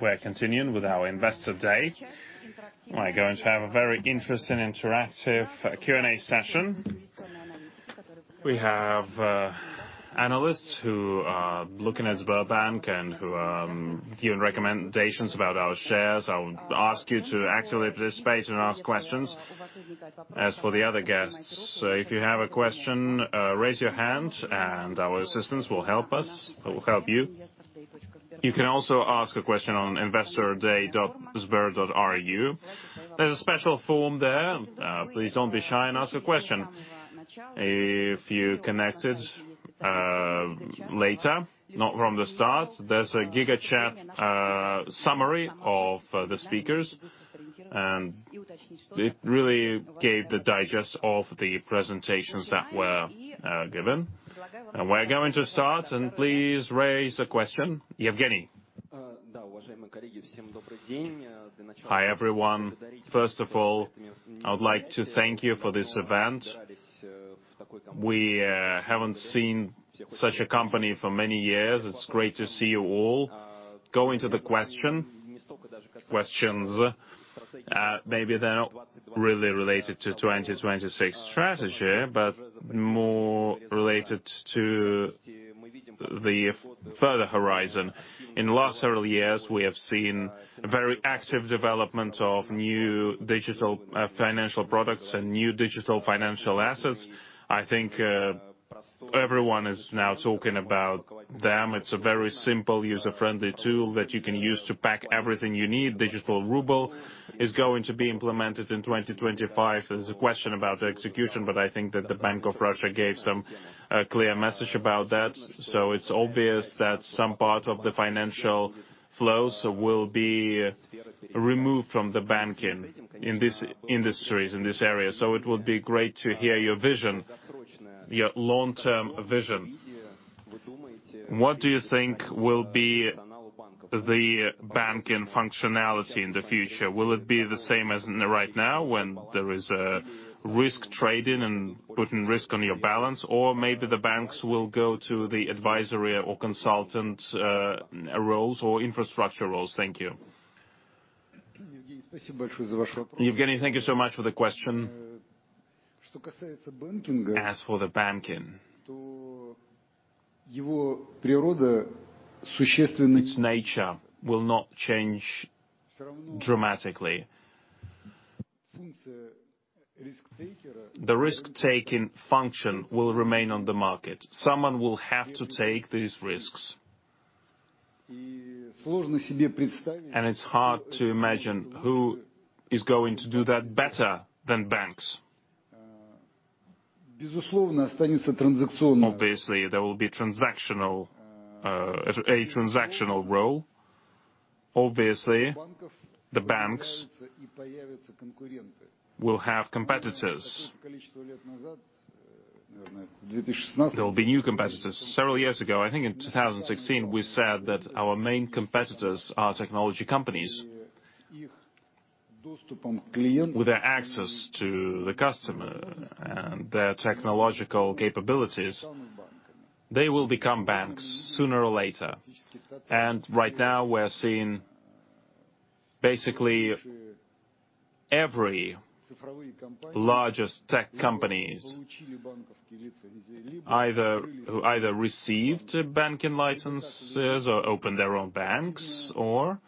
Speaker 1: We're continuing with our Investor Day. We're going to have a very interesting interactive Q&A session. We have analysts who are looking at Sberbank and who giving recommendations about our shares. I would ask you to actively participate and ask questions. As for the other guests, so if you have a question, raise your hand, and our assistants will help us, or will help you. You can also ask a question on investorday.sber.ru. There's a special form there. Please don't be shy, and ask a question. If you connected later, not from the start, there's a GigaChat summary of the speakers, and it really gave the digest of the presentations that were given. And we're going to start, and please raise a question. Yevgeny? Hi, everyone. First of all, I would like to thank you for this event. We haven't seen such a company for many years. It's great to see you all. Going to the question... questions, maybe they're not really related to 2026 strategy, but more related to the further horizon. In the last several years, we have seen very active development of new digital financial products and new digital financial assets. I think everyone is now talking about them. It's a very simple, user-friendly tool that you can use to pack everything you need. Digital ruble is going to be implemented in 2025. There's a question about the execution, but I think that the Bank of Russia gave some clear message about that. So it's obvious that some part of the financial flows will be removed from the banking in these industries, in this area. So it would be great to hear your vision, your long-term vision. What do you think will be the banking functionality in the future? Will it be the same as right now, when there is a risk trading and putting risk on your balance? Or maybe the banks will go to the advisory or consultant roles or infrastructure roles? Thank you. Yevgeny, thank you so much for the question. As for the banking, its nature will not change dramatically. The risk-taking function will remain on the market. Someone will have to take these risks, and it's hard to imagine who is going to do that better than banks... безусловно, останется транзакционная. Obviously, there will be transactional, a transactional role. Obviously, the banks will have competitors. There will be new competitors. Several years ago, I think in 2016, we said that our main competitors are technology companies. With their access to the customer and their technological capabilities, they will become banks sooner or later. And right now, we're seeing basically, every largest tech companies, either received banking licenses or opened their own banks, or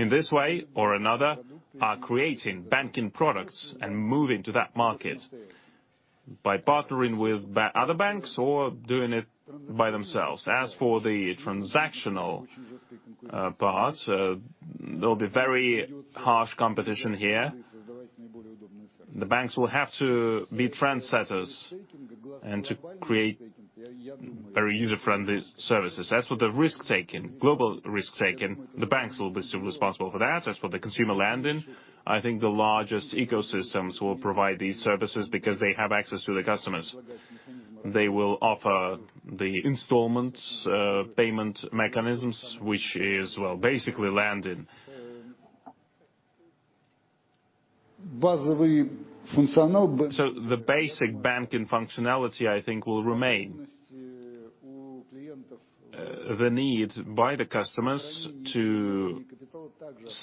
Speaker 1: in this way or another, are creating banking products and moving to that market by partnering with other banks or doing it by themselves. As for the transactional part, there'll be very harsh competition here. The banks will have to be trendsetters and to create very user-friendly services. As for the risk-taking, global risk-taking, the banks will be still responsible for that. As for the consumer lending, I think the largest ecosystems will provide these services because they have access to the customers. They will offer the installments, payment mechanisms, which is, well, basically lending. So the basic banking functionality, I think, will remain. The need by the customers to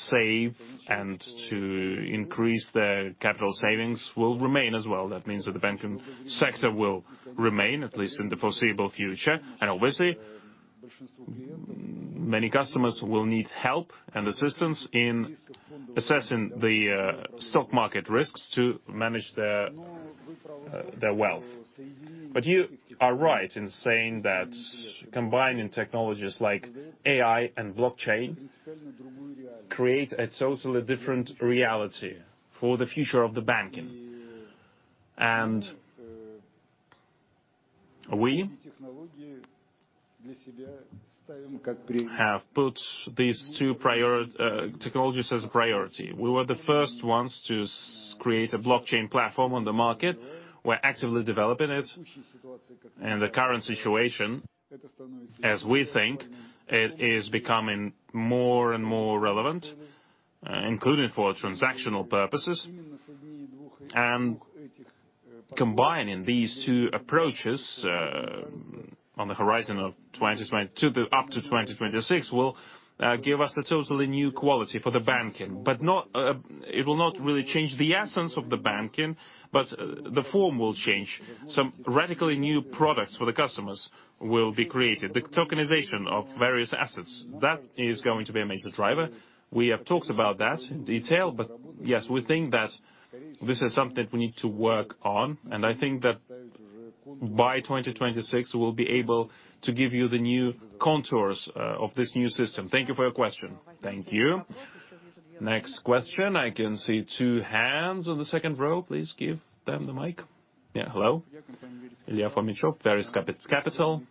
Speaker 1: save and to increase their capital savings will remain as well. That means that the banking sector will remain, at least in the foreseeable future, and obviously, many customers will need help and assistance in assessing the stock market risks to manage their their wealth. But you are right in saying that combining technologies like AI and blockchain create a totally different reality for the future of the banking. We have put these two prior technologies as a priority. We were the first ones to create a blockchain platform on the market. We're actively developing it. In the current situation, as we think, it is becoming more and more relevant, including for transactional purposes. Combining these two approaches, on the horizon of 2020 up to 2026, will give us a totally new quality for the banking. But not, it will not really change the essence of the banking, but the form will change. Some radically new products for the customers will be created. The tokenization of various assets, that is going to be a major driver. We have talked about that in detail, but yes, we think that this is something we need to work on, and I think that by 2026, we'll be able to give you the new contours of this new system. Thank you for your question. Thank you. Next question. I can see two hands on the second row. Please give them the mic. Yeah, hello.
Speaker 7: Ilya Fomichev, Veles Capital.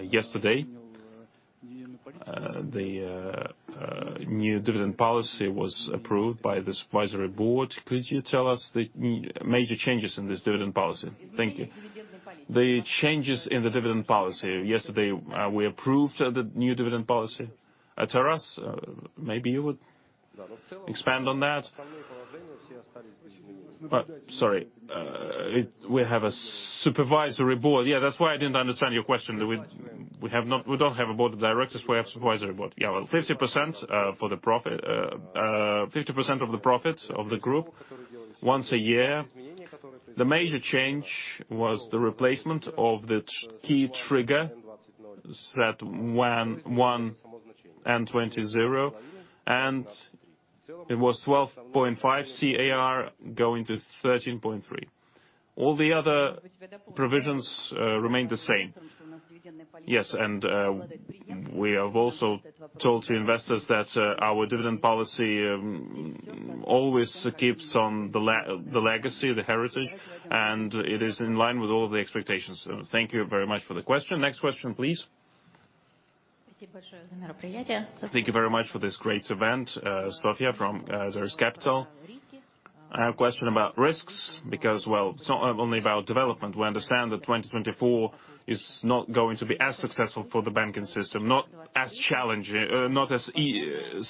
Speaker 7: Yesterday, the new dividend policy was approved by the supervisory board. Could you tell us the major changes in this dividend policy? Thank you.
Speaker 1: The changes in the dividend policy. Yesterday, we approved the new dividend policy. Taras, maybe you would expand on that?
Speaker 7: We have a supervisory board.
Speaker 1: Yeah, that's why I didn't understand your question. We don't have a board of directors. We have a supervisory board. Yeah, well, 50% for the profit, 50% of the profit of the group once a year. The major change was the replacement of the key trigger set when 1 and 20 0, and it was 12.5 CAR going to 13.3. All the other provisions remain the same. Yes, and we have also told the investors that our dividend policy always keeps on the legacy, the heritage, and it is in line with all the expectations. Thank you very much for the question. Next question, please. Thank you very much for this great event. Sophia from Veles Capital. I have a question about risks, because, well, it's not only about development. We understand that 2024 is not going to be as successful for the banking system, not as challenging, not as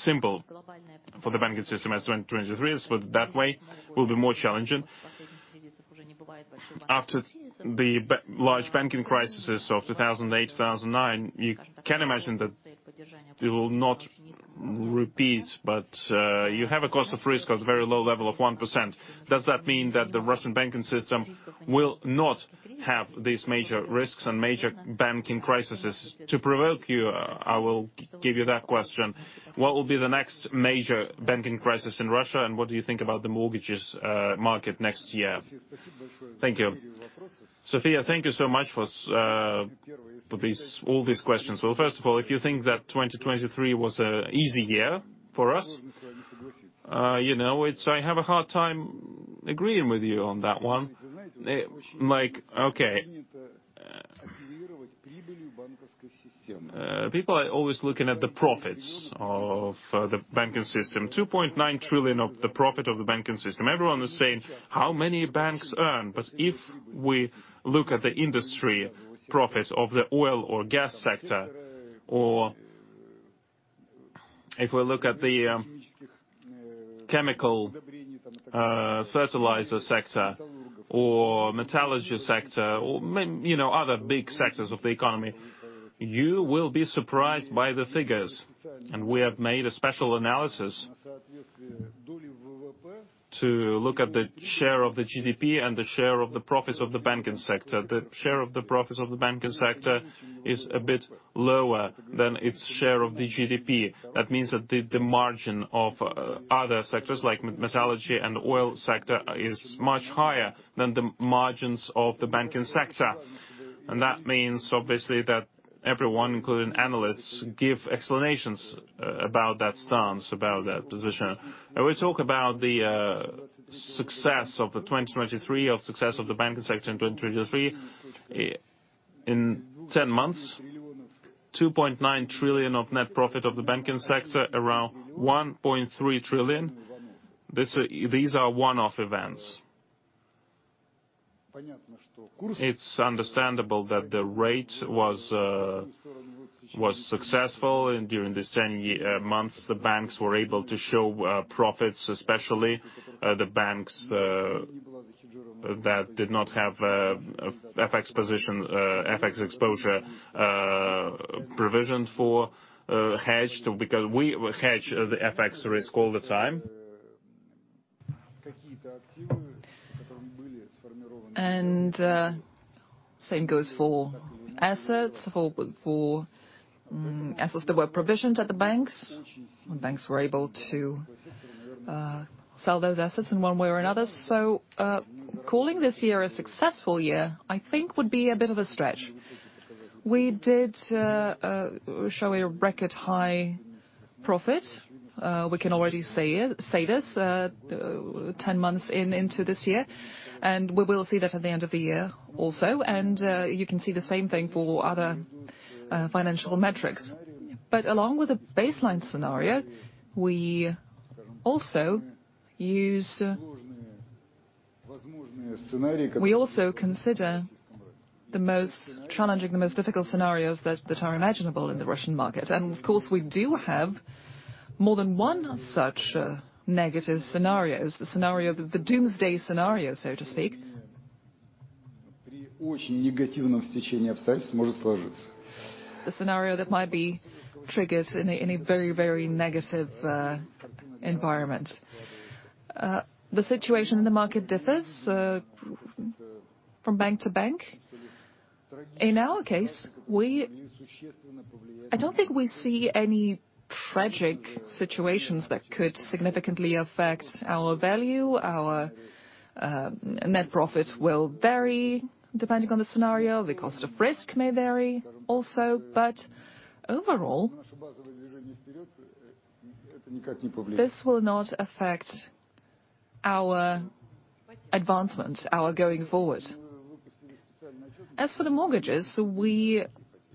Speaker 1: simple for the banking system as 2023. So that way will be more challenging. After the large banking crises of 2008, 2009, you can imagine that it will not repeat, but, you have a cost of risk at a very low level of 1%. Does that mean that the Russian banking system will not have these major risks and major banking crises? To provoke you, I will give you that question: What will be the next major banking crisis in Russia, and what do you think about the mortgages market next year? Thank you. Sophia, thank you so much for, for these, all these questions. Well, first of all, if you think that 2023 was a easy year for us, you know, it's-- I have a hard time agreeing with you on that one. Like, okay.... People are always looking at the profits of, the banking system. 2.9 trillion of the profit of the banking system. Everyone is saying, "How many banks earn?" But if we look at the industry profits of the oil or gas sector, or if we look at the, chemical, fertilizer sector, or metallurgy sector, or you know, other big sectors of the economy, you will be surprised by the figures. And we have made a special analysis to look at the share of the GDP and the share of the profits of the banking system. The share of the profits of the banking sector is a bit lower than its share of the GDP. That means that the margin of other sectors, like metallurgy and oil sector, is much higher than the margins of the banking sector. That means, obviously, that everyone, including analysts, give explanations about that stance, about that position. We talk about the success of 2023, of success of the banking sector in 2023. In 10 months, 2.9 trillion of net profit of the banking sector, around 1.3 trillion. These are one-off events. It's understandable that the rate was successful, and during the ten months, the banks were able to show profits, especially the banks that did not have FX position, FX exposure provisioned for, hedged. Because we hedge the FX risk all the time.
Speaker 2: And, same goes for assets that were provisioned at the banks, and banks were able to sell those assets in one way or another. So, calling this year a successful year, I think, would be a bit of a stretch. We did show a record high profit. We can already say this ten months into this year, and we will see that at the end of the year also. And, you can see the same thing for other financial metrics. But along with the baseline scenario, we also consider the most challenging, the most difficult scenarios that are imaginable in the Russian market. And of course, we do have more than one such negative scenarios. The scenario, the Doomsday Scenario, so to speak. The scenario that might be triggered in a very, very negative environment. The situation in the market differs from bank to bank. In our case, we... I don't think we see any tragic situations that could significantly affect our value. Our net profit will vary depending on the scenario. The cost of risk may vary also, but overall, this will not affect our advancement, our going forward. As for the mortgages, we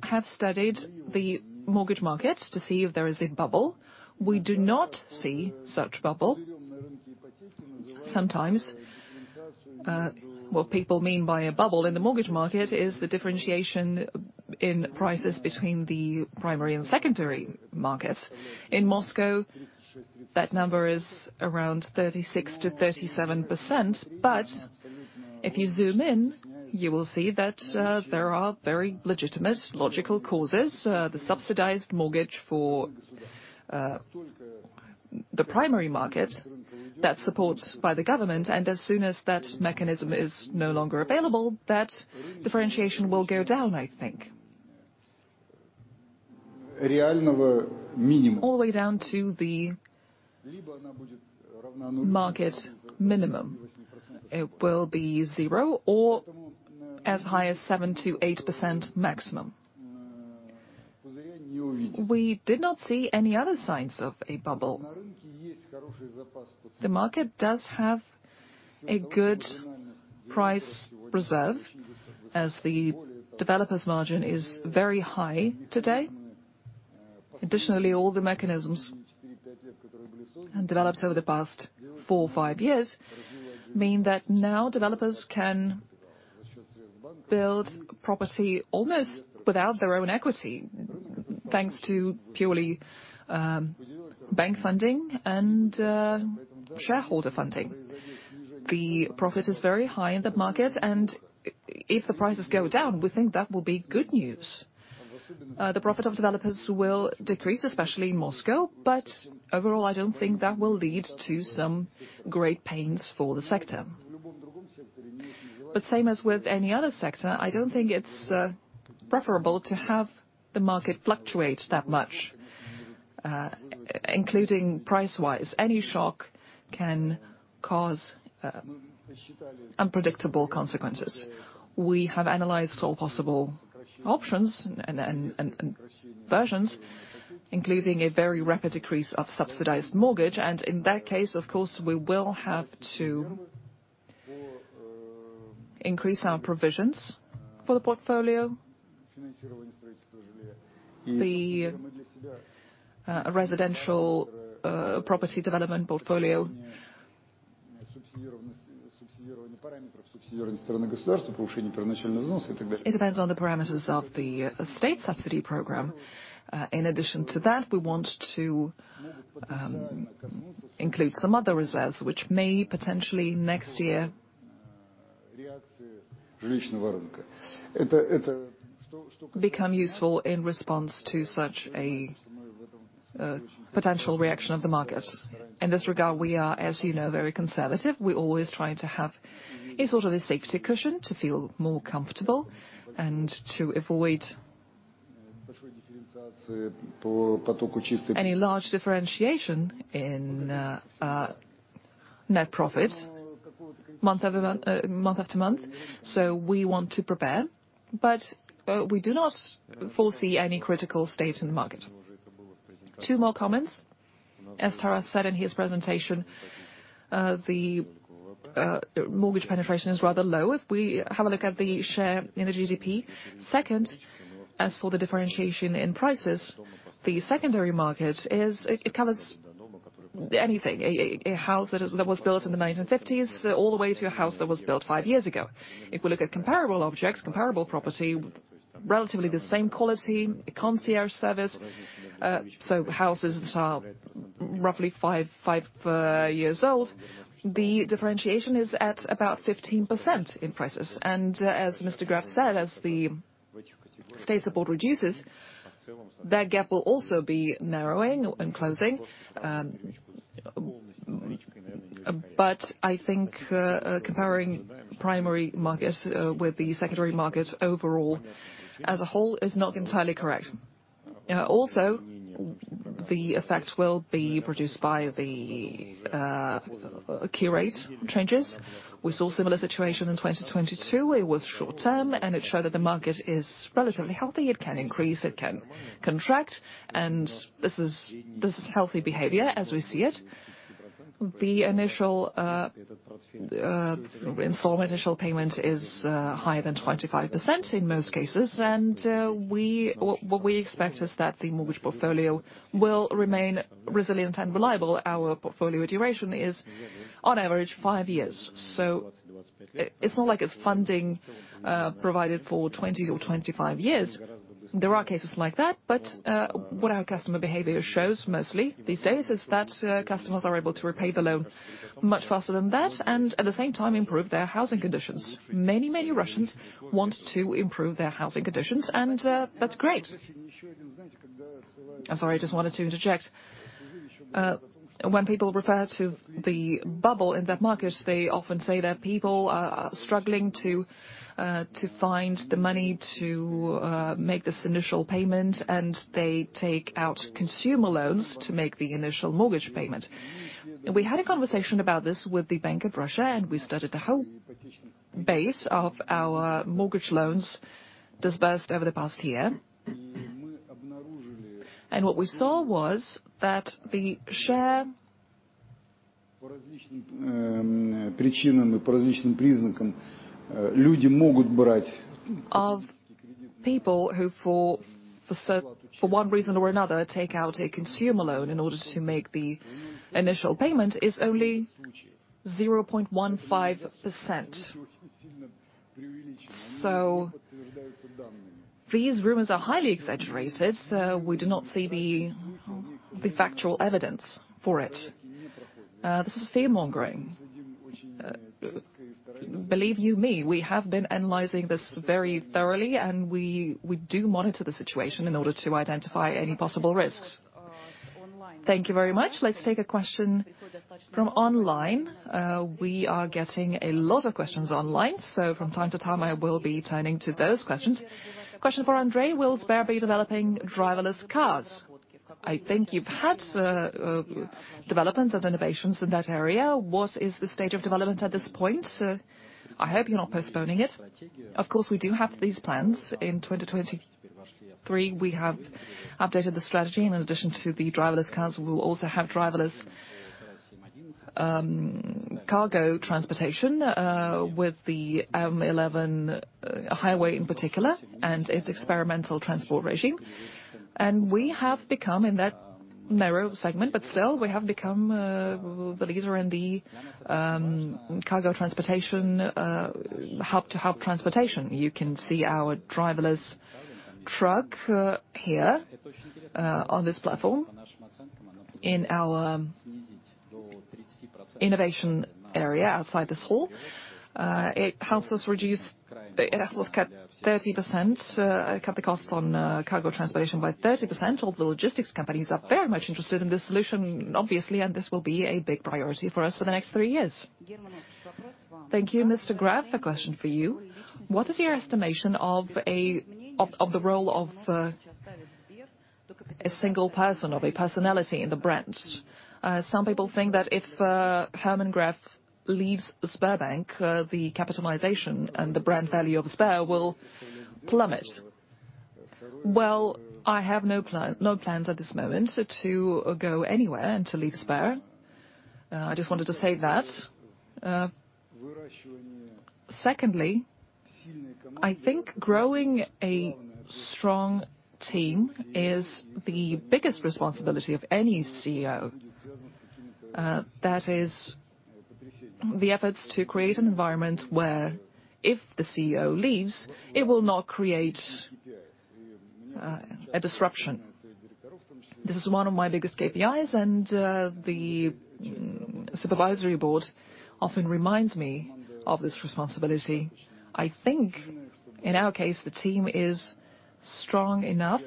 Speaker 2: have studied the mortgage market to see if there is a bubble. We do not see such bubble. Sometimes what people mean by a bubble in the mortgage market is the differentiation in prices between the primary and secondary markets. In Moscow, that number is around 36%-37%. But if you zoom in, you will see that there are very legitimate, logical causes. The subsidized mortgage for the primary market, that's supported by the government, and as soon as that mechanism is no longer available, that differentiation will go down, I think. All the way down to the market minimum. It will be zero or as high as 7%-8% maximum. We did not see any other signs of a bubble. The market does have a good price reserve, as the developer's margin is very high today. Additionally, all the mechanisms developed over the past 4-5 years mean that now developers can build property almost without their own equity, thanks to purely bank funding and shareholder funding. The profit is very high in the market, and if the prices go down, we think that will be good news. The profit of developers will decrease, especially in Moscow, but overall, I don't think that will lead to some great pains for the sector. But same as with any other sector, I don't think it's preferable to have the market fluctuate that much, including price-wise. Any shock can cause unpredictable consequences. We have analyzed all possible options and versions, including a very rapid decrease of subsidized mortgage, and in that case, of course, we will have to increase our provisions for the portfolio. The residential property development portfolio, it depends on the parameters of the state subsidy program. In addition to that, we want to include some other reserves, which may potentially next year become useful in response to such a potential reaction of the market. In this regard, we are, as you know, very conservative. We always try to have a sort of a safety cushion to feel more comfortable and to avoid any large differentiation in net profit month-over-month, month after month. So we want to prepare, but we do not foresee any critical state in the market. Two more comments. As Taras said in his presentation, the mortgage penetration is rather low if we have a look at the share in the GDP. Second, as for the differentiation in prices, the secondary market covers anything, a house that was built in the 1950s all the way to a house that was built five years ago. If we look at comparable objects, comparable property, relatively the same quality, a concierge service, so houses that are roughly five, five, years old, the differentiation is at about 15% in prices. And as Mr. Gref said, as the state support reduces, that gap will also be narrowing and closing. But I think, comparing primary markets, with the secondary market overall, as a whole, is not entirely correct. Also, the effect will be produced by the, key rate changes. We saw a similar situation in 2022. It was short-term, and it showed that the market is relatively healthy. It can increase, it can contract, and this is, this is healthy behavior as we see it. The initial installment, initial payment is higher than 25% in most cases, and what we expect is that the mortgage portfolio will remain resilient and reliable. Our portfolio duration is, on average, five years, so it's not like it's funding provided for 20 or 25 years. There are cases like that, but what our customer behavior shows mostly these days is that customers are able to repay the loan much faster than that and at the same time improve their housing conditions. Many, many Russians want to improve their housing conditions, and that's great. I'm sorry, I just wanted to interject. When people refer to the bubble in that market, they often say that people are struggling to find the money to make this initial payment, and they take out consumer loans to make the initial mortgage payment. We had a conversation about this with the Bank of Russia, and we studied the whole base of our mortgage loans disbursed over the past year. What we saw was that the share of people who, for one reason or another, take out a consumer loan in order to make the initial payment, is only 0.15%. These rumors are highly exaggerated, so we do not see the factual evidence for it. This is fearmongering. Believe you me, we have been analyzing this very thoroughly, and we, we do monitor the situation in order to identify any possible risks. Thank you very much. Let's take a question from online. We are getting a lot of questions online, so from time to time, I will be turning to those questions. Question for Andrey: Will Sber be developing driverless cars? I think you've had developments and innovations in that area. What is the stage of development at this point? I hope you're not postponing it. Of course, we do have these plans. In 2023, we have updated the strategy, and in addition to the driverless cars, we will also have driverless cargo transportation with the M11 highway in particular, and its experimental transport regime. We have become, in that narrow segment, but still we have become the leader in the cargo transportation hub-to-hub transportation. You can see our driverless truck here on this platform in our innovation area outside this hall. It helps us reduce. It helps us cut 30%, cut the costs on cargo transportation by 30%. All the logistics companies are very much interested in this solution, obviously, and this will be a big priority for us for the next 3 years. Thank you. Mr. Gref, a question for you. What is your estimation of the role of a single person or a personality in the brand? Some people think that if Herman Gref leaves Sberbank, the capitalization and the brand value of Sber will plummet. Well, I have no plan, no plans at this moment to go anywhere and to leave Sber. I just wanted to say that. Secondly, I think growing a strong team is the biggest responsibility of any CEO. That is the efforts to create an environment where if the CEO leaves, it will not create a disruption. This is one of my biggest KPIs, and the supervisory board often reminds me of this responsibility. I think in our case, the team is strong enough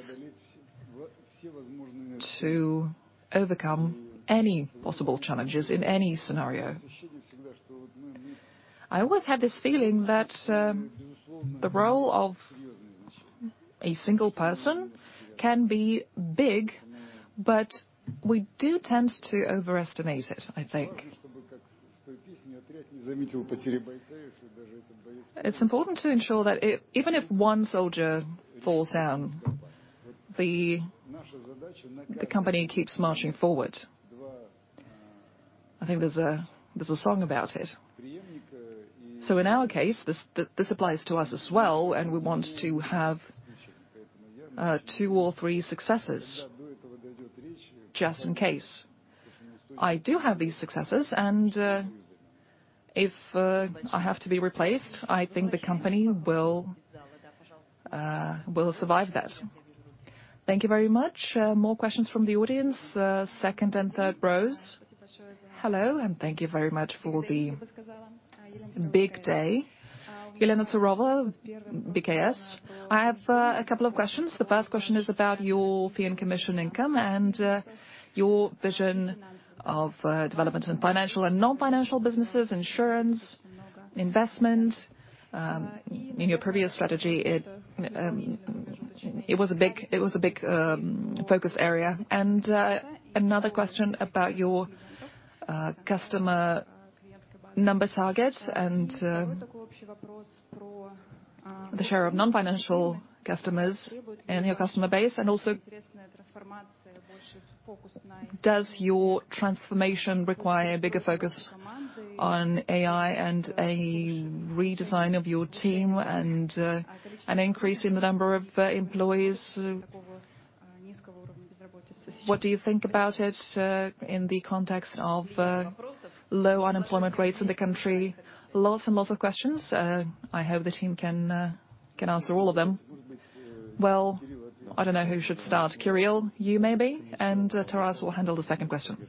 Speaker 2: to overcome any possible challenges in any scenario. I always have this feeling that the role of a single person can be big, but we do tend to overestimate it, I think. It's important to ensure that even if one soldier falls down, the company keeps marching forward. I think there's a song about it. So in our case, this applies to us as well, and we want to have two or three successors, just in case. I do have these successors, and if I have to be replaced, I think the company will survive that. Thank you very much. More questions from the audience, second and third rows. Hello, and thank you very much for the big day. Elena Tsareva, BCS. I have a couple of questions. The first question is about your fee and commission income, and your vision of development in financial and non-financial businesses, insurance, investment.
Speaker 8: In your previous strategy, it was a big focus area. Another question about your customer number targets and the share of non-financial customers in your customer base, and also, does your transformation require a bigger focus on AI and a redesign of your team and an increase in the number of employees? What do you think about it in the context of low unemployment rates in the country? Lots and lots of questions. I hope the team can answer all of them. Well, I don't know who should start. Kirill, you maybe, and Taras will handle the second question.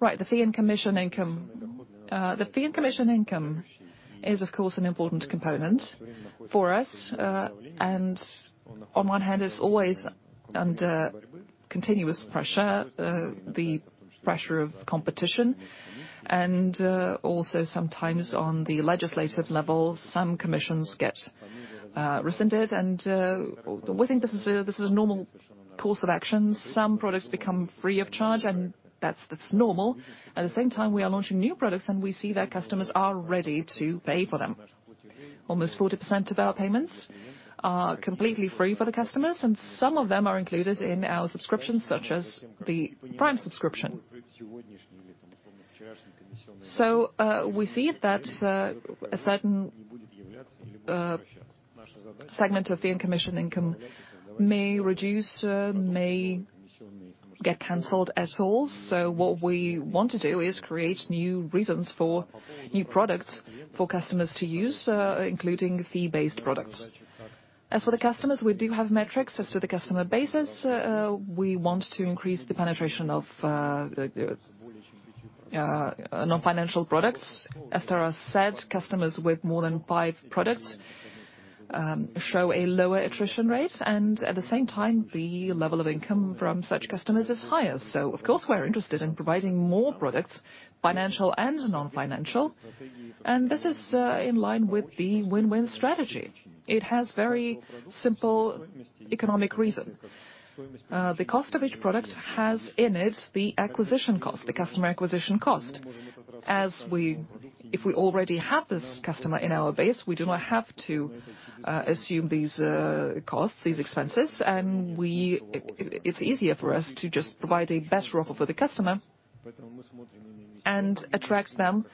Speaker 8: Right, the fee and commission income. The fee and commission income is, of course, an important component for us. On one hand, it's always under continuous pressure, the pressure of competition, and also sometimes on the legislative level, some commissions get rescinded, and we think this is a normal course of action. Some products become free of charge, and that's normal. At the same time, we are launching new products, and we see that customers are ready to pay for them. Almost 40% of our payments are completely free for the customers, and some of them are included in our subscriptions, such as the Prime subscription. We see that a certain segment of the in commission income may reduce, may get canceled at all. What we want to do is create new reasons for new products for customers to use, including fee-based products. As for the customers, we do have metrics.
Speaker 3: As to the customer bases, we want to increase the penetration of non-financial products. As Taras said, customers with more than five products show a lower attrition rate, and at the same time, the level of income from such customers is higher. So of course, we are interested in providing more products, financial and non-financial, and this is in line with the win-win strategy. It has very simple economic reason. The cost of each product has in it the acquisition cost, the customer acquisition cost. If we already have this customer in our base, we do not have to assume these costs, these expenses, and it's easier for us to just provide a better offer for the customer and attract them,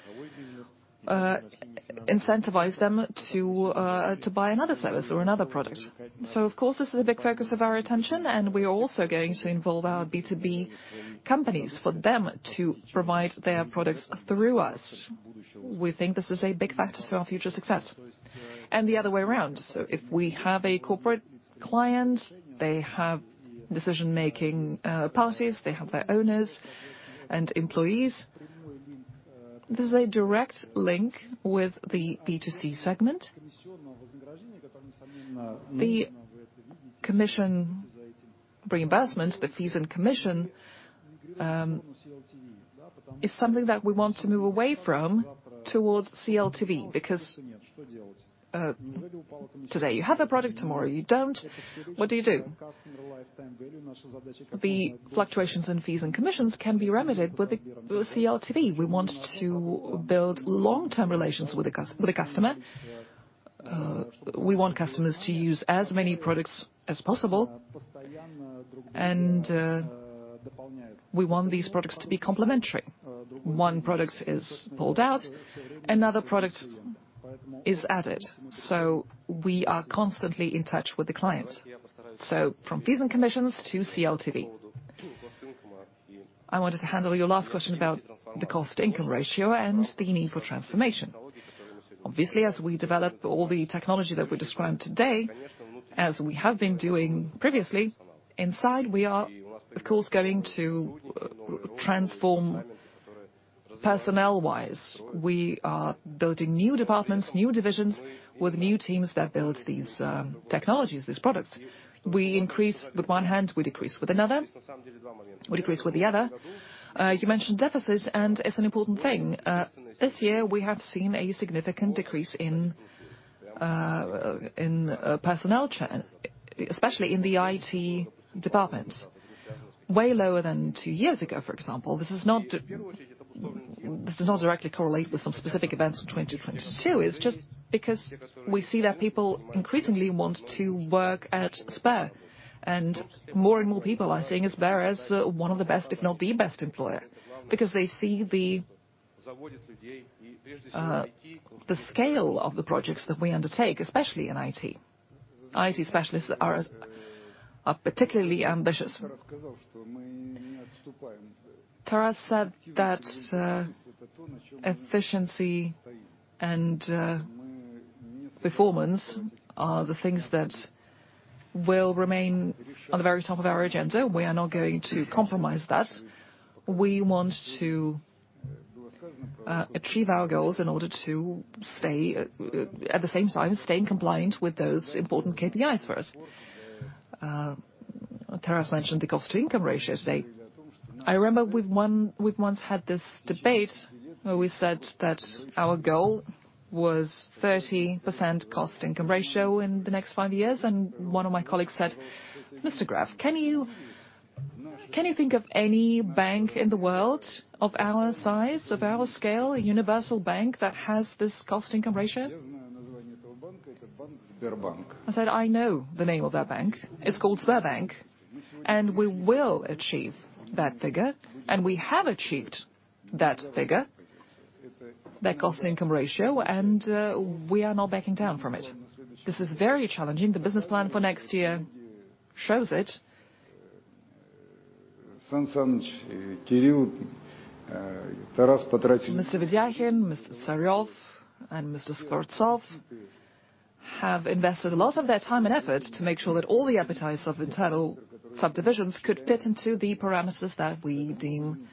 Speaker 3: incentivize them to buy another service or another product.
Speaker 2: So of course, this is a big focus of our attention, and we are also going to involve our B2B companies for them to provide their products through us. We think this is a big factor to our future success, and the other way around. So if we have a corporate client, they have decision-making parties, they have their owners and employees. There's a direct link with the B2C segment. The commission reimbursements, the fees and commission, is something that we want to move away from towards CLTV, because, today, you have a product, tomorrow, you don't. What do you do? The fluctuations in fees and commissions can be remedied with the CLTV. We want to build long-term relations with the customer. We want customers to use as many products as possible... And, we want these products to be complementary. One product is pulled out, another product is added, so we are constantly in touch with the client. So from fees and commissions to CLTV. I wanted to handle your last question about the cost-to-income ratio and the need for transformation. Obviously, as we develop all the technology that we described today, as we have been doing previously, inside, we are, of course, going to transform personnel-wise. We are building new departments, new divisions, with new teams that build these technologies, these products. We increase with one hand, we decrease with another, we decrease with the other. You mentioned deficits, and it's an important thing. This year, we have seen a significant decrease in personnel churn, especially in the IT department. Way lower than two years ago, for example. This is not, this does not directly correlate with some specific events from 2022. It's just because we see that people increasingly want to work at Sber, and more and more people are seeing Sber as one of the best, if not the best employer. Because they see the scale of the projects that we undertake, especially in IT. IT specialists are particularly ambitious. Taras said that efficiency and performance are the things that will remain on the very top of our agenda. We are not going to compromise that. We want to achieve our goals in order to stay... At the same time, staying compliant with those important KPIs for us. Taras mentioned the cost-to-income ratio today. I remember we once had this debate, where we said that our goal was 30% cost-income ratio in the next five years, and one of my colleagues said: "Mr. Gref, can you, can you think of any bank in the world of our size, of our scale, a universal bank, that has this cost-income ratio?" I said, "I know the name of that bank. It's called Sberbank," and we will achieve that figure, and we have achieved that figure, that cost-income ratio, and, we are not backing down from it. This is very challenging. The business plan for next year shows it. Mr. Vedyakhin, Mr. Tsarev, and Mr. Skvortsov have invested a lot of their time and effort to make sure that all the appetites of internal subdivisions could fit into the parameters that we deem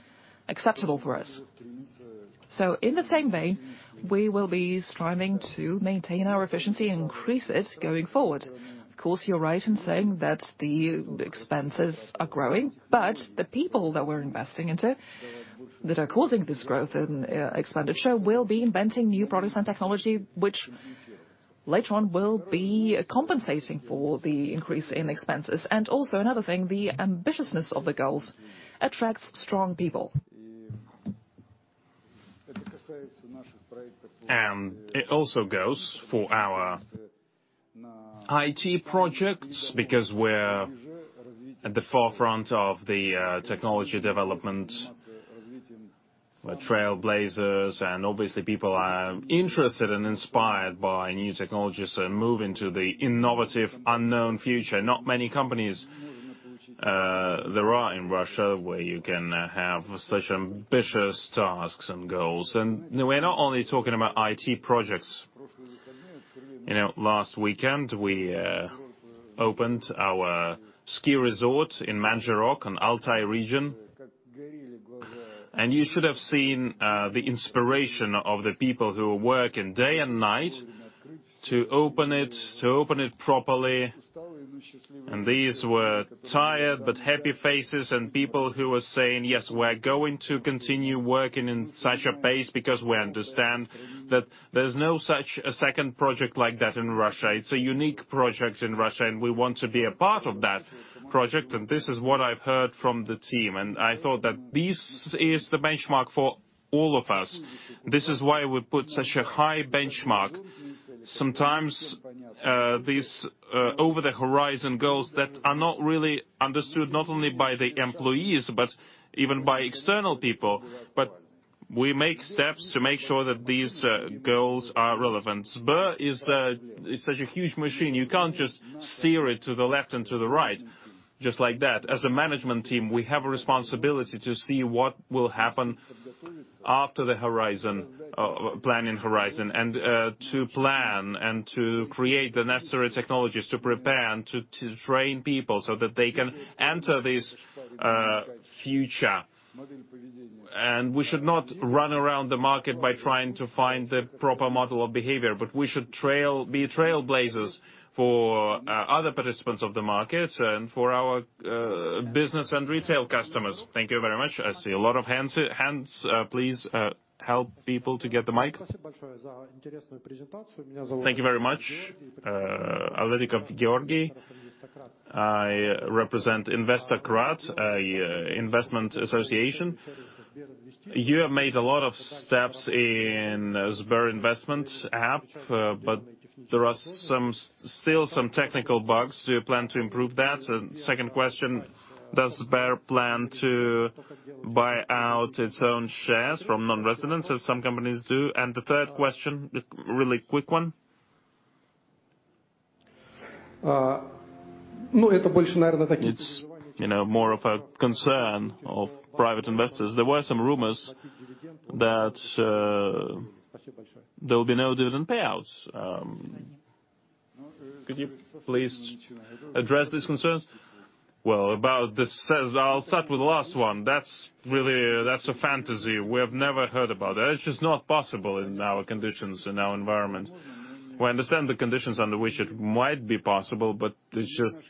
Speaker 2: acceptable for us. So in the same vein, we will be striving to maintain our efficiency and increase it going forward. Of course, you're right in saying that the expenses are growing, but the people that we're investing into, that are causing this growth in expenditure, will be inventing new products and technology, which later on will be compensating for the increase in expenses. And also, another thing, the ambitiousness of the goals attracts strong people.
Speaker 1: It also goes for our IT projects, because we're at the forefront of the technology development, we're trailblazers, and obviously, people are interested and inspired by new technologies and moving to the innovative, unknown future. Not many companies there are in Russia, where you can have such ambitious tasks and goals. And we're not only talking about IT projects. You know, last weekend, we opened our ski resort in Manzherok in Altai Region, and you should have seen the inspiration of the people who were working day and night to open it, to open it properly. And these were tired but happy faces, and people who were saying: "Yes, we're going to continue working in such a pace because we understand that there's no such a second project like that in Russia. It's a unique project in Russia, and we want to be a part of that project." This is what I've heard from the team, and I thought that this is the benchmark for all of us. This is why we put such a high benchmark. Sometimes, these over-the-horizon goals that are not really understood, not only by the employees, but even by external people, but we make steps to make sure that these goals are relevant. Sber is such a huge machine, you can't just steer it to the left and to the right, just like that. As a management team, we have a responsibility to see what will happen after the horizon, planning horizon, and to plan and to create the necessary technologies to prepare and to train people so that they can enter this future. We should not run around the market by trying to find the proper model of behavior, but we should be trailblazers for other participants of the market and for our business and retail customers. Thank you very much. I see a lot of hands here, hands. Please, help people to get the mic.
Speaker 7: Thank you very much. Georgy Avelov....
Speaker 1: I represent Investokrat, an investment association. You have made a lot of steps in SberInvestor app, but there are some still some technical bugs. Do you plan to improve that? And second question, does Sber plan to buy out its own shares from non-residents, as some companies do? And the third question, a really quick one. It's, you know, more of a concern of private investors. There were some rumors that there will be no dividend payouts. Could you please address this concern? Well, about this I'll start with the last one. That's really, that's a fantasy. We have never heard about that. It's just not possible in our conditions, in our environment. We understand the conditions under which it might be possible, but it's just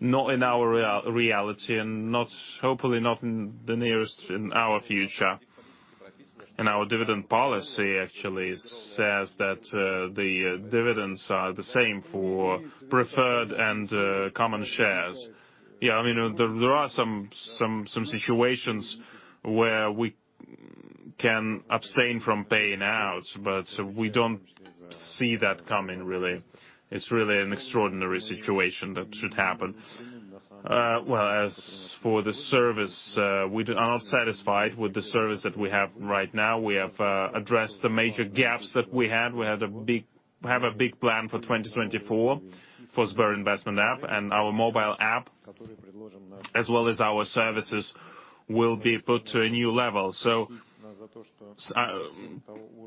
Speaker 1: not in our reality and not, hopefully, not in the nearest in our future. And our dividend policy actually says that, the dividends are the same for preferred and common shares. Yeah, I mean, there are some situations where we can abstain from paying out, but we don't see that coming, really. It's really an extraordinary situation that should happen. Well, as for the service, we are not satisfied with the service that we have right now. We have addressed the major gaps that we had. We have a big plan for 2024 for SberInvestor, and our mobile app, as well as our services, will be put to a new level. So,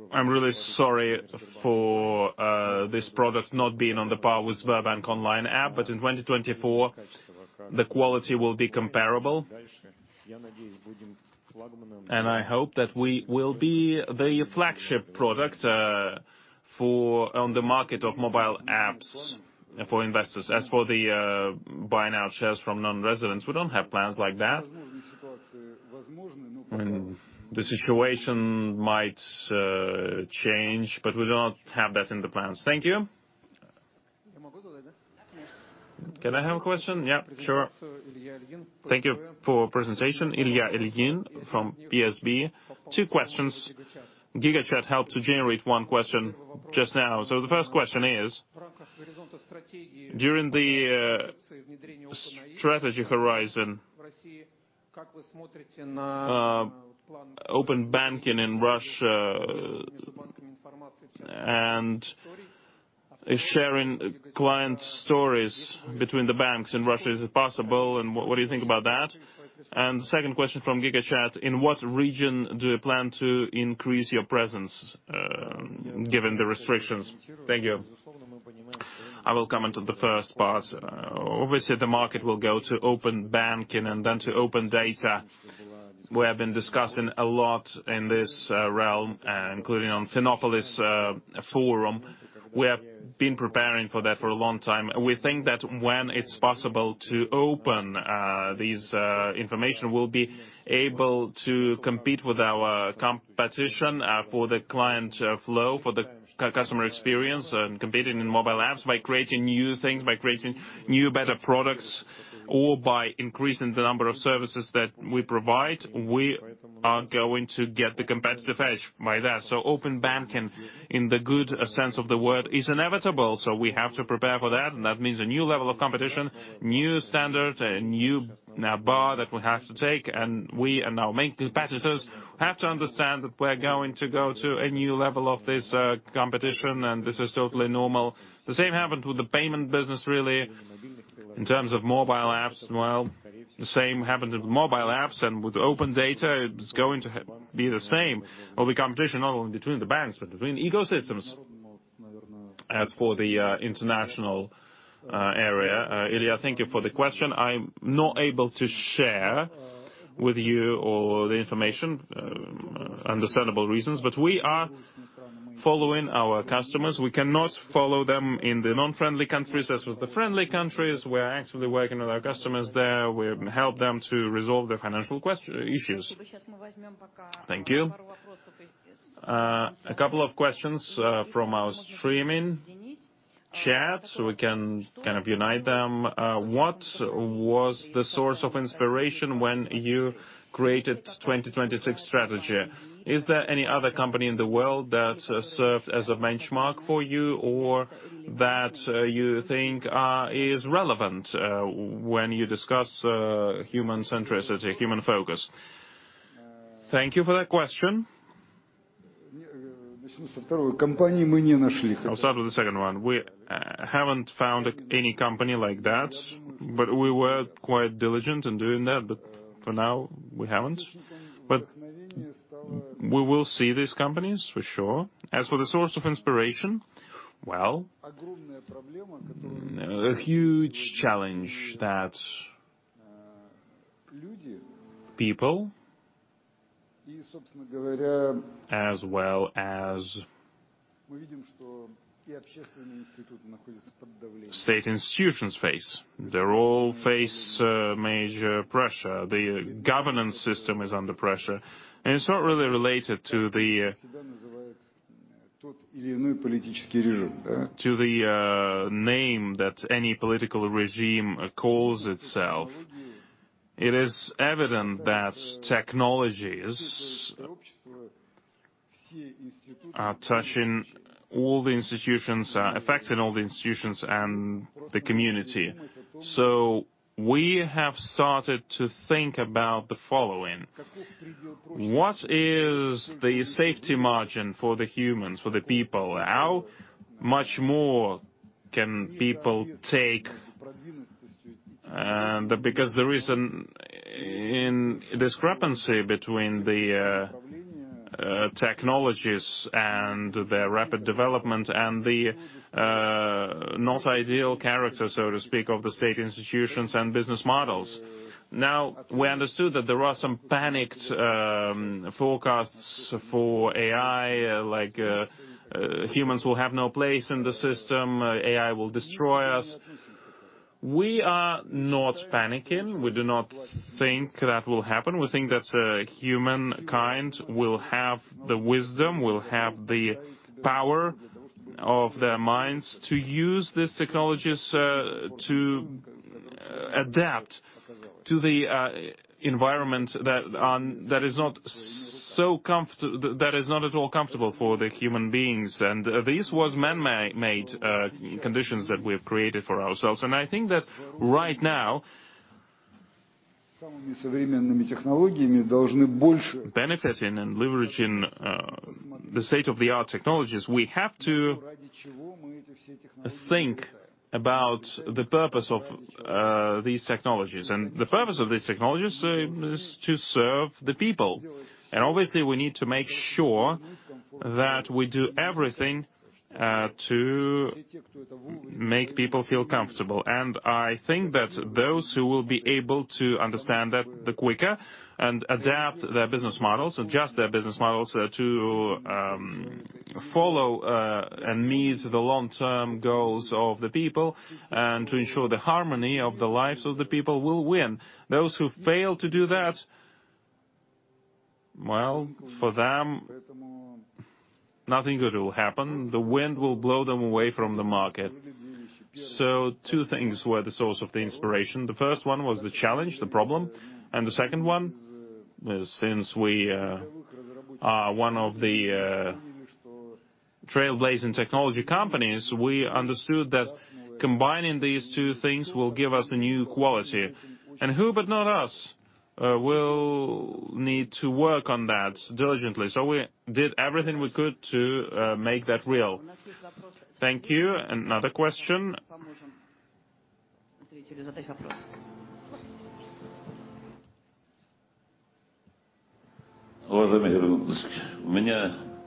Speaker 1: I'm really sorry for this product not being on par with SberBank Online app, but in 2024, the quality will be comparable. And I hope that we will be the flagship product for the market of mobile apps for investors. As for the buying out shares from non-residents, we don't have plans like that. The situation might change, but we do not have that in the plans. Thank you. Can I have a question? Yeah, sure. Thank you for presentation. Ilya Ilyin from PSB. Two questions. GigaChat helped to generate one question just now. So the first question is, during the strategy horizon, open banking in Russia, and sharing client stories between the banks in Russia, is it possible, and what do you think about that? And the second question from GigaChat: In what region do you plan to increase your presence, given the restrictions? Thank you. I will comment on the first part. Obviously, the market will go to open banking and then to open data. We have been discussing a lot in this realm, including on Finopolis forum. We have been preparing for that for a long time. We think that when it's possible to open these information, we'll be able to compete with our competition for the client flow, for the customer experience, and competing in mobile apps by creating new things, by creating new, better products, or by increasing the number of services that we provide. We are going to get the competitive edge by that. So open banking, in the good sense of the word, is inevitable, so we have to prepare for that, and that means a new level of competition, new standard, a new, bar that we have to take. And we and our main competitors have to understand that we're going to go to a new level of this, competition, and this is totally normal. The same happened with the payment business, really, in terms of mobile apps. Well, the same happened with mobile apps, and with open data, it's going to be the same. It will be competition not only between the banks, but between ecosystems. As for the, international, area, Ilya, thank you for the question. I'm not able to share with you all the information, understandable reasons, but we are following our customers. We cannot follow them in the non-friendly countries. As with the friendly countries, we are actively working with our customers there. We help them to resolve their financial issues. Thank you. A couple of questions from our streaming chat, so we can kind of unite them. What was the source of inspiration when you created 2026 strategy? Is there any other company in the world that served as a benchmark for you or that you think is relevant when you discuss human centricity, human focus? Thank you for that question. I'll start with the second one. We haven't found any company like that, but we were quite diligent in doing that. But for now, we haven't. But we will see these companies for sure. As for the source of inspiration, well, a huge challenge that people, as well as state institutions face, they all face major pressure. The governance system is under pressure, and it's not really related to or any political regime, da? To the name that any political regime calls itself, it is evident that technologies are touching all the institutions, are affecting all the institutions and the community. So we have started to think about the following: What is the safety margin for the humans, for the people? How much more can people take? Because there is a discrepancy between the technologies and their rapid development and the not ideal character, so to speak, of the state institutions and business models. Now, we understood that there are some panicked forecasts for AI, like, humans will have no place in the system, AI will destroy us. We are not panicking. We do not think that will happen. We think that humankind will have the wisdom, will have the power of their minds to use these technologies to adapt to the environment that is not at all comfortable for the human beings. And this was manmade conditions that we've created for ourselves. And I think that right now, benefiting and leveraging the state-of-the-art technologies, we have to think about the purpose of these technologies. And the purpose of these technologies is to serve the people. And obviously, we need to make sure that we do everything to make people feel comfortable. I think that those who will be able to understand that the quicker and adapt their business models, adjust their business models, to follow and meet the long-term goals of the people, and to ensure the harmony of the lives of the people, will win. Those who fail to do that, well, for them, nothing good will happen. The wind will blow them away from the market. Two things were the source of the inspiration. The first one was the challenge, the problem, and the second one, since we are one of the trailblazing technology companies, we understood that combining these two things will give us a new quality, and who, but not us, will need to work on that diligently? We did everything we could to make that real. Thank you. Another question.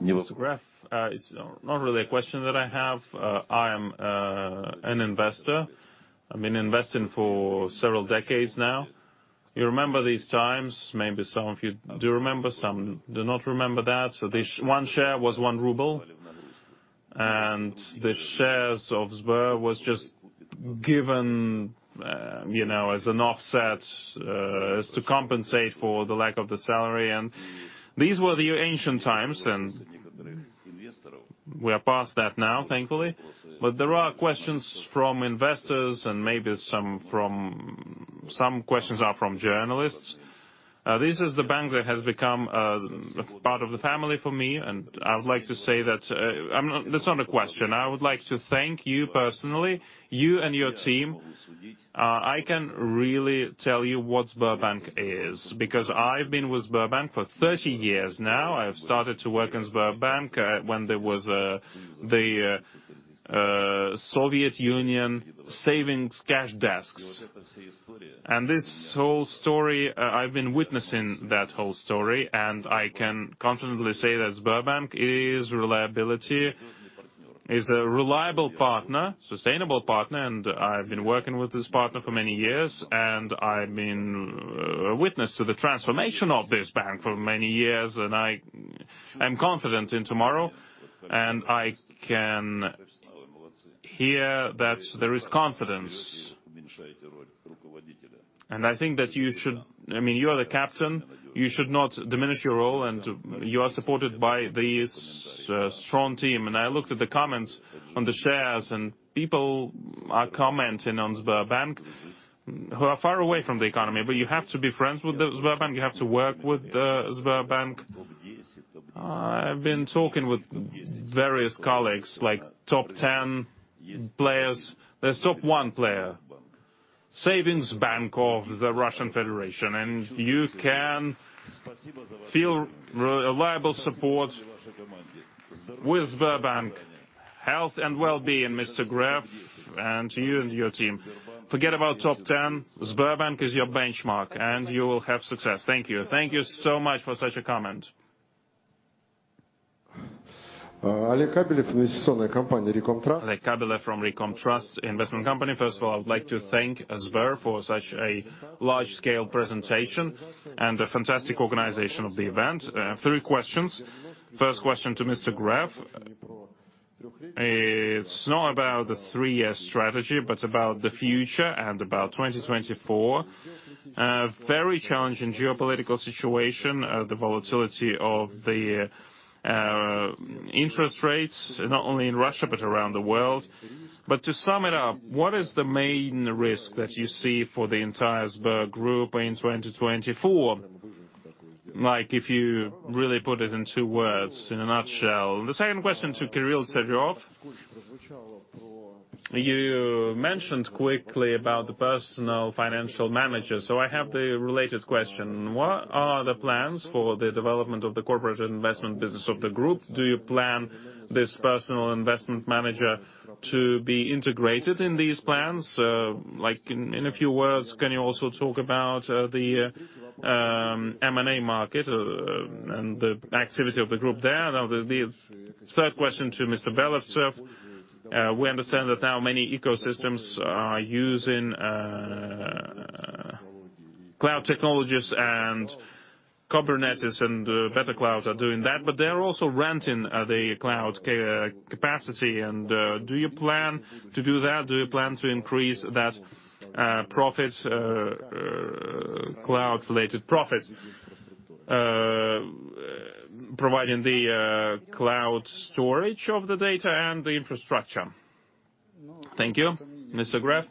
Speaker 1: Mr. Gref, it's not really a question that I have. I am an investor. I've been investing for several decades now. You remember these times, maybe some of you do remember, some do not remember that. So this one share was 1 ruble, and the shares of Sber was just given, you know, as an offset, as to compensate for the lack of the salary. And these were the ancient times, and we are past that now, thankfully. But there are questions from investors and maybe some from... Some questions are from journalists. This is the bank that has become a part of the family for me, and I would like to say that, I'm not-- That's not a question. I would like to thank you personally, you and your team. I can really tell you what Sberbank is, because I've been with Sberbank for 30 years now. I've started to work in Sberbank, when there was the Soviet Union savings cash desks. And this whole story, I've been witnessing that whole story, and I can confidently say that Sberbank is reliability, is a reliable partner, sustainable partner, and I've been working with this partner for many years, and I've been a witness to the transformation of this bank for many years, and I am confident in tomorrow, and I can hear that there is confidence. And I think that you should... I mean, you are the captain, you should not diminish your role, and you are supported by this strong team. I looked at the comments on the shares, and people are commenting on Sberbank who are far away from the economy. But you have to be friends with the Sberbank, you have to work with the Sberbank. I've been talking with various colleagues, like top ten players. There's top one player, Savings Bank of the Russian Federation, and you can feel reliable support with Sberbank. Health and well-being, Mr. Gref, and you and your team. Forget about top ten, Sberbank is your benchmark, and you will have success. Thank you. Thank you so much for such a comment. Oleg Abelev from Ricom-Trust Investment Company. First of all, I would like to thank Sber for such a large-scale presentation and a fantastic organization of the event. Three questions. First question to Mr. Gref... It's not about the three-year strategy, but about the future and about 2024.
Speaker 9: Very challenging geopolitical situation, the volatility of the interest rates, not only in Russia, but around the world. But to sum it up, what is the main risk that you see for the entire Sber Group in 2024? Like, if you really put it in two words, in a nutshell. The second question to Kirill Tsarev, you mentioned quickly about the personal financial manager, so I have the related question: What are the plans for the development of the corporate investment business of the group? Do you plan this personal investment manager to be integrated in these plans? Like, in a few words, can you also talk about the M&A market, and the activity of the group there? Now, the third question to Mr. Belevtsev.
Speaker 1: We understand that now many ecosystems are using cloud technologies and Kubernetes, and better clouds are doing that, but they are also renting the cloud capacity. And do you plan to do that? Do you plan to increase that profits, cloud-related profits? Providing the cloud storage of the data and the infrastructure. Thank you, Mr. Gref.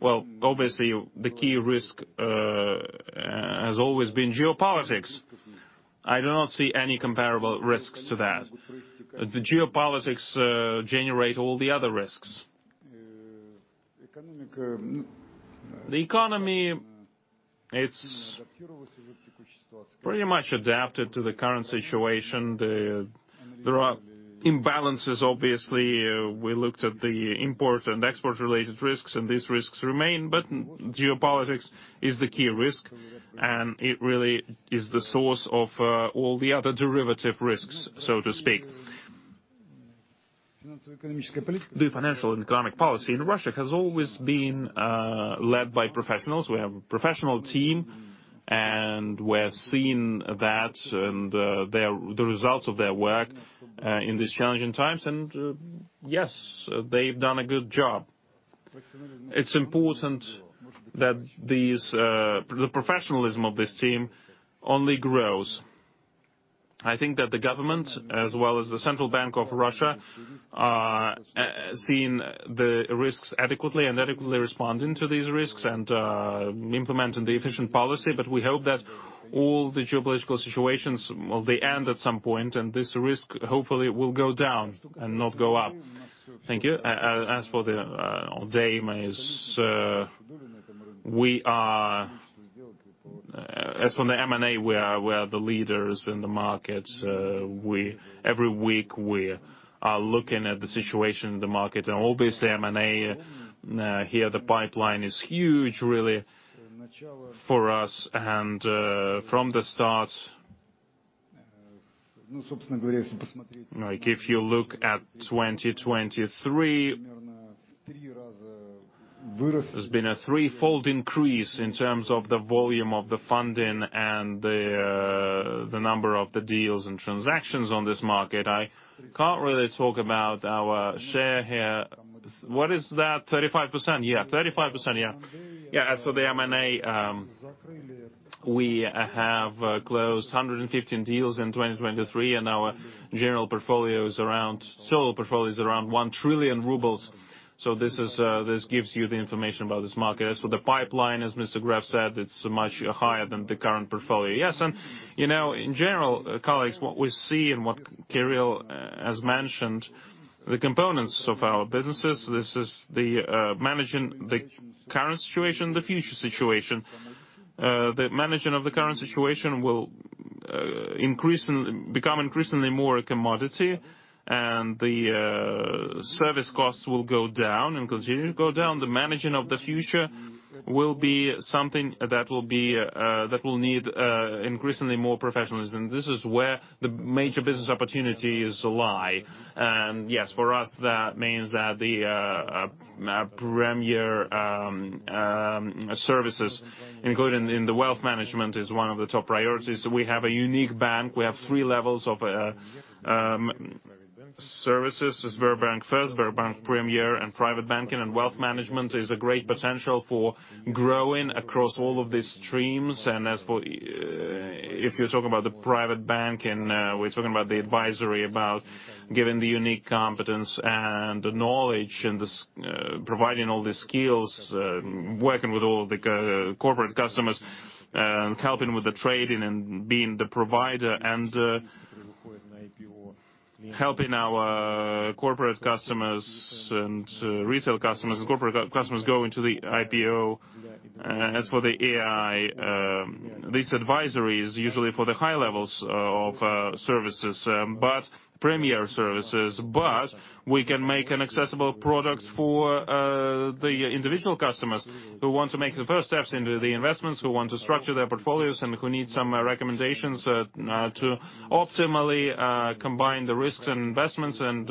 Speaker 1: Well, obviously, the key risk has always been geopolitics. I do not see any comparable risks to that. The geopolitics generate all the other risks. The economy, it's pretty much adapted to the current situation. There are imbalances, obviously. We looked at the import and export-related risks, and these risks remain, but geopolitics is the key risk, and it really is the source of all the other derivative risks, so to speak. The financial and economic policy in Russia has always been led by professionals. We have a professional team, and we're seeing that and their -- the results of their work in these challenging times, and, yes, they've done a good job. It's important that these the professionalism of this team only grows. I think that the government, as well as the Central Bank of Russia, are seeing the risks adequately and adequately responding to these risks and implementing the efficient policy. But we hope that all the geopolitical situations, well, they end at some point, and this risk, hopefully, will go down and not go up. Thank you. As for the M&A, we are the leaders in the market. Every week, we are looking at the situation in the market, and obviously, M&A here, the pipeline is huge really for us. From the start, like, if you look at 2023, there's been a threefold increase in terms of the volume of the funding and the number of the deals and transactions on this market. I can't really talk about our share here. What is that? 35%? Yeah, 35%, yeah. Yeah, as for the M&A, we have closed 115 deals in 2023, and our general portfolio is around, solo portfolio is around 1 trillion rubles. So this is, this gives you the information about this market. As for the pipeline, as Mr. Gref said, it's much higher than the current portfolio. Yes, and, you know, in general, colleagues, what we see and what Kirill has mentioned, the components of our businesses, this is the managing the current situation, the future situation. The managing of the current situation will become increasingly more a commodity, and the service costs will go down and continue to go down. The managing of the future will be something that will need increasingly more professionalism. This is where the major business opportunities lie. And yes, for us, that means that the premier services, including in the wealth management, is one of the top priorities. We have a unique bank. We have three levels of services: Sberbank First, Sberbank Premier, and private banking. And wealth management is a great potential for growing across all of these streams. As for if you're talking about the private bank, and we're talking about the advisory about giving the unique competence and the knowledge and providing all the skills, working with all the corporate customers, helping with the trading and being the provider, and helping our corporate customers and retail customers and corporate customers go into the IPO. As for the AI, this advisory is usually for the high levels of services, but premier services. But we can make an accessible product for the individual customers who want to make the first steps into the investments, who want to structure their portfolios, and who need some recommendations to optimally combine the risks and investments and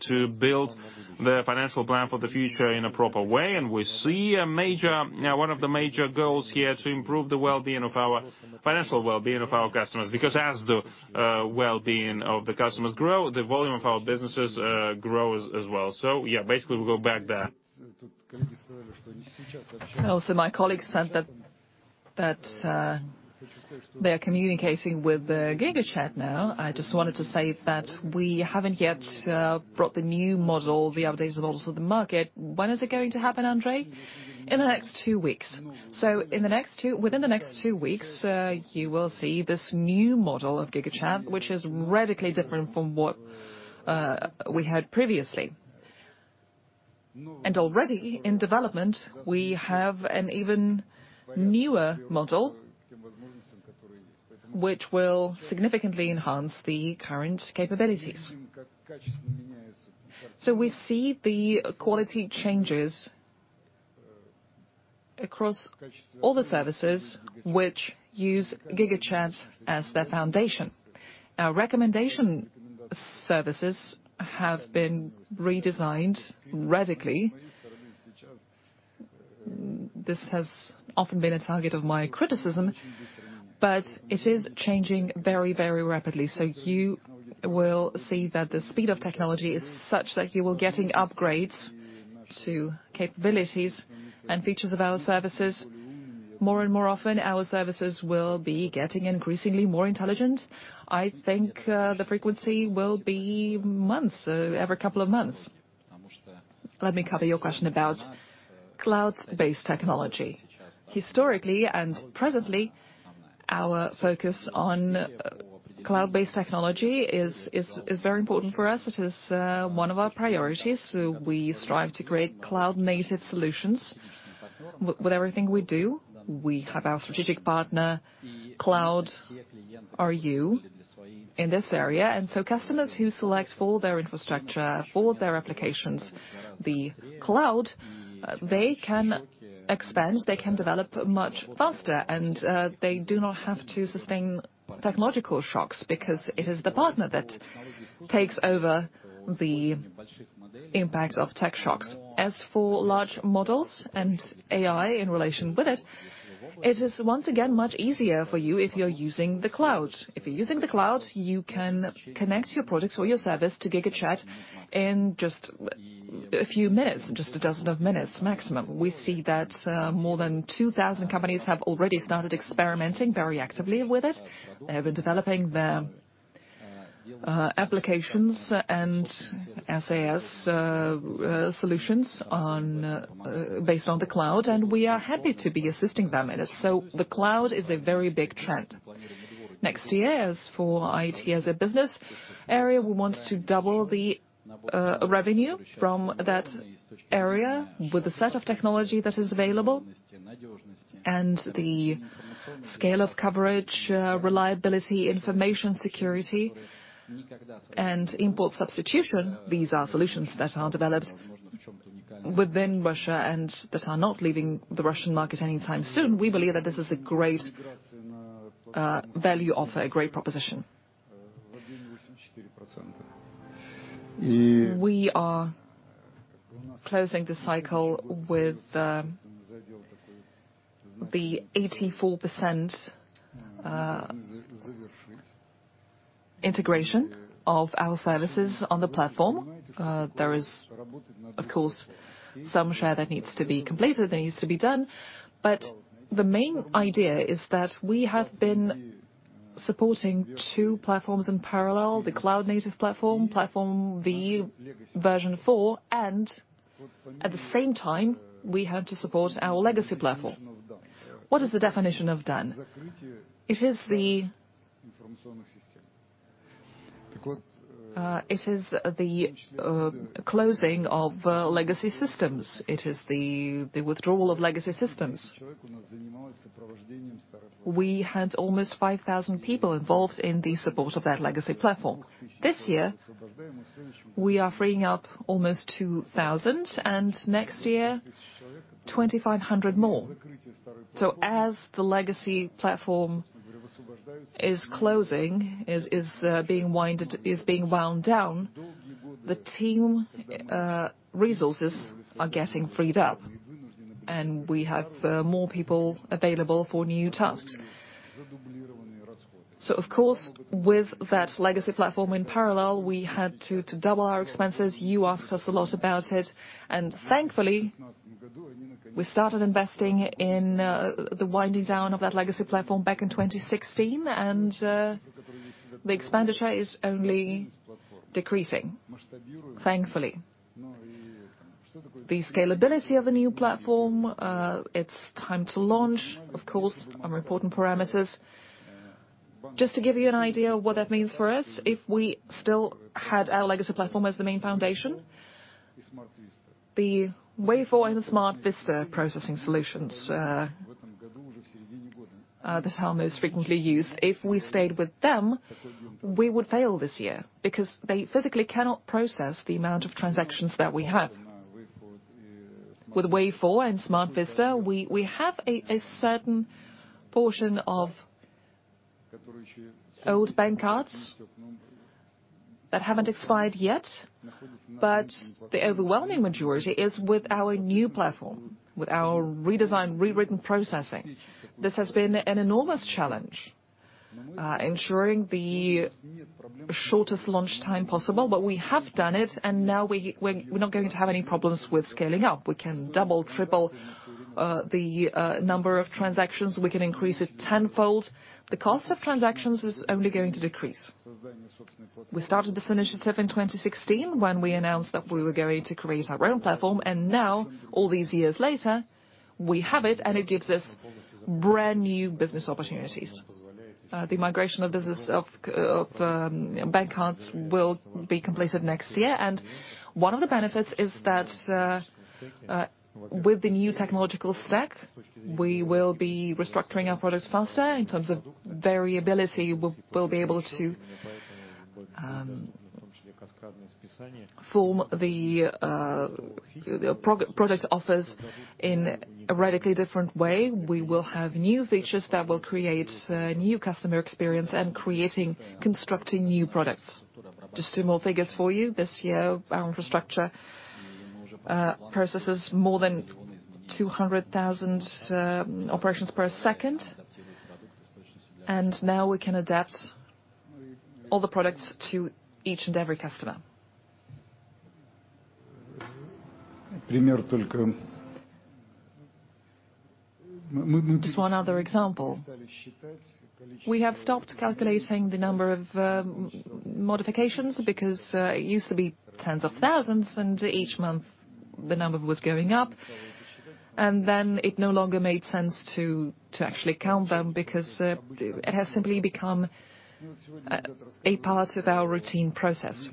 Speaker 1: to build their financial plan for the future in a proper way. We see a major... Now, one of the major goals here, to improve the well-being of our-financial well-being of our customers, because as the well-being of the customers grow, the volume of our businesses, grows as well. So yeah, basically, we go back there. Also, my colleague said that-...
Speaker 2: that, they are communicating with the GigaChat now. I just wanted to say that we haven't yet brought the new model, the updated models to the market. When is it going to happen, Andrey? In the next two weeks. So in the next two-- within the next two weeks, you will see this new model of GigaChat, which is radically different from what, we had previously. And already in development, we have an even newer model which will significantly enhance the current capabilities. So we see the quality changes across all the services which use GigaChat as their foundation. Our recommendation services have been redesigned radically. This has often been a target of my criticism, but it is changing very, very rapidly. So you will see that the speed of technology is such that you are getting upgrades to capabilities and features of our services. More and more often, our services will be getting increasingly more intelligent. I think, the frequency will be months, every couple of months. Let me cover your question about cloud-based technology. Historically, and presently, our focus on cloud-based technology is very important for us. It is one of our priorities, so we strive to create cloud-native solutions with everything we do. We have our strategic partner, Cloud.ru, in this area, and so customers who select for their infrastructure, for their applications, the cloud, they can expand, they can develop much faster, and they do not have to sustain technological shocks, because it is the partner that takes over the impact of tech shocks. As for large models and AI in relation with it, it is once again, much easier for you if you're using the cloud. If you're using the cloud, you can connect your products or your service to GigaChat in just a few minutes, just a dozen of minutes maximum. We see that more than 2,000 companies have already started experimenting very actively with it. They have been developing their applications and SaaS solutions based on the cloud, and we are happy to be assisting them in this. So the cloud is a very big trend. Next year, as for IT, as a business area, we want to double the revenue from that area with the set of technology that is available and the scale of coverage, reliability, information security and import substitution. These are solutions that are developed within Russia, and that are not leaving the Russian market anytime soon. We believe that this is a great value offer, a great proposition. We are closing the cycle with the 84% integration of our services on the platform. There is, of course, some share that needs to be completed, that needs to be done, but the main idea is that we have been supporting two platforms in parallel, the cloud-native platform, Platform V, version 4, and at the same time, we had to support our legacy platform. What is the definition of done? It is the closing of legacy systems. It is the withdrawal of legacy systems. We had almost 5,000 people involved in the support of that legacy platform. This year, we are freeing up almost 2,000, and next year, 2,500 more. So as the legacy platform is closing, being wound down, the team resources are getting freed up, and we have more people available for new tasks. So of course, with that legacy platform in parallel, we had to double our expenses. You asked us a lot about it, and thankfully, we started investing in the winding down of that legacy platform back in 2016, and the expenditure is only decreasing, thankfully. The scalability of the new platform, it's time to launch, of course, on reporting parameters. Just to give you an idea of what that means for us, if we still had our legacy platform as the main foundation, the Way4 and SmartVista processing solutions, that's our most frequently used. If we stayed with them, we would fail this year because they physically cannot process the amount of transactions that we have. With Way4 and SmartVista, we have a certain portion of old bank cards that haven't expired yet, but the overwhelming majority is with our new platform, with our redesigned, rewritten processing. This has been an enormous challenge, ensuring the shortest launch time possible, but we have done it, and now we're not going to have any problems with scaling up. We can double, triple the number of transactions, we can increase it tenfold. The cost of transactions is only going to decrease. We started this initiative in 2016 when we announced that we were going to create our own platform, and now, all these years later, we have it, and it gives us brand-new business opportunities. The migration of business of bank cards will be completed next year, and one of the benefits is that with the new technological stack, we will be restructuring our products faster. In terms of variability, we'll be able to form the product offers in a radically different way. We will have new features that will create new customer experience and creating, constructing new products. Just two more figures for you. This year, our infrastructure processes more than 200,000 operations per second, and now we can adapt all the products to each and every customer. Just one other example, we have stopped calculating the number of modifications because it used to be tens of thousands, and each month, the number was going up, and then it no longer made sense to actually count them because it has simply become a part of our routine process.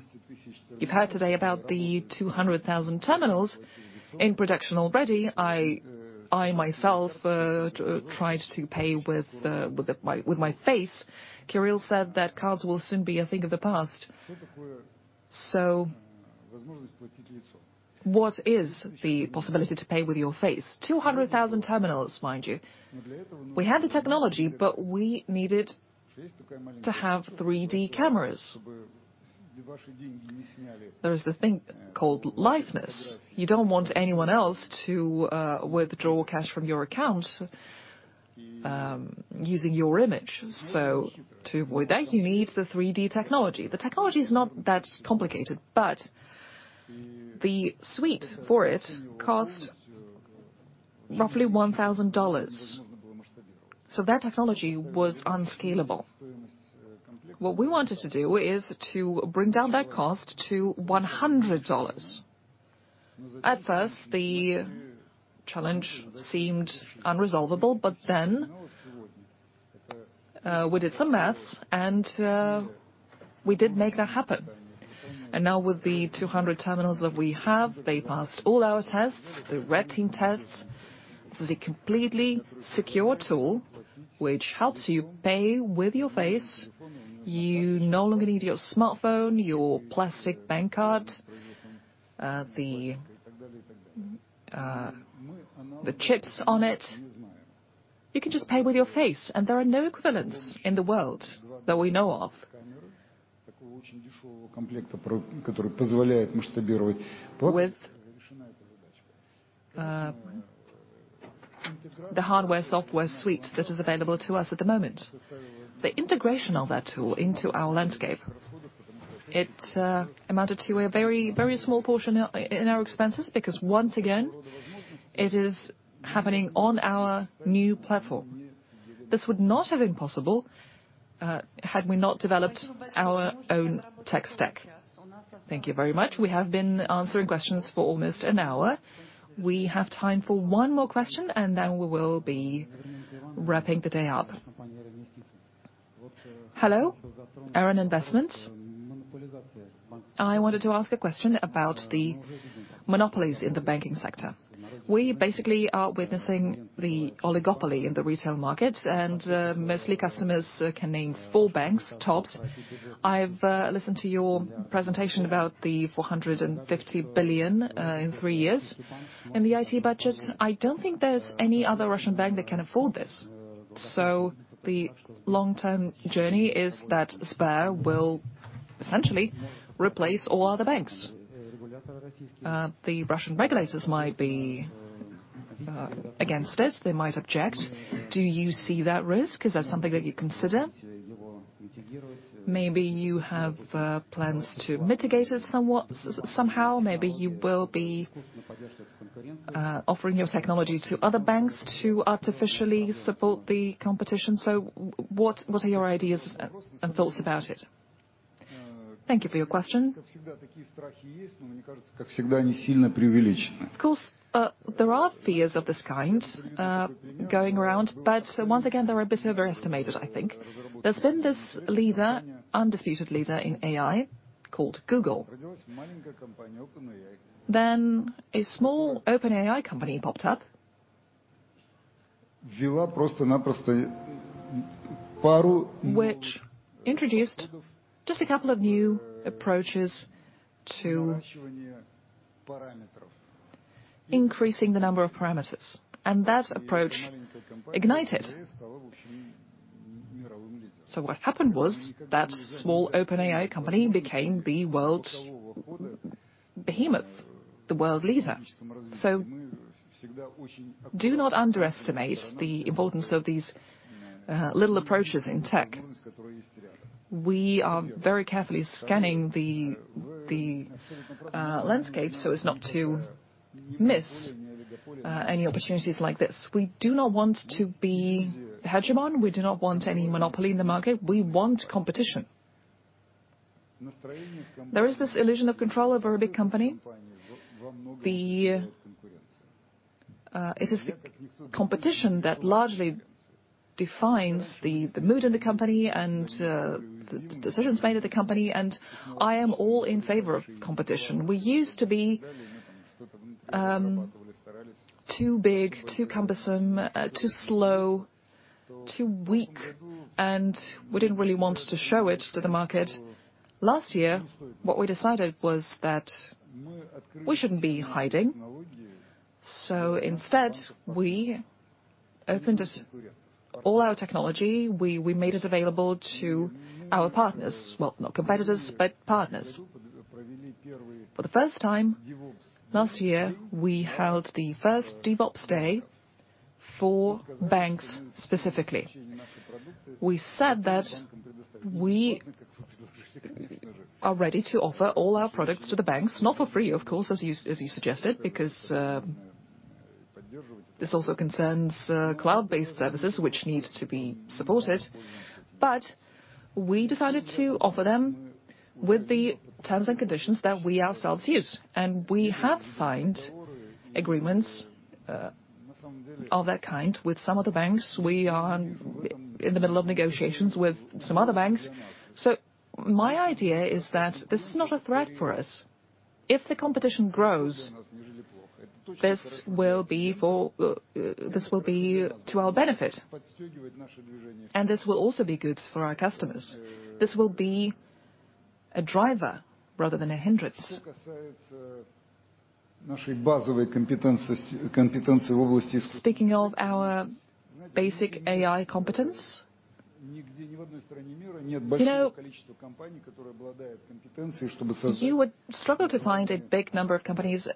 Speaker 2: You've heard today about the 200,000 terminals in production already. I myself tried to pay with my face. Kirill said that cards will soon be a thing of the past. So what is the possibility to pay with your face? 200,000 terminals, mind you. We had the technology, but we needed to have 3D cameras. There is the thing called liveness. You don't want anyone else to withdraw cash from your account using your image, so to avoid that, you need the 3D technology. The technology is not that complicated, but the suite for it cost roughly $1,000, so that technology was unscalable. What we wanted to do is to bring down that cost to $100. At first, the challenge seemed unresolvable, but then we did some math, and we did make that happen. And now with the 200 terminals that we have, they passed all our tests, the red team tests. This is a completely secure tool which helps you pay with your face. You no longer need your smartphone, your plastic bank card, the chips on it. You can just pay with your face, and there are no equivalents in the world that we know of. With the hardware-software suite that is available to us at the moment, the integration of that tool into our landscape, it amounted to a very, very small portion in our expenses, because once again, it is happening on our new platform. This would not have been possible had we not developed our own tech stack. Thank you very much. We have been answering questions for almost an hour. We have time for one more question, and then we will be wrapping the day up. Hello, Aton Investment. I wanted to ask a question about the monopolies in the banking sector. We basically are witnessing the oligopoly in the retail market, and mostly customers can name four banks, tops. I've listened to your presentation about the 450 billion in three years in the IT budget.
Speaker 10: I don't think there's any other Russian bank that can afford this. So the long-term journey is that Sber will essentially replace all other banks. The Russian regulators might be against this, they might object. Do you see that risk? Is that something that you consider? Maybe you have plans to mitigate it somewhat, somehow. Maybe you will be offering your technology to other banks to artificially support the competition. So what are your ideas and thoughts about it? Thank you for your question. Of course, there are fears of this kind going around, but once again, they are a bit overestimated, I think. There's been this leader, undisputed leader in AI called Google. Then a small OpenAI company popped up, which introduced just a couple of new approaches to increasing the number of parameters, and that approach ignited.
Speaker 2: So what happened was that small OpenAI company became the world's behemoth, the world leader. So do not underestimate the importance of these little approaches in tech. We are very carefully scanning the landscape so as not to miss any opportunities like this. We do not want to be hegemon. We do not want any monopoly in the market. We want competition. There is this illusion of control over a big company. It is competition that largely defines the mood of the company and the decisions made at the company, and I am all in favor of competition. We used to be too big, too cumbersome, too slow, too weak, and we didn't really want to show it to the market. Last year, what we decided was that we shouldn't be hiding, so instead, we opened it, all our technology, we made it available to our partners. Well, not competitors, but partners. For the first time, last year, we held the first DevOps Day for banks specifically. We said that we are ready to offer all our products to the banks, not for free, of course, as you suggested, because this also concerns cloud-based services, which needs to be supported. But we decided to offer them with the terms and conditions that we ourselves use, and we have signed agreements of that kind with some of the banks. We are in the middle of negotiations with some other banks. So my idea is that this is not a threat for us. If the competition grows, this will be for, this will be to our benefit, and this will also be good for our customers. This will be a driver rather than a hindrance. Speaking of our basic AI competence, you know, you would struggle to find a big number of companies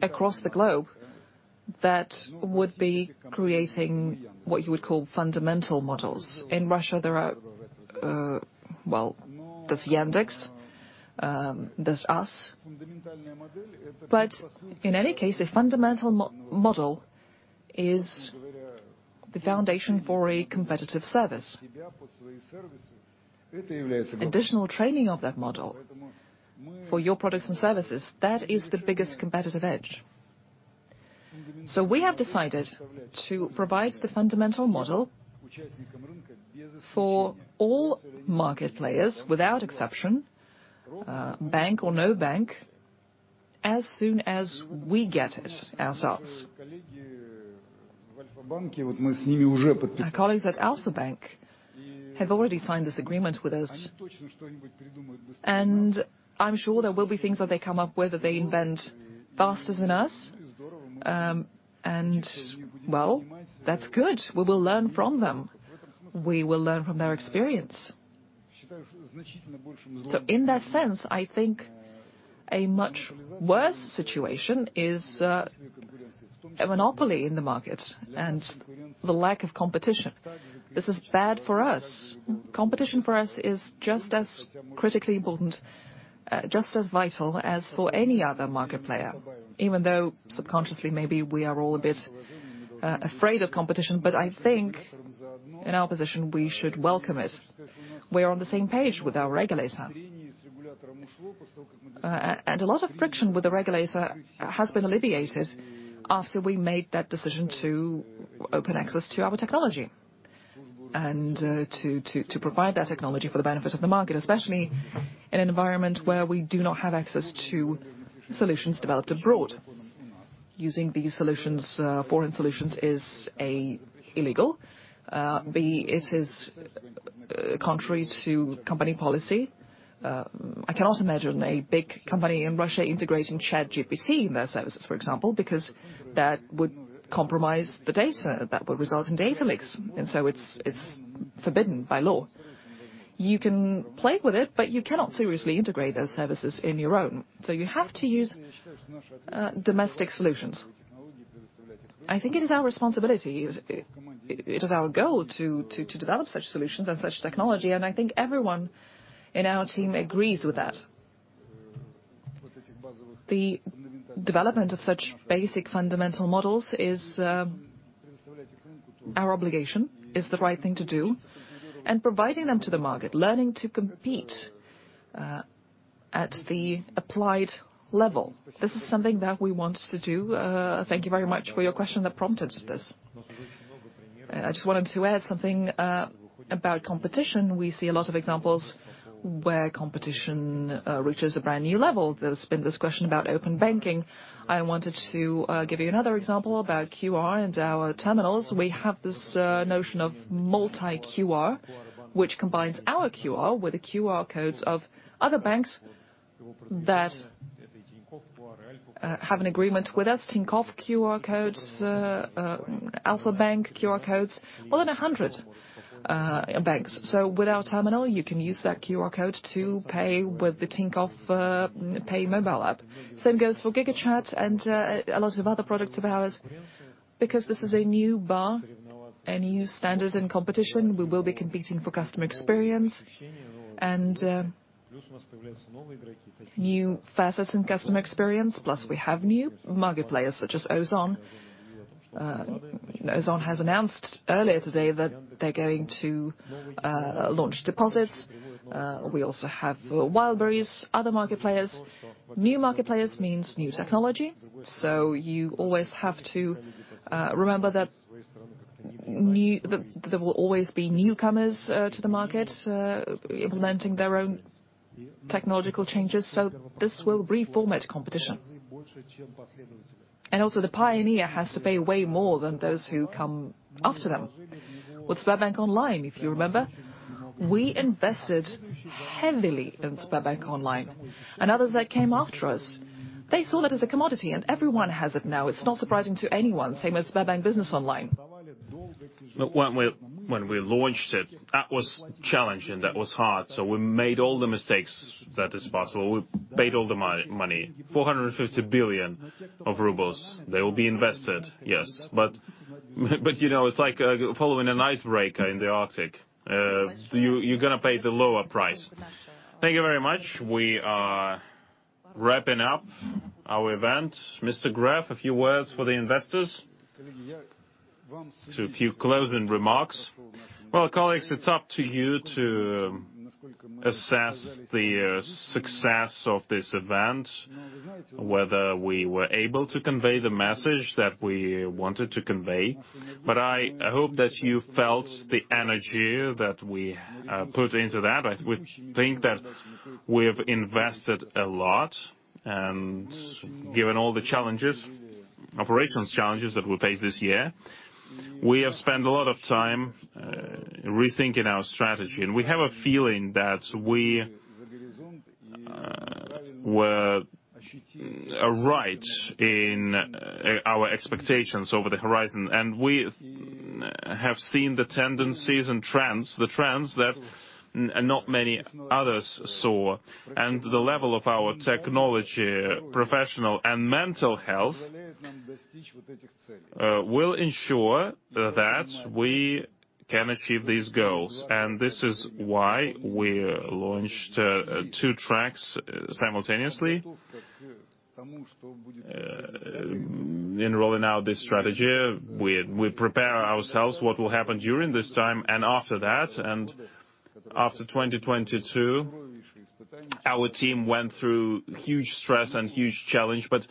Speaker 2: across the globe that would be creating what you would call fundamental models. In Russia, there are, well, there's Yandex, there's us. But in any case, a fundamental model is the foundation for a competitive service. Additional training of that model for your products and services, that is the biggest competitive edge. So we have decided to provide the fundamental model for all market players without exception, bank or no bank, as soon as we get it ourselves. My colleagues at Alfa Bank have already signed this agreement with us, and I'm sure there will be things that they come up with, that they invent faster than us, well, that's good. We will learn from them. We will learn from their experience. So in that sense, I think a much worse situation is, a monopoly in the market and the lack of competition. This is bad for us. Competition for us is just as critically important, just as vital as for any other market player, even though subconsciously, maybe we are all a bit, afraid of competition, but I think in our position, we should welcome it. We are on the same page with our regulator. And a lot of friction with the regulator has been alleviated after we made that decision to open access to our technology and to provide that technology for the benefit of the market, especially in an environment where we do not have access to solutions developed abroad. Using these solutions, foreign solutions, is A, illegal, B, it is contrary to company policy. I cannot imagine a big company in Russia integrating ChatGPT in their services, for example, because that would compromise the data. That would result in data leaks, and so it's forbidden by law. You can play with it, but you cannot seriously integrate those services in your own, so you have to use domestic solutions. I think it is our responsibility, it is our goal to develop such solutions and such technology, and I think everyone in our team agrees with that. The development of such basic fundamental models is our obligation, is the right thing to do, and providing them to the market, learning to compete at the applied level, this is something that we want to do. Thank you very much for your question that prompted this. I just wanted to add something about competition. We see a lot of examples where competition reaches a brand-new level. There's been this question about open banking. I wanted to give you another example about QR and our terminals. We have this notion of multi QR, which combines our QR with the QR codes of other banks that have an agreement with us, Tinkoff QR codes, Alfa Bank QR codes, more than 100 banks. So with our terminal, you can use that QR code to pay with the Tinkoff Pay mobile app. Same goes for GigaChat and a lot of other products of ours.
Speaker 1: ...Because this is a new bar and new standards in competition, we will be competing for customer experience and new facets in customer experience, plus we have new market players such as Ozon. Ozon has announced earlier today that they're going to launch deposits. We also have Wildberries, other market players. New market players means new technology, so you always have to remember that there will always be newcomers to the market implementing their own technological changes, so this will reformat competition. And also, the pioneer has to pay way more than those who come after them. With SberBank Online, if you remember, we invested heavily in SberBank Online, and others that came after us, they saw that as a commodity, and everyone has it now. It's not surprising to anyone, same as SberBank Business Online. But when we, when we launched it, that was challenging, that was hard, so we made all the mistakes that is possible. We paid all the money, 450 billion rubles. They will be invested, yes, but, you know, it's like following an icebreaker in the Arctic. You, you're gonna pay the lower price. Thank you very much. We are wrapping up our event. Mr. Gref, a few words for the investors? Just a few closing remarks. Well, colleagues, it's up to you to assess the success of this event, whether we were able to convey the message that we wanted to convey. But I, I hope that you felt the energy that we put into that. I would think that we have invested a lot, and given all the challenges, operations challenges that we faced this year, we have spent a lot of time rethinking our strategy, and we have a feeling that we were right in our expectations over the horizon, and we have seen the tendencies and trends, the trends that not many others saw. And the level of our technology, professional and mental health will ensure that we can achieve these goals, and this is why we launched two tracks simultaneously. In rolling out this strategy, we prepare ourselves what will happen during this time and after that. And after 2022, our team went through huge stress and huge challenge, but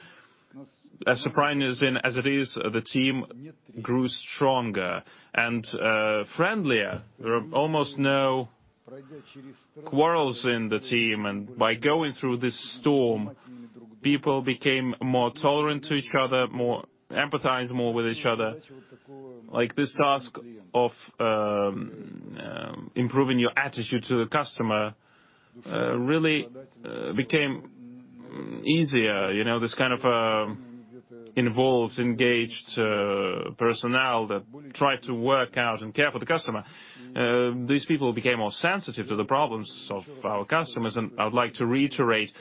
Speaker 1: as surprising as it is, the team grew stronger and friendlier. There are almost no quarrels in the team, and by going through this storm, people became more tolerant to each other, more empathized more with each other. Like, this task of improving your attitude to the customer really became easier. You know, this kind of involved, engaged personnel that tried to work out and care for the customer, these people became more sensitive to the problems of our customers, and I would like to reiterate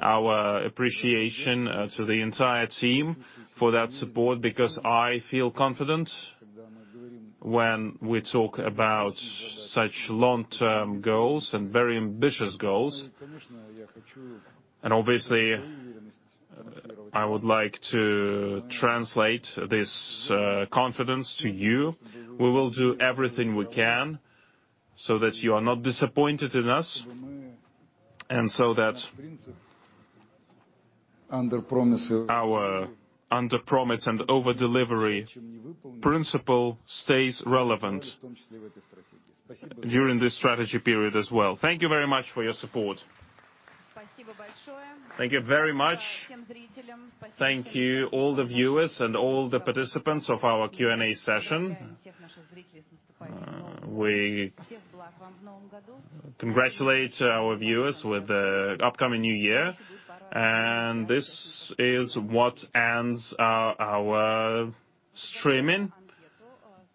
Speaker 1: our appreciation to the entire team for that support, because I feel confident when we talk about such long-term goals and very ambitious goals. And obviously, I would like to translate this confidence to you. We will do everything we can so that you are not disappointed in us, and so that our underpromise and overdelivery principle stays relevant during this strategy period as well. Thank you very much for your support. Thank you very much. Thank you, all the viewers and all the participants of our Q&A session. We congratulate our viewers with the upcoming new year, and this is what ends our streaming.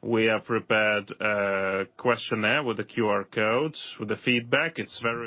Speaker 1: We have prepared a questionnaire with a QR code, with a feedback. It's very-